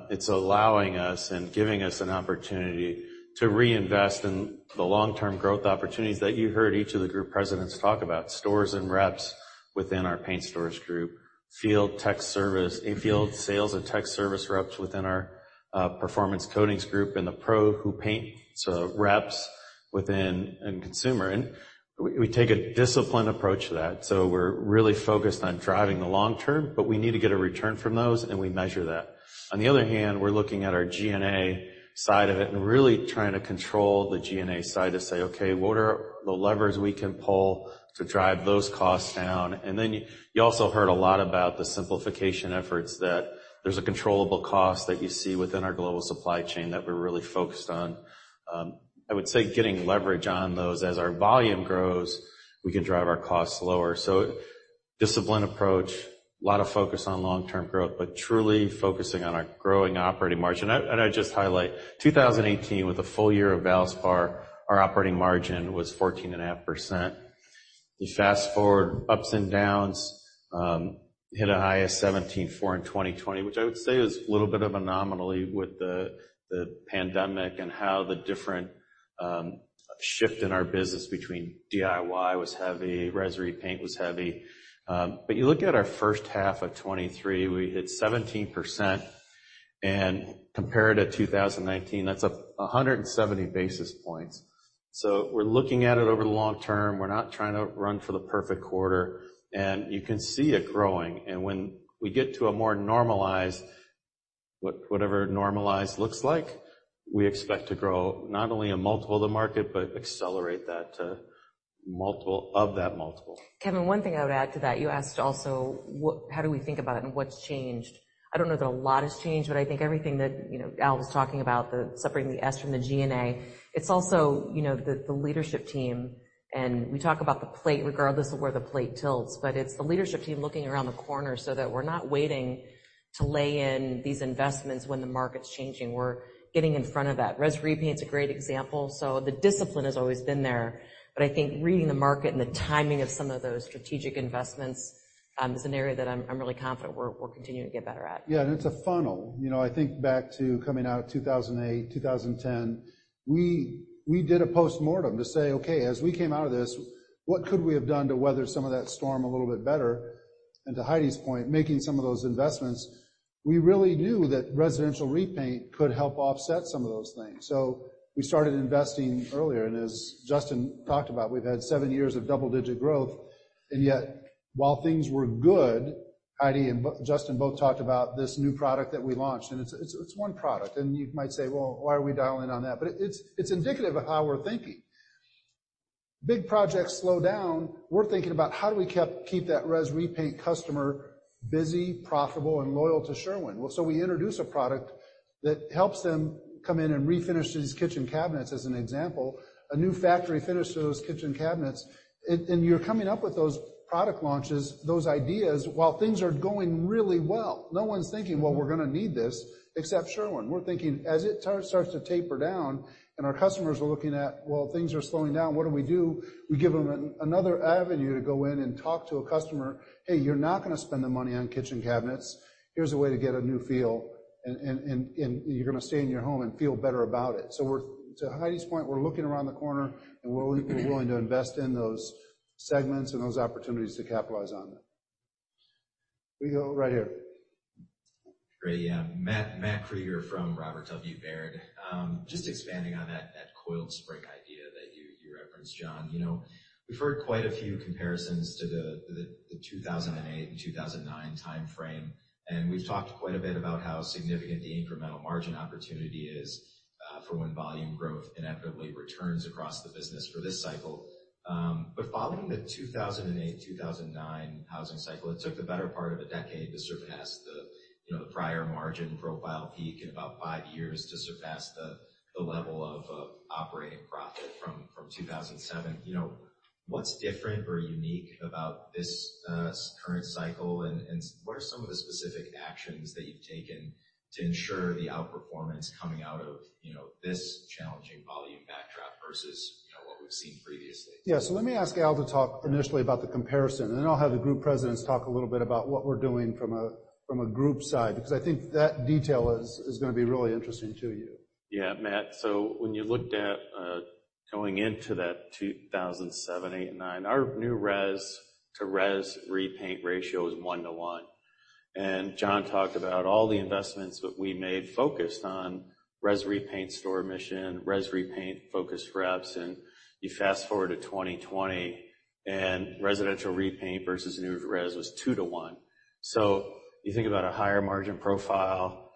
it's allowing us and giving us an opportunity to reinvest in the long-term growth opportunities that you heard each of the Group Presidents talk about. Stores and reps within our Paint Stores Group, field tech service, and field sales and tech service reps within our Performance Coatings Group, and the Pro Who Paints, so reps within and Consumer, and we take a disciplined approach to that. So we're really focused on driving the long-term, but we need to get a return from those, and we measure that. On the other hand, we're looking at our G&A side of it and really trying to control the G&A side to say, "Okay, what are the levers we can pull to drive those costs down?" And then you also heard a lot about the simplification efforts, that there's a controllable cost that you see within our global supply chain that we're really focused on. I would say getting leverage on those. As our volume grows, we can drive our costs lower. Disciplined approach, a lot of focus on long-term growth, but truly focusing on our growing operating margin. And I just highlight, 2018, with a full year of Valspar, our operating margin was 14.5%. You fast-forward, ups and downs, hit a high of 17.4 in 2020, which I would say is a little bit of an anomaly with the, the pandemic and how the different, shift in our business between DIY was heavy, res repaint was heavy. But you look at our first half of 2023, we hit 17% and compare it to 2019, that's 170 basis points. So we're looking at it over the long term. We're not trying to run for the perfect quarter, and you can see it growing. And when we get to a more normalized, whatever normalized looks like, we expect to grow not only a multiple of the market, but accelerate that to multiple of that multiple. Kevin, one thing I would add to that, you asked also, what, how do we think about it and what's changed? I don't know that a lot has changed, but I think everything that, you know, Al was talking about, the separating the S from the G&A, it's also, you know, the leadership team, and we talk about the plate regardless of where the plate tilts, but it's the leadership team looking around the corner so that we're not waiting to lay in these investments when the market's changing. We're getting in front of that. Res repaint is a great example. So the discipline has always been there, but I think reading the market and the timing of some of those strategic investments is an area that I'm really confident we're continuing to get better at. Yeah, and it's a funnel. You know, I think back to coming out of 2008, 2010, we, we did a postmortem to say, "Okay, as we came out of this, what could we have done to weather some of that storm a little bit better?" And to Heidi's point, making some of those investments, we really knew that residential repaint could help offset some of those things. So we started investing earlier, and as Justin talked about, we've had 7 years of double-digit growth, and yet while things were good, Heidi and Justin both talked about this new product that we launched, and it's, it's one product, and you might say, "Well, why are we dialing in on that?" But it's, it's indicative of how we're thinking. Big projects slow down. We're thinking about how do we keep that res repaint customer busy, profitable, and loyal to Sherwin. Well, so we introduce a product that helps them come in and refinish these kitchen cabinets, as an example, a new factory finish to those kitchen cabinets. And you're coming up with those product launches, those ideas while things are going really well. No one's thinking, "Well, we're gonna need this," except Sherwin. We're thinking as it starts to taper down and our customers are looking at, well, things are slowing down, what do we do? We give them another avenue to go in and talk to a customer, "Hey, you're not gonna spend the money on kitchen cabinets. Here's a way to get a new feel, and you're gonna stay in your home and feel better about it. So we're to Heidi's point, we're looking around the corner, and we're willing to invest in those segments and those opportunities to capitalize on them. We go right here. Great, yeah. Matt, Matt Krueger from Robert W. Baird. Just expanding on that, that coiled spring idea that you, you referenced, John. You know, we've heard quite a few comparisons to the 2008 and 2009 timeframe, and we've talked quite a bit about how significant the incremental margin opportunity is, for when volume growth inevitably returns across the business for this cycle. But following the 2008, 2009 housing cycle, it took the better part of a decade to surpass the, you know, the prior margin profile peak and about five years to surpass the level of operating profit from 2007. You know, what's different or unique about this current cycle, and what are some of the specific actions that you've taken to ensure the outperformance coming out of, you know, this challenging volume backdrop versus, you know, what we've seen previously? Yeah, so let me ask Al to talk initially about the comparison, and then I'll have the group presidents talk a little bit about what we're doing from a group side, because I think that detail is gonna be really interesting to you. Yeah, Matt, so when you looked at going into that 2007, 2008, and 2009, our new res to res repaint ratio is 1:1. And John talked about all the investments that we made focused on res repaint store mission, res repaint focused reps, and you fast-forward to 2020, and residential repaint versus new res was 2:1. So you think about a higher margin profile....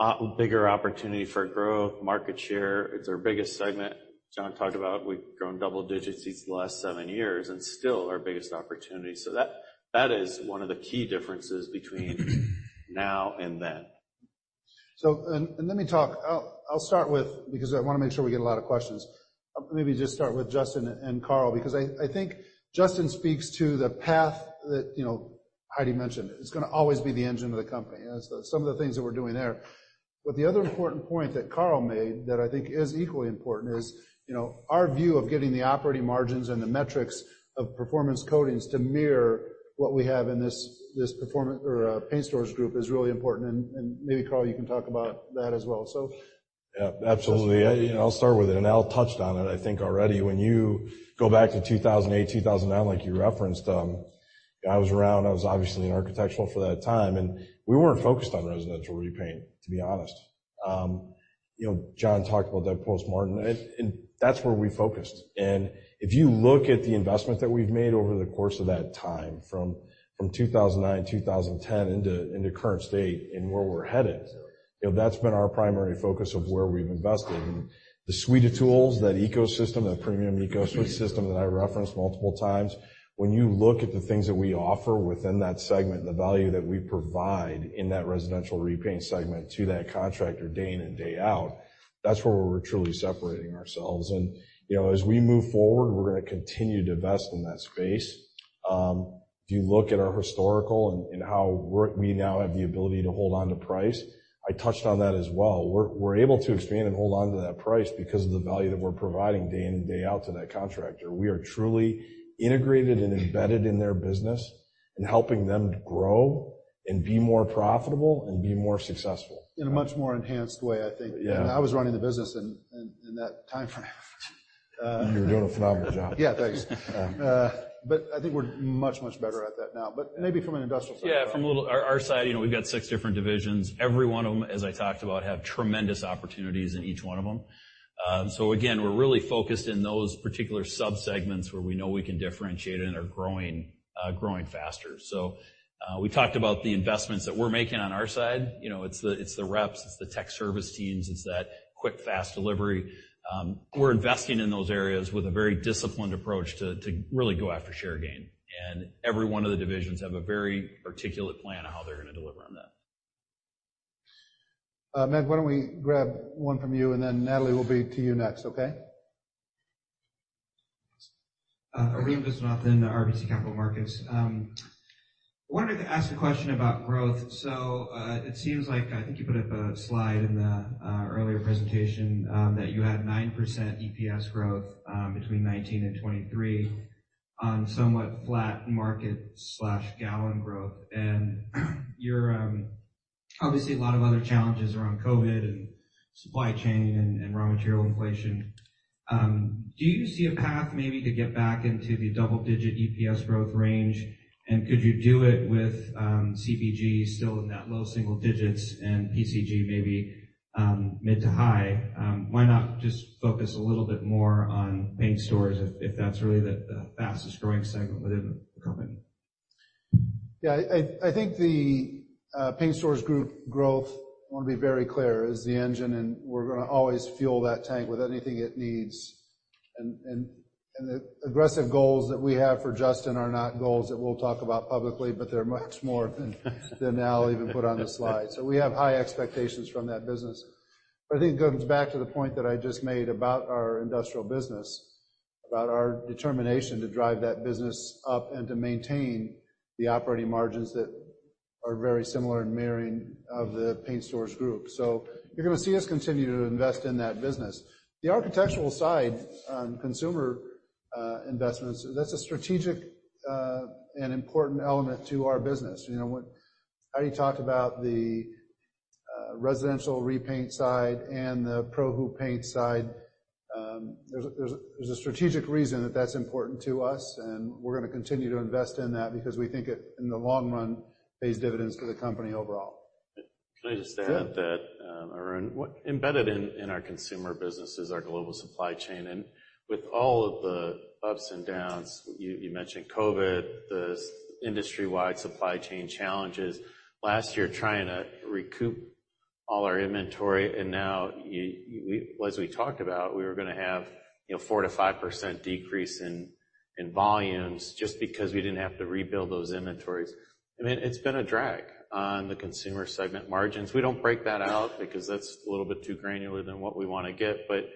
a lot bigger opportunity for growth, market share. It's our biggest segment. John talked about, we've grown double digits each the last seven years, and still our biggest opportunity. So that, that is one of the key differences between now and then. Let me talk. I'll start with, because I wanna make sure we get a lot of questions. Maybe just start with Justin and Karl, because I think Justin speaks to the path that, you know, Heidi mentioned, is gonna always be the engine of the company, and so some of the things that we're doing there. But the other important point that Karl made, that I think is equally important is, you know, our view of getting the operating margins and the metrics of performance coatings to mirror what we have in this paint stores group is really important. And maybe, Karl, you can talk about that as well, so. Yeah, absolutely. I, you know, I'll start with it, and Al touched on it, I think already. When you go back to 2008, 2009, like you referenced, I was around, I was obviously in architectural for that time, and we weren't focused on residential repaint, to be honest. You know, John talked about that post-mortem, and that's where we focused. And if you look at the investment that we've made over the course of that time, from 2009, 2010 into current state and where we're headed, you know, that's been our primary focus of where we've invested. The suite of tools, that ecosystem, that premium ecosystem that I referenced multiple times, when you look at the things that we offer within that segment and the value that we provide in that residential repaint segment to that contractor, day in and day out, that's where we're truly separating ourselves. You know, as we move forward, we're gonna continue to invest in that space. If you look at our historical and how we now have the ability to hold on to price, I touched on that as well. We're able to expand and hold on to that price because of the value that we're providing day in and day out to that contractor. We are truly integrated and embedded in their business and helping them grow and be more profitable and be more successful. In a much more enhanced way, I think. Yeah. When I was running the business in that timeframe, You were doing a phenomenal job. Yeah, thanks. Yeah. But I think we're much, much better at that now. But maybe from an industrial side. Yeah, from our side, you know, we've got six different divisions. Every one of them, as I talked about, have tremendous opportunities in each one of them. So again, we're really focused in those particular subsegments where we know we can differentiate and are growing, growing faster. So, we talked about the investments that we're making on our side. You know, it's the reps, it's the tech service teams, it's that quick, fast delivery. We're investing in those areas with a very disciplined approach to really go after share gain. And every one of the divisions have a very articulate plan on how they're gonna deliver on that. Matt, why don't we grab one from you, and then, Natalie, we'll be to you next, okay? Arun Viswanathan, RBC Capital Markets. I wanted to ask a question about growth. So, it seems like I think you put up a slide in the earlier presentation that you had 9% EPS growth between 2019 and 2023 on somewhat flat market/gallon growth. And you're obviously a lot of other challenges around COVID and supply chain and raw material inflation. Do you see a path maybe to get back into the double-digit EPS growth range? And could you do it with CBG still in that low single digits and PCG maybe mid to high? Why not just focus a little bit more on paint stores if that's really the fastest-growing segment within the company? Yeah, I think the paint stores group growth, I wanna be very clear, is the engine, and we're gonna always fuel that tank with anything it needs. And the aggressive goals that we have for Justin are not goals that we'll talk about publicly, but they're much more than than Al even put on the slide. So we have high expectations from that business. But I think it goes back to the point that I just made about our industrial business, about our determination to drive that business up and to maintain the operating margins that are very similar in mirroring of the paint stores group. So you're gonna see us continue to invest in that business. The architectural side, consumer investments, that's a strategic and important element to our business. You know what, Heidi talked about the residential repaint side and the pro who paints side. There's a strategic reason that that's important to us, and we're gonna continue to invest in that because we think it, in the long run, pays dividends to the company overall. Can I just add that- Yeah. Arun, what... Embedded in our consumer business is our global supply chain, and with all of the ups and downs, you mentioned COVID, the industry-wide supply chain challenges. Last year, trying to recoup all our inventory, and now, as we talked about, we were gonna have, you know, 4%-5% decrease in volumes just because we didn't have to rebuild those inventories. I mean, it's been a drag on the consumer segment margins. We don't break that out because that's a little bit too granular than what we wanna get. But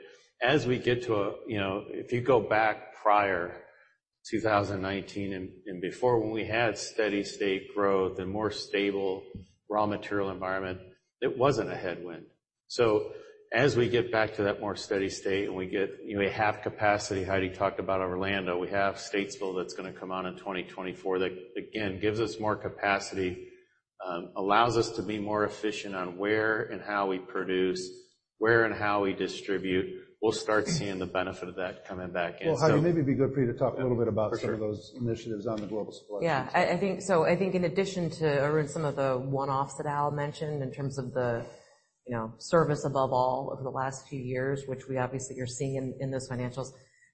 as we get to a, you know, if you go back prior, 2019 and before, when we had steady state growth and more stable raw material environment, it wasn't a headwind. So as we get back to that more steady state, and we get, you know, a half capacity, Heidi talked about Orlando, we have Statesville that's gonna come out in 2024. That, again, gives us more capacity, allows us to be more efficient on where and how we produce, where and how we distribute. We'll start seeing the benefit of that coming back in, so- Well, Heidi, maybe it'd be good for you to talk a little bit about- For sure. Some of those initiatives on the global supply chain. Yeah, I think, so I think in addition to, Arun, some of the one-offs that Al mentioned in terms of the, you know, service above all over the last few years, which we obviously you're seeing in those financials.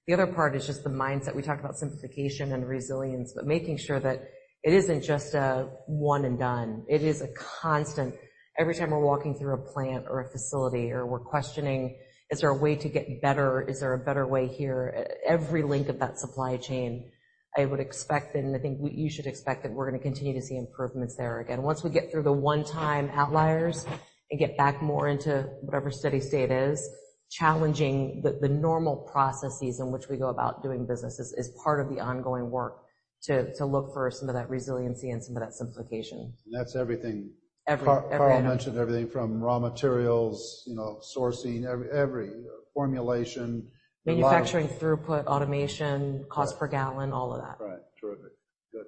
The other part is just the mindset. We talked about simplification and resilience, but making sure that it isn't just a one and done. It is a constant every time we're walking through a plant or a facility, or we're questioning, is there a way to get better? Is there a better way here? Every link of that supply chain, I would expect, and I think you should expect, that we're going to continue to see improvements there. Again, once we get through the one-time outliers and get back more into whatever steady state is, challenging the normal processes in which we go about doing business is part of the ongoing work to look for some of that resiliency and some of that simplification. That's everything. Everything. Karl mentioned everything from raw materials, you know, sourcing, every formulation- Manufacturing, throughput, automation, cost per gallon, all of that. Right. Terrific. Good.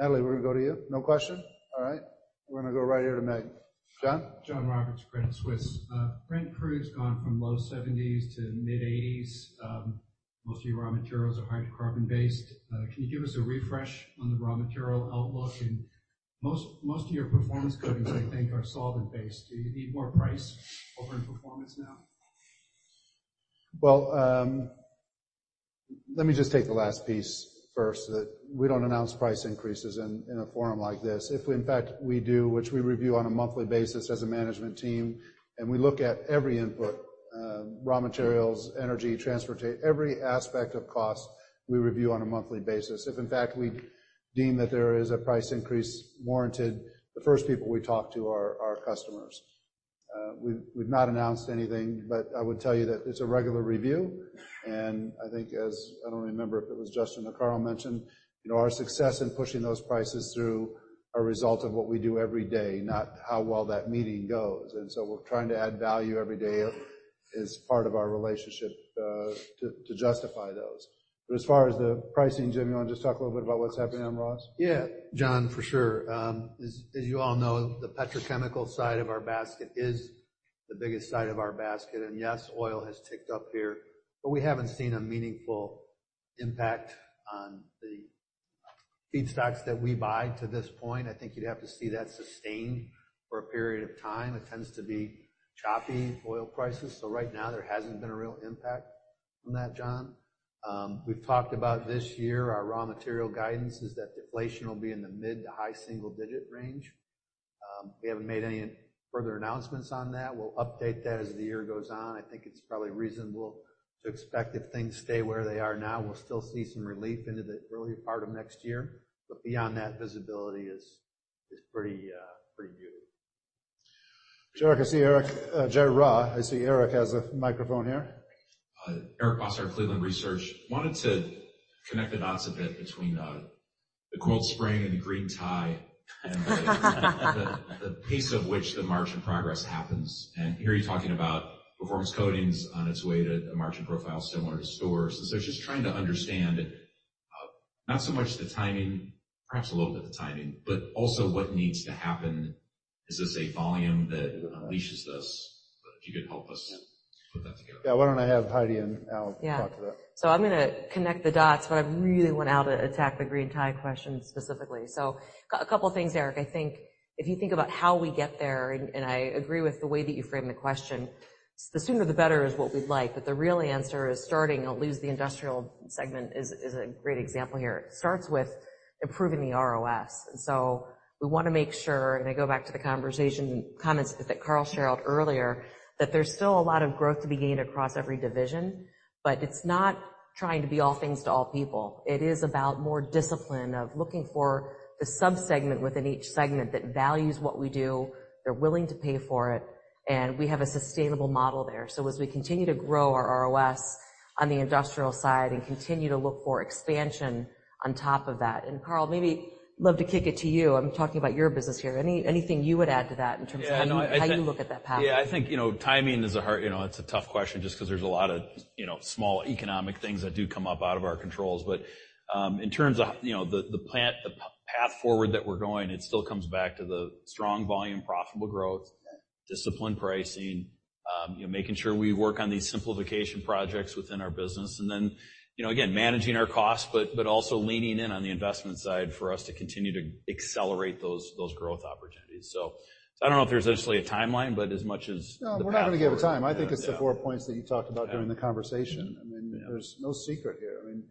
Natalie, we're gonna go to you. No question? All right, we're gonna go right here to Meg. John? John Roberts, Credit Suisse. Brent crude's gone from low 70s to mid-80s. Most of your raw materials are hydrocarbon-based. Can you give us a refresh on the raw material outlook? And most of your performance coatings, I think, are solvent-based. Do you need more price over in performance now? Well, let me just take the last piece first, that we don't announce price increases in a forum like this. If in fact we do, which we review on a monthly basis as a management team, and we look at every input, raw materials, energy, transportation, every aspect of cost, we review on a monthly basis. If in fact we deem that there is a price increase warranted, the first people we talk to are our customers. We've not announced anything, but I would tell you that it's a regular review, and I think as I don't remember if it was Justin or Karl mentioned, you know, our success in pushing those prices through are a result of what we do every day, not how well that meeting goes. So we're trying to add value every day as part of our relationship to justify those. But as far as the pricing, Jim, you want to just talk a little bit about what's happening on raw materials? Yeah, John, for sure. As you all know, the petrochemical side of our basket is the biggest side of our basket. And yes, oil has ticked up here, but we haven't seen a meaningful impact on the feedstocks that we buy to this point. I think you'd have to see that sustained for a period of time. It tends to be choppy, oil prices, so right now there hasn't been a real impact from that, John. We've talked about this year, our raw material guidance is that deflation will be in the mid- to high single-digit range. We haven't made any further announcements on that. We'll update that as the year goes on. I think it's probably reasonable to expect if things stay where they are now, we'll still see some relief into the early part of next year. But beyond that, visibility is pretty, pretty muted. Sure, I can see Eric. Jerry Rah, I see Eric has a microphone here. Eric Bosshard, Cleveland Research. Wanted to connect the dots a bit between the coiled spring and the green tie, and the pace of which the margin progress happens. And here you're talking about performance coatings on its way to a margin profile similar to stores. And so just trying to understand, not so much the timing, perhaps a little bit of the timing, but also what needs to happen. Is this a volume that unleashes this? If you could help us put that together. Yeah. Why don't I have Heidi and Al talk to that? Yeah. So I'm gonna connect the dots, but I really want Al to attack the green tie question specifically. So a couple of things, Eric. I think if you think about how we get there, and I agree with the way that you framed the question, the sooner the better is what we'd like, but the real answer is starting. I'll use the industrial segment as a great example here. It starts with improving the ROS. And so we want to make sure, and I go back to the conversation and comments that Carl shared out earlier, that there's still a lot of growth to be gained across every division, but it's not trying to be all things to all people. It is about more discipline of looking for the subsegment within each segment that values what we do, they're willing to pay for it, and we have a sustainable model there. So as we continue to grow our ROS on the industrial side and continue to look for expansion on top of that, and Karl, I'd love to kick it to you. I'm talking about your business here. Anything you would add to that in terms of how you look at that path? Yeah, I think, you know, timing is a hard, you know, it's a tough question just because there's a lot of, you know, small economic things that do come up out of our controls. But, in terms of, you know, the, the plant, the path forward that we're going, it still comes back to the strong volume, profitable growth, disciplined pricing, you know, making sure we work on these simplification projects within our business, and then, you know, again, managing our costs, but, but also leaning in on the investment side for us to continue to accelerate those, those growth opportunities. So I don't know if there's necessarily a timeline, but as much as- No, we're not going to give a time. I think it's the four points that you talked about during the conversation. I mean, there's no secret here. I mean,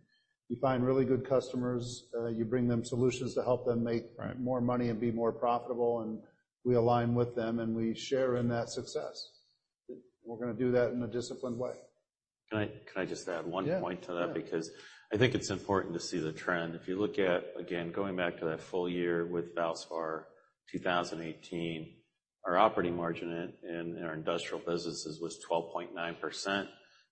you find really good customers, you bring them solutions to help them make- Right... more money and be more profitable, and we align with them, and we share in that success. We're gonna do that in a disciplined way. Can I just add one point to that? Yeah. Because I think it's important to see the trend. If you look at, again, going back to that full year with Valspar, 2018, our operating margin in, in our industrial businesses was 12.9%.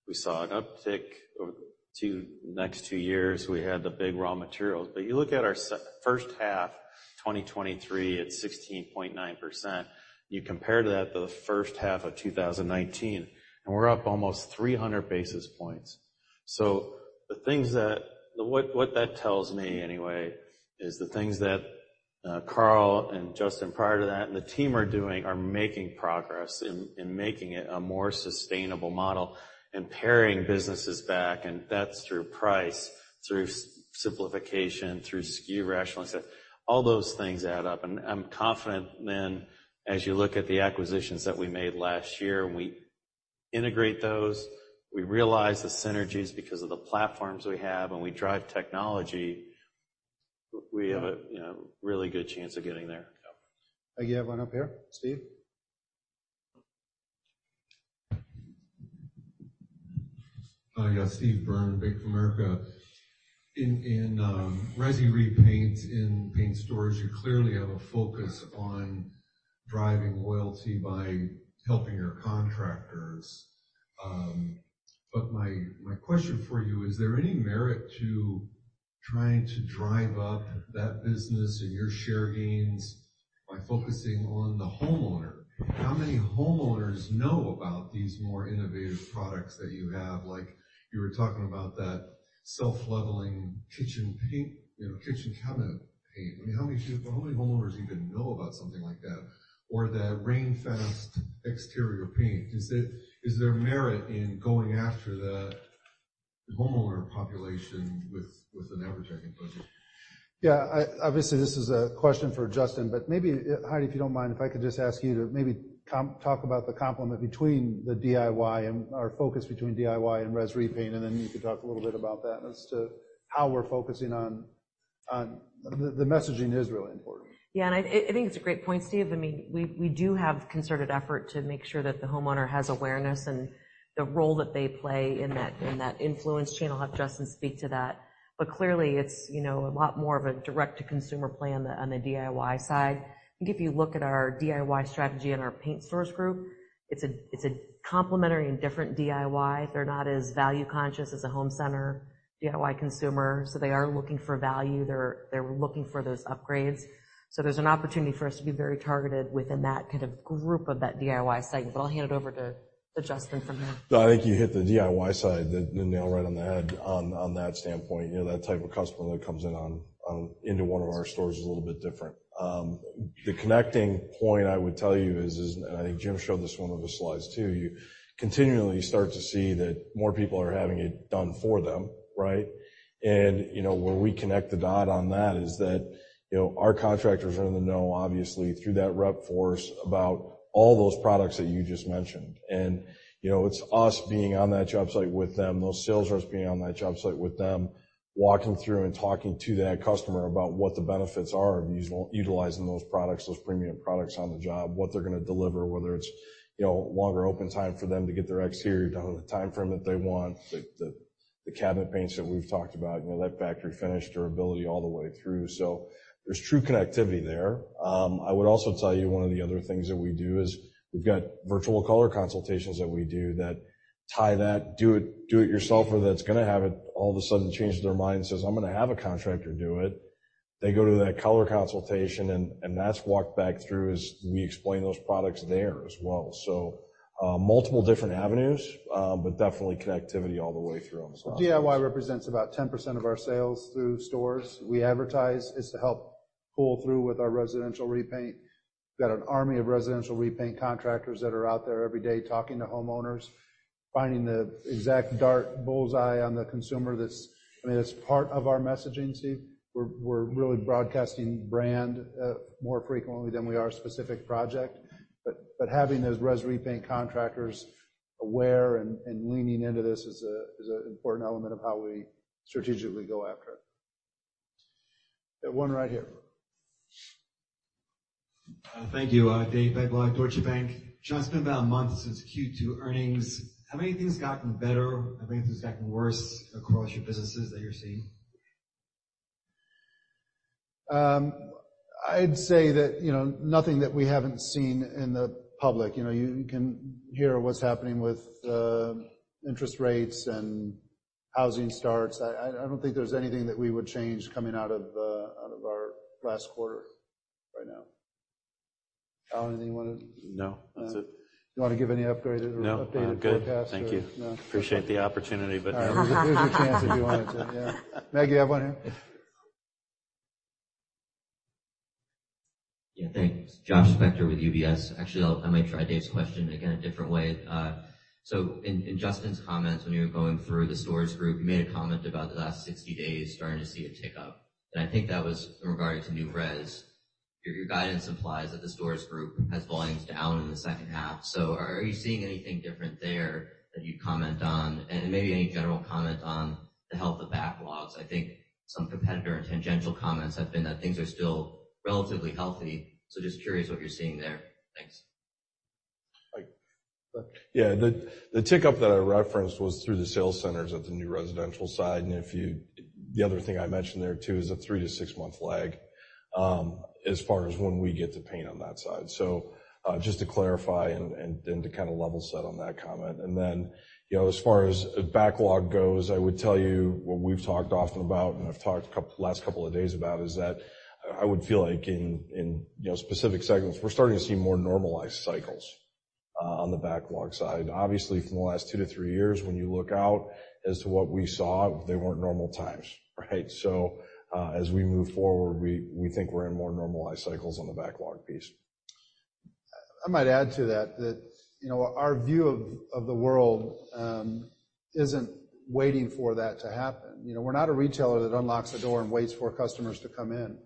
We saw an uptick over two, next two years, we had the big raw materials. But you look at our first half, 2023, it's 16.9%. You compare that to the first half of 2019, and we're up almost 300 basis points. So the things that-- what, what that tells me anyway, is the things that, Karl and Justin, prior to that, and the team are doing, are making progress in, in making it a more sustainable model and paring businesses back, and that's through price, through simplification, through SKU rationalization. All those things add up, and I'm confident then, as you look at the acquisitions that we made last year, and we integrate those, we realize the synergies because of the platforms we have, and we drive technology.... we have, you know, really good chance of getting there. You have one up here, Steve? Hi, yeah, Steve Byrne, Bank of America. In resi repaints in paint stores, you clearly have a focus on driving loyalty by helping your contractors. But my question for you, is there any merit to trying to drive up that business and your share gains by focusing on the homeowner? How many homeowners know about these more innovative products that you have? Like, you were talking about that self-leveling kitchen paint, you know, kitchen cabinet paint. I mean, how many homeowners even know about something like that? Or the rain fast exterior paint. Is there merit in going after the homeowner population with an advertising budget? Yeah, obviously, this is a question for Justin, but maybe, Heidi, if you don't mind, if I could just ask you to maybe talk about the complement between the DIY and, or focus between DIY and res repaint, and then you could talk a little bit about that as to how we're focusing on... The messaging is really important. Yeah, and I think it's a great point, Steve. I mean, we do have concerted effort to make sure that the homeowner has awareness and the role that they play in that influence channel. I'll have Justin speak to that. But clearly, it's you know, a lot more of a direct-to-consumer play on the DIY side. I think if you look at our DIY strategy and our Paint Stores Group, it's a complementary and different DIY. They're not as value conscious as a home center DIY consumer, so they are looking for value. They're looking for those upgrades. So there's an opportunity for us to be very targeted within that kind of group of that DIY segment, but I'll hand it over to Justin from here. I think you hit the DIY side, the nail right on the head on that standpoint. You know, that type of customer that comes in into one of our stores is a little bit different. The connecting point I would tell you is, and I think Jim showed this one on the slides, too, you continually start to see that more people are having it done for them, right? You know, where we connect the dot on that is that, you know, our contractors are in the know, obviously, through that rep force, about all those products that you just mentioned. You know, it's us being on that job site with them, those sales reps being on that job site with them, walking through and talking to that customer about what the benefits are of us utilizing those products, those premium products on the job, what they're gonna deliver, whether it's, you know, longer open time for them to get their exterior done on the time frame that they want, the cabinet paints that we've talked about, you know, that factory finish durability all the way through. So there's true connectivity there. I would also tell you one of the other things that we do is we've got virtual color consultations that we do that tie that do it, do-it-yourselfer that's gonna have it all of a sudden change their mind and says, "I'm gonna have a contractor do it." They go to that color consultation, and, and that's walked back through as we explain those products there as well. So, multiple different avenues, but definitely connectivity all the way through them, so. DIY represents about 10% of our sales through stores. We advertise it's to help pull through with our residential repaint. We've got an army of residential repaint contractors that are out there every day talking to homeowners, finding the exact dart bull's-eye on the consumer that's, I mean, it's part of our messaging, see. We're, we're really broadcasting brand more frequently than we are a specific project. But, but having those res repaint contractors aware and, and leaning into this is a, is an important element of how we strategically go after it. Got one right here. Thank you. Dave Begleiter, Deutsche Bank. John, it's been about a month since Q2 earnings. How many things gotten better? How many things gotten worse across your businesses that you're seeing? I'd say that, you know, nothing that we haven't seen in the public. You know, you can hear what's happening with interest rates and housing starts. I don't think there's anything that we would change coming out of our last quarter right now. Allen, anything you want to- No, that's it. You want to give any upgraded or updated forecast? No. I'm good. Thank you. No. Appreciate the opportunity, but no. Here's your chance, if you wanted to. Yeah. Meg, you have one here? Yeah, thanks. Josh Spector with UBS. Actually, I'll, I might try Dave's question again a different way. So in, in Justin's comments, when you were going through the stores group, you made a comment about the last 60 days starting to see a tick up, and I think that was in regard to new res. Your, your guidance implies that the stores group has volumes down in the second half, so are, are you seeing anything different there that you'd comment on? And maybe any general comment on the health of backlogs. I think some competitor and tangential comments have been that things are still relatively healthy, so just curious what you're seeing there. Thanks. Mike? Yeah. The tick-up that I referenced was through the sales centers at the new residential side, and if you... The other thing I mentioned there, too, is a 3-month-6-month lag, as far as when we get to paint on that side. So, just to clarify and to kind of level set on that comment. And then, you know, as far as backlog goes, I would tell you what we've talked often about, and I've talked last couple of days about, is that I would feel like in, you know, specific segments, we're starting to see more normalized cycles on the backlog side. Obviously, from the last 2 years-3 years, when you look out as to what we saw, they weren't normal times, right? As we move forward, we think we're in more normalized cycles on the backlog piece. I might add to that, you know, our view of the world isn't waiting for that to happen. You know, we're not a retailer that unlocks the door and waits for customers to come in.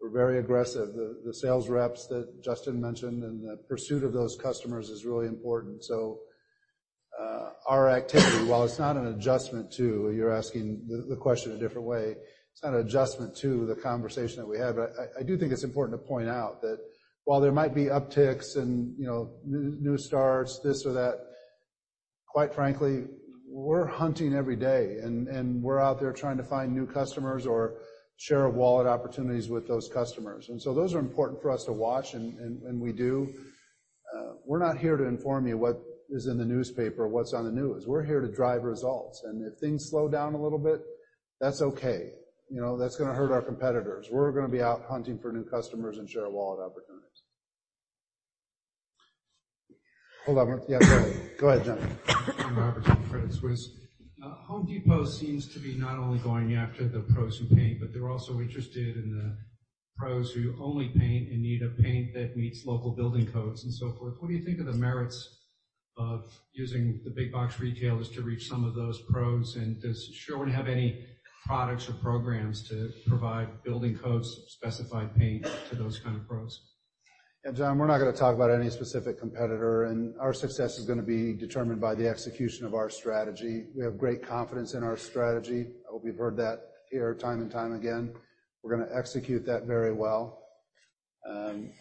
We're very aggressive. The sales reps that Justin mentioned and the pursuit of those customers is really important. So our activity, while it's not an adjustment to—you're asking the question a different way, it's not an adjustment to the conversation that we had. But I do think it's important to point out that while there might be upticks and, you know, new starts, this or that, quite frankly, we're hunting every day, and we're out there trying to find new customers or share of wallet opportunities with those customers. And so those are important for us to watch, and we do. We're not here to inform you what is in the newspaper or what's on the news. We're here to drive results, and if things slow down a little bit, that's okay. You know, that's gonna hurt our competitors. We're gonna be out hunting for new customers and share wallet opportunities. Hold on one-- Yeah, go ahead. Go ahead, John. John Robertson, Credit Suisse. Home Depot seems to be not only going after the pros who paint, but they're also interested in the pros who only paint and need a paint that meets local building codes and so forth. What do you think of the merits of using the big box retailers to reach some of those pros? And does Sherwin have any products or programs to provide building codes, specified paint to those kind of pros? Yeah, John, we're not gonna talk about any specific competitor, and our success is gonna be determined by the execution of our strategy. We have great confidence in our strategy. I hope you've heard that here time and time again. We're gonna execute that very well.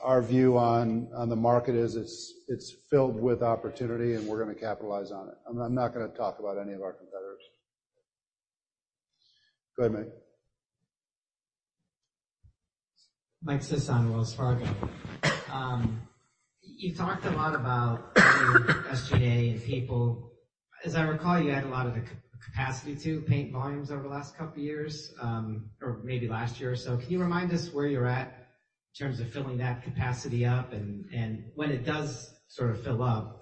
Our view on the market is, it's filled with opportunity, and we're gonna capitalize on it. I'm not gonna talk about any of our competitors. Go ahead, Mike. Mike Sison, Wells Fargo. You talked a lot about SG&A and people. As I recall, you had a lot of the capacity to paint volumes over the last couple of years, or maybe last year or so. Can you remind us where you're at in terms of filling that capacity up, and when it does sort of fill up,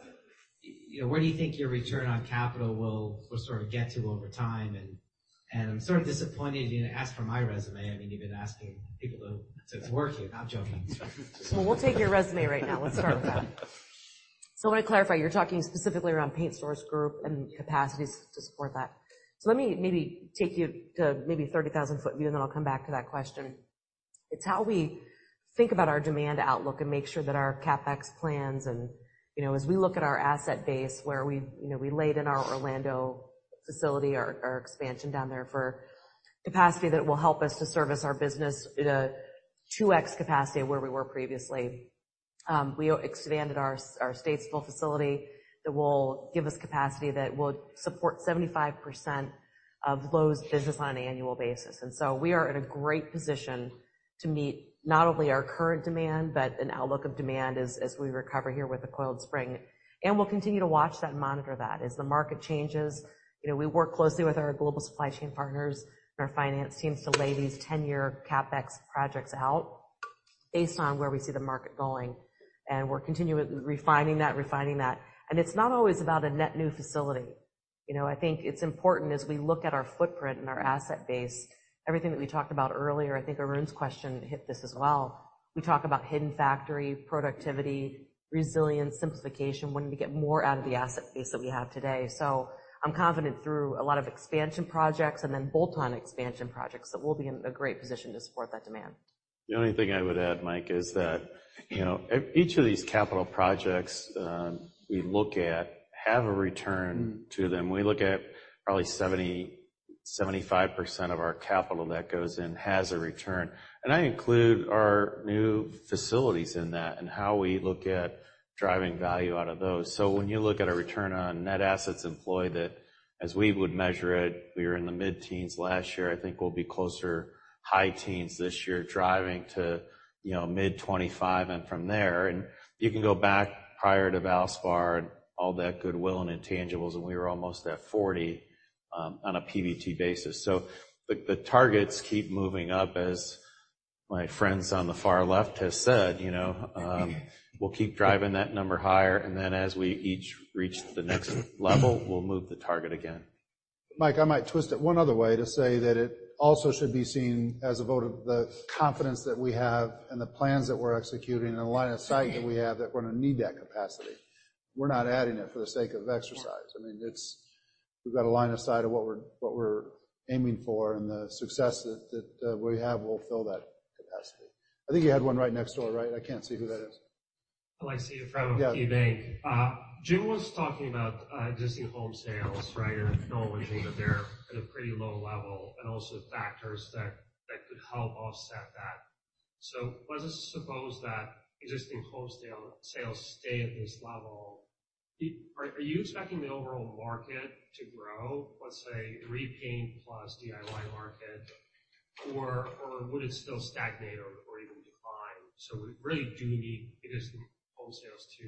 you know, where do you think your return on capital will sort of get to over time? And I'm sort of disappointed you didn't ask for my resume. I mean, you've been asking people to work here. I'm joking. Well, we'll take your resume right now. Let's start with that. So I want to clarify, you're talking specifically around Paint Stores Group and capacities to support that. So let me maybe take you to maybe 30,000-foot view, and then I'll come back to that question. It's how we think about our demand outlook and make sure that our CapEx plans and, you know, as we look at our asset base, where we, you know, we laid in our Orlando facility, our expansion down there for capacity that will help us to service our business in a 2x capacity where we were previously. We expanded our Statesville facility that will give us capacity that will support 75% of Lowe's business on an annual basis. So we are in a great position to meet not only our current demand, but an outlook of demand as we recover here with the coiled spring. We'll continue to watch that and monitor that. As the market changes, you know, we work closely with our global supply chain partners and our finance teams to lay these ten-year CapEx projects out based on where we see the market going, and we're continually refining that, refining that. It's not always about a net new facility. You know, I think it's important as we look at our footprint and our asset base, everything that we talked about earlier, I think Arun's question hit this as well. We talk about hidden factory, productivity, resilience, simplification, wanting to get more out of the asset base that we have today. I'm confident through a lot of expansion projects and then bolt-on expansion projects, that we'll be in a great position to support that demand. The only thing I would add, Mike, is that, you know, each of these capital projects, we look at have a return to them. We look at probably 70%-75% of our capital that goes in, has a return. And I include our new facilities in that and how we look at driving value out of those. So when you look at a return on net assets employed, that as we would measure it, we were in the mid-teens last year. I think we'll be closer high teens this year, driving to, you know, mid-25 and from there. And you can go back prior to Valspar and all that goodwill and intangibles, and we were almost at 40, on a PBT basis. So the targets keep moving up, as my friends on the far left have said, you know, we'll keep driving that number higher, and then as we each reach the next level, we'll move the target again. Mike, I might twist it one other way to say that it also should be seen as a vote of the confidence that we have and the plans that we're executing and the line of sight that we have, that we're going to need that capacity. We're not adding it for the sake of exercise. I mean, it's, we've got a line of sight of what we're aiming for, and the success that we have will fill that capacity. I think you had one right next door, right? I can't see who that is. Oh, I see, in front of Dave. Yeah. Jim was talking about existing home sales, right? And acknowledging that they're at a pretty low level and also factors that could help offset that. So let's suppose that existing home sales stay at this level. Are you expecting the overall market to grow, let's say, repaint plus DIY market, or would it still stagnate or even decline? So we really do need existing home sales to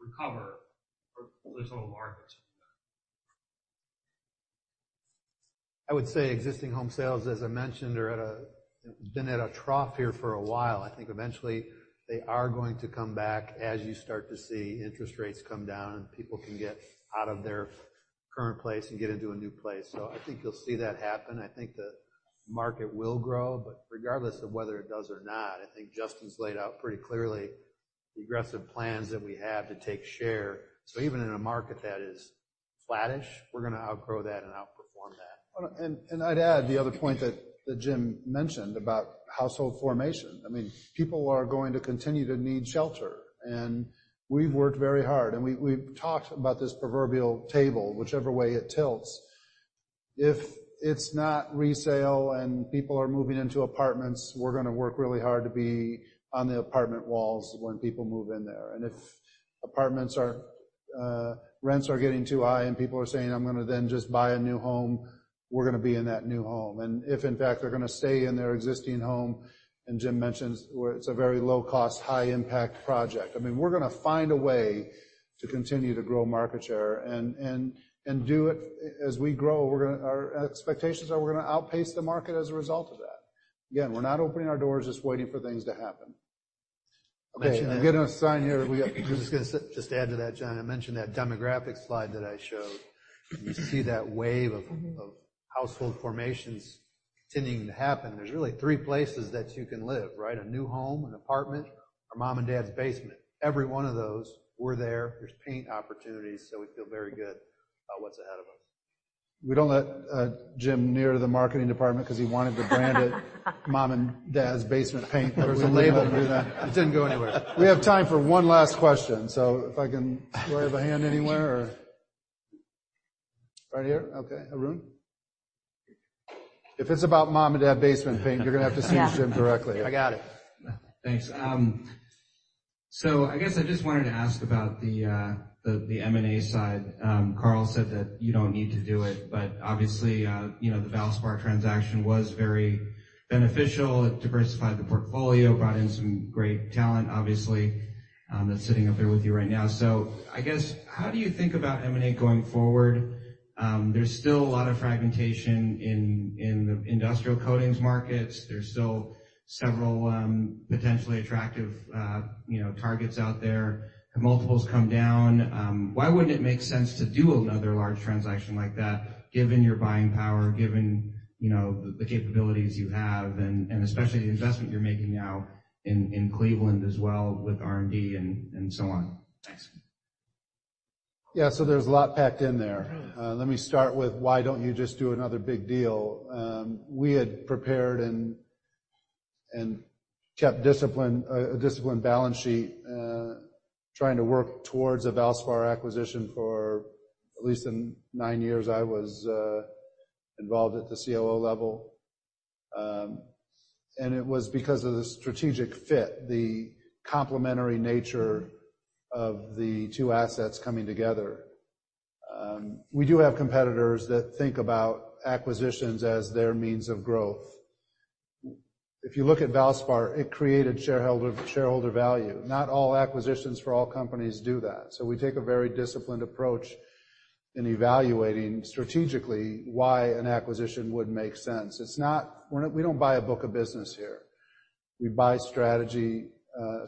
recover or the total market. I would say existing home sales, as I mentioned, have been at a trough here for a while. I think eventually they are going to come back as you start to see interest rates come down, and people can get out of their current place and get into a new place. So I think you'll see that happen. I think the market will grow, but regardless of whether it does or not, I think Justin's laid out pretty clearly the aggressive plans that we have to take share. So even in a market that is flattish, we're gonna outgrow that and outgrow it. And I'd add the other point that Jim mentioned about household formation. I mean, people are going to continue to need shelter, and we've worked very hard, and we've talked about this proverbial table, whichever way it tilts. If it's not resale and people are moving into apartments, we're gonna work really hard to be on the apartment walls when people move in there. And if apartments are, rents are getting too high and people are saying, "I'm gonna then just buy a new home," we're gonna be in that new home. And if, in fact, they're gonna stay in their existing home, and Jim mentions, where it's a very low-cost, high-impact project. I mean, we're gonna find a way to continue to grow market share and do it as we grow. We're gonna- our expectations are we're gonna outpace the market as a result of that. Again, we're not opening our doors just waiting for things to happen. I'll mention- Okay, I'm getting a sign here that we got- Just add to that, John. I mentioned that demographic slide that I showed. You see that wave of household formations continuing to happen. There's really three places that you can live, right? A new home, an apartment, or mom and dad's basement. Every one of those, we're there. There's paint opportunities, so we feel very good about what's ahead of us. We don't let Jim near the marketing department because he wanted to brand it: Mom and Dad's Basement Paint. There was a label. It didn't go anywhere. We have time for one last question, so if I can, do I have a hand anywhere or... Right here? Okay, Arun. If it's about Mom and Dad Basement Paint, you're gonna have to see Jim directly. I got it. Thanks. So I guess I just wanted to ask about the M&A side. Carl said that you don't need to do it, but obviously, you know, the Valspar transaction was very beneficial. It diversified the portfolio, brought in some great talent, obviously, that's sitting up there with you right now. So I guess, how do you think about M&A going forward? There's still a lot of fragmentation in the industrial coatings markets. There's still several potentially attractive, you know, targets out there. Have multiples come down, why wouldn't it make sense to do another large transaction like that, given your buying power, given, you know, the capabilities you have, and especially the investment you're making now in Cleveland as well with R&D and so on? Thanks. Yeah, so there's a lot packed in there. Mm-hmm. Let me start with why don't you just do another big deal? We had prepared and kept discipline, a disciplined balance sheet, trying to work towards a Valspar acquisition for at least nine years. I was involved at the COO level. It was because of the strategic fit, the complementary nature of the two assets coming together. We do have competitors that think about acquisitions as their means of growth. If you look at Valspar, it created shareholder value. Not all acquisitions for all companies do that, so we take a very disciplined approach in evaluating strategically why an acquisition would make sense. It's not. We don't buy a book of business here. We buy strategy,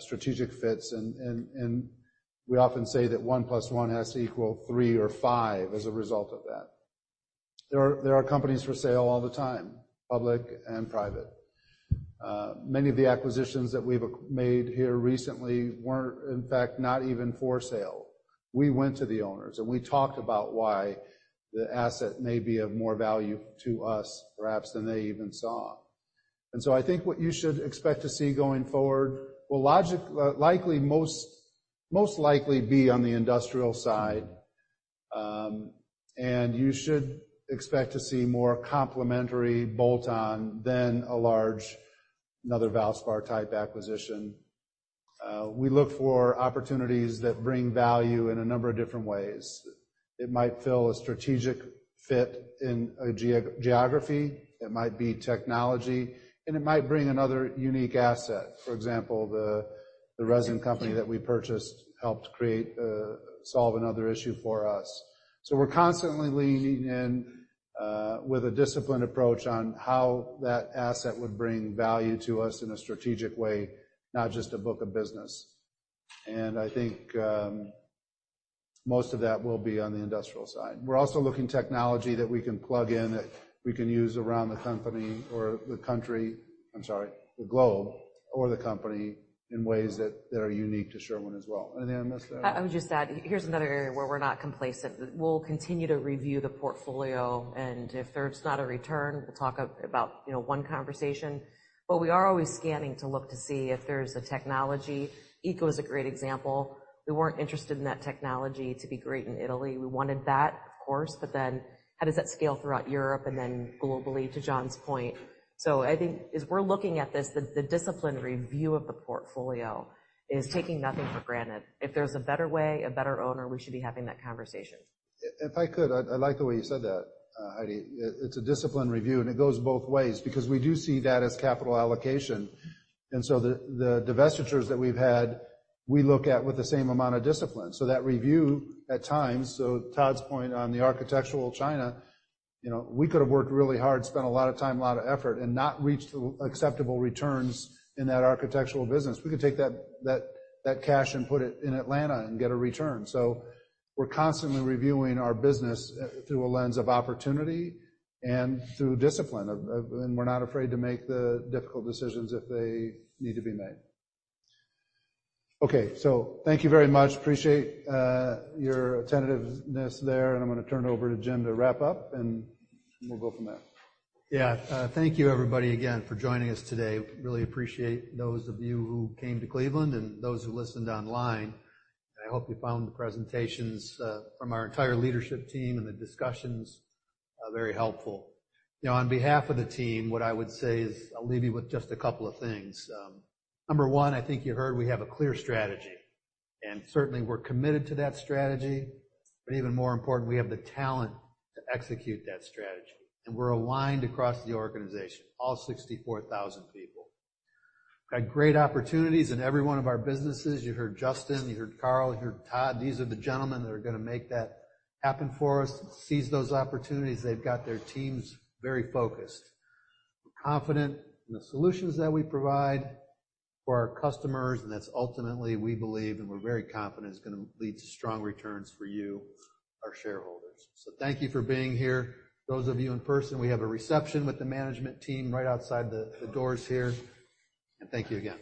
strategic fits, and we often say that one plus one has to equal three or five as a result of that. There are companies for sale all the time, public and private. Many of the acquisitions that we've made here recently weren't, in fact, not even for sale. We went to the owners, and we talked about why the asset may be of more value to us, perhaps, than they even saw. And so I think what you should expect to see going forward will likely most likely be on the industrial side. And you should expect to see more complementary bolt-on than a large, another Valspar-type acquisition. We look for opportunities that bring value in a number of different ways. It might fill a strategic fit in a geography, it might be technology, and it might bring another unique asset. For example, the resin company that we purchased helped create, solve another issue for us. So we're constantly leaning in with a disciplined approach on how that asset would bring value to us in a strategic way, not just a book of business. And I think most of that will be on the industrial side. We're also looking technology that we can plug in, that we can use around the company or the country, I'm sorry, the globe, or the company, in ways that that are unique to Sherwin as well. Anything I missed, Heidi? I would just add, here's another area where we're not complacent. We'll continue to review the portfolio, and if there's not a return, we'll talk about, you know, one conversation, but we are always scanning to look to see if there's a technology. ICA is a great example. We weren't interested in that technology to be great in Italy. We wanted that, of course, but then how does that scale throughout Europe and then globally, to John's point? So I think as we're looking at this, the disciplined review of the portfolio is taking nothing for granted. If there's a better way, a better owner, we should be having that conversation. If I could, I like the way you said that, Heidi. It's a disciplined review, and it goes both ways because we do see that as capital allocation. And so the divestitures that we've had, we look at with the same amount of discipline. So that review at times, so Todd's point on the architectural China, you know, we could have worked really hard, spent a lot of time, a lot of effort, and not reached the acceptable returns in that architectural business. We could take that cash and put it in Atlanta and get a return. So we're constantly reviewing our business through a lens of opportunity and through discipline. And we're not afraid to make the difficult decisions if they need to be made. Okay, so thank you very much. Appreciate, your attentiveness there, and I'm gonna turn it over to Jim to wrap up, and we'll go from there. Yeah, thank you, everybody, again, for joining us today. Really appreciate those of you who came to Cleveland and those who listened online. I hope you found the presentations from our entire leadership team and the discussions very helpful. You know, on behalf of the team, what I would say is, I'll leave you with just a couple of things. Number one, I think you heard we have a clear strategy, and certainly, we're committed to that strategy, but even more important, we have the talent to execute that strategy. And we're aligned across the organization, all 64,000 people. Got great opportunities in every one of our businesses. You heard Justin, you heard Carl, you heard Todd. These are the gentlemen that are gonna make that happen for us, seize those opportunities. They've got their teams very focused. We're confident in the solutions that we provide for our customers, and that's ultimately, we believe, and we're very confident, is gonna lead to strong returns for you, our shareholders. So thank you for being here. Those of you in person, we have a reception with the management team right outside the doors here, and thank you again.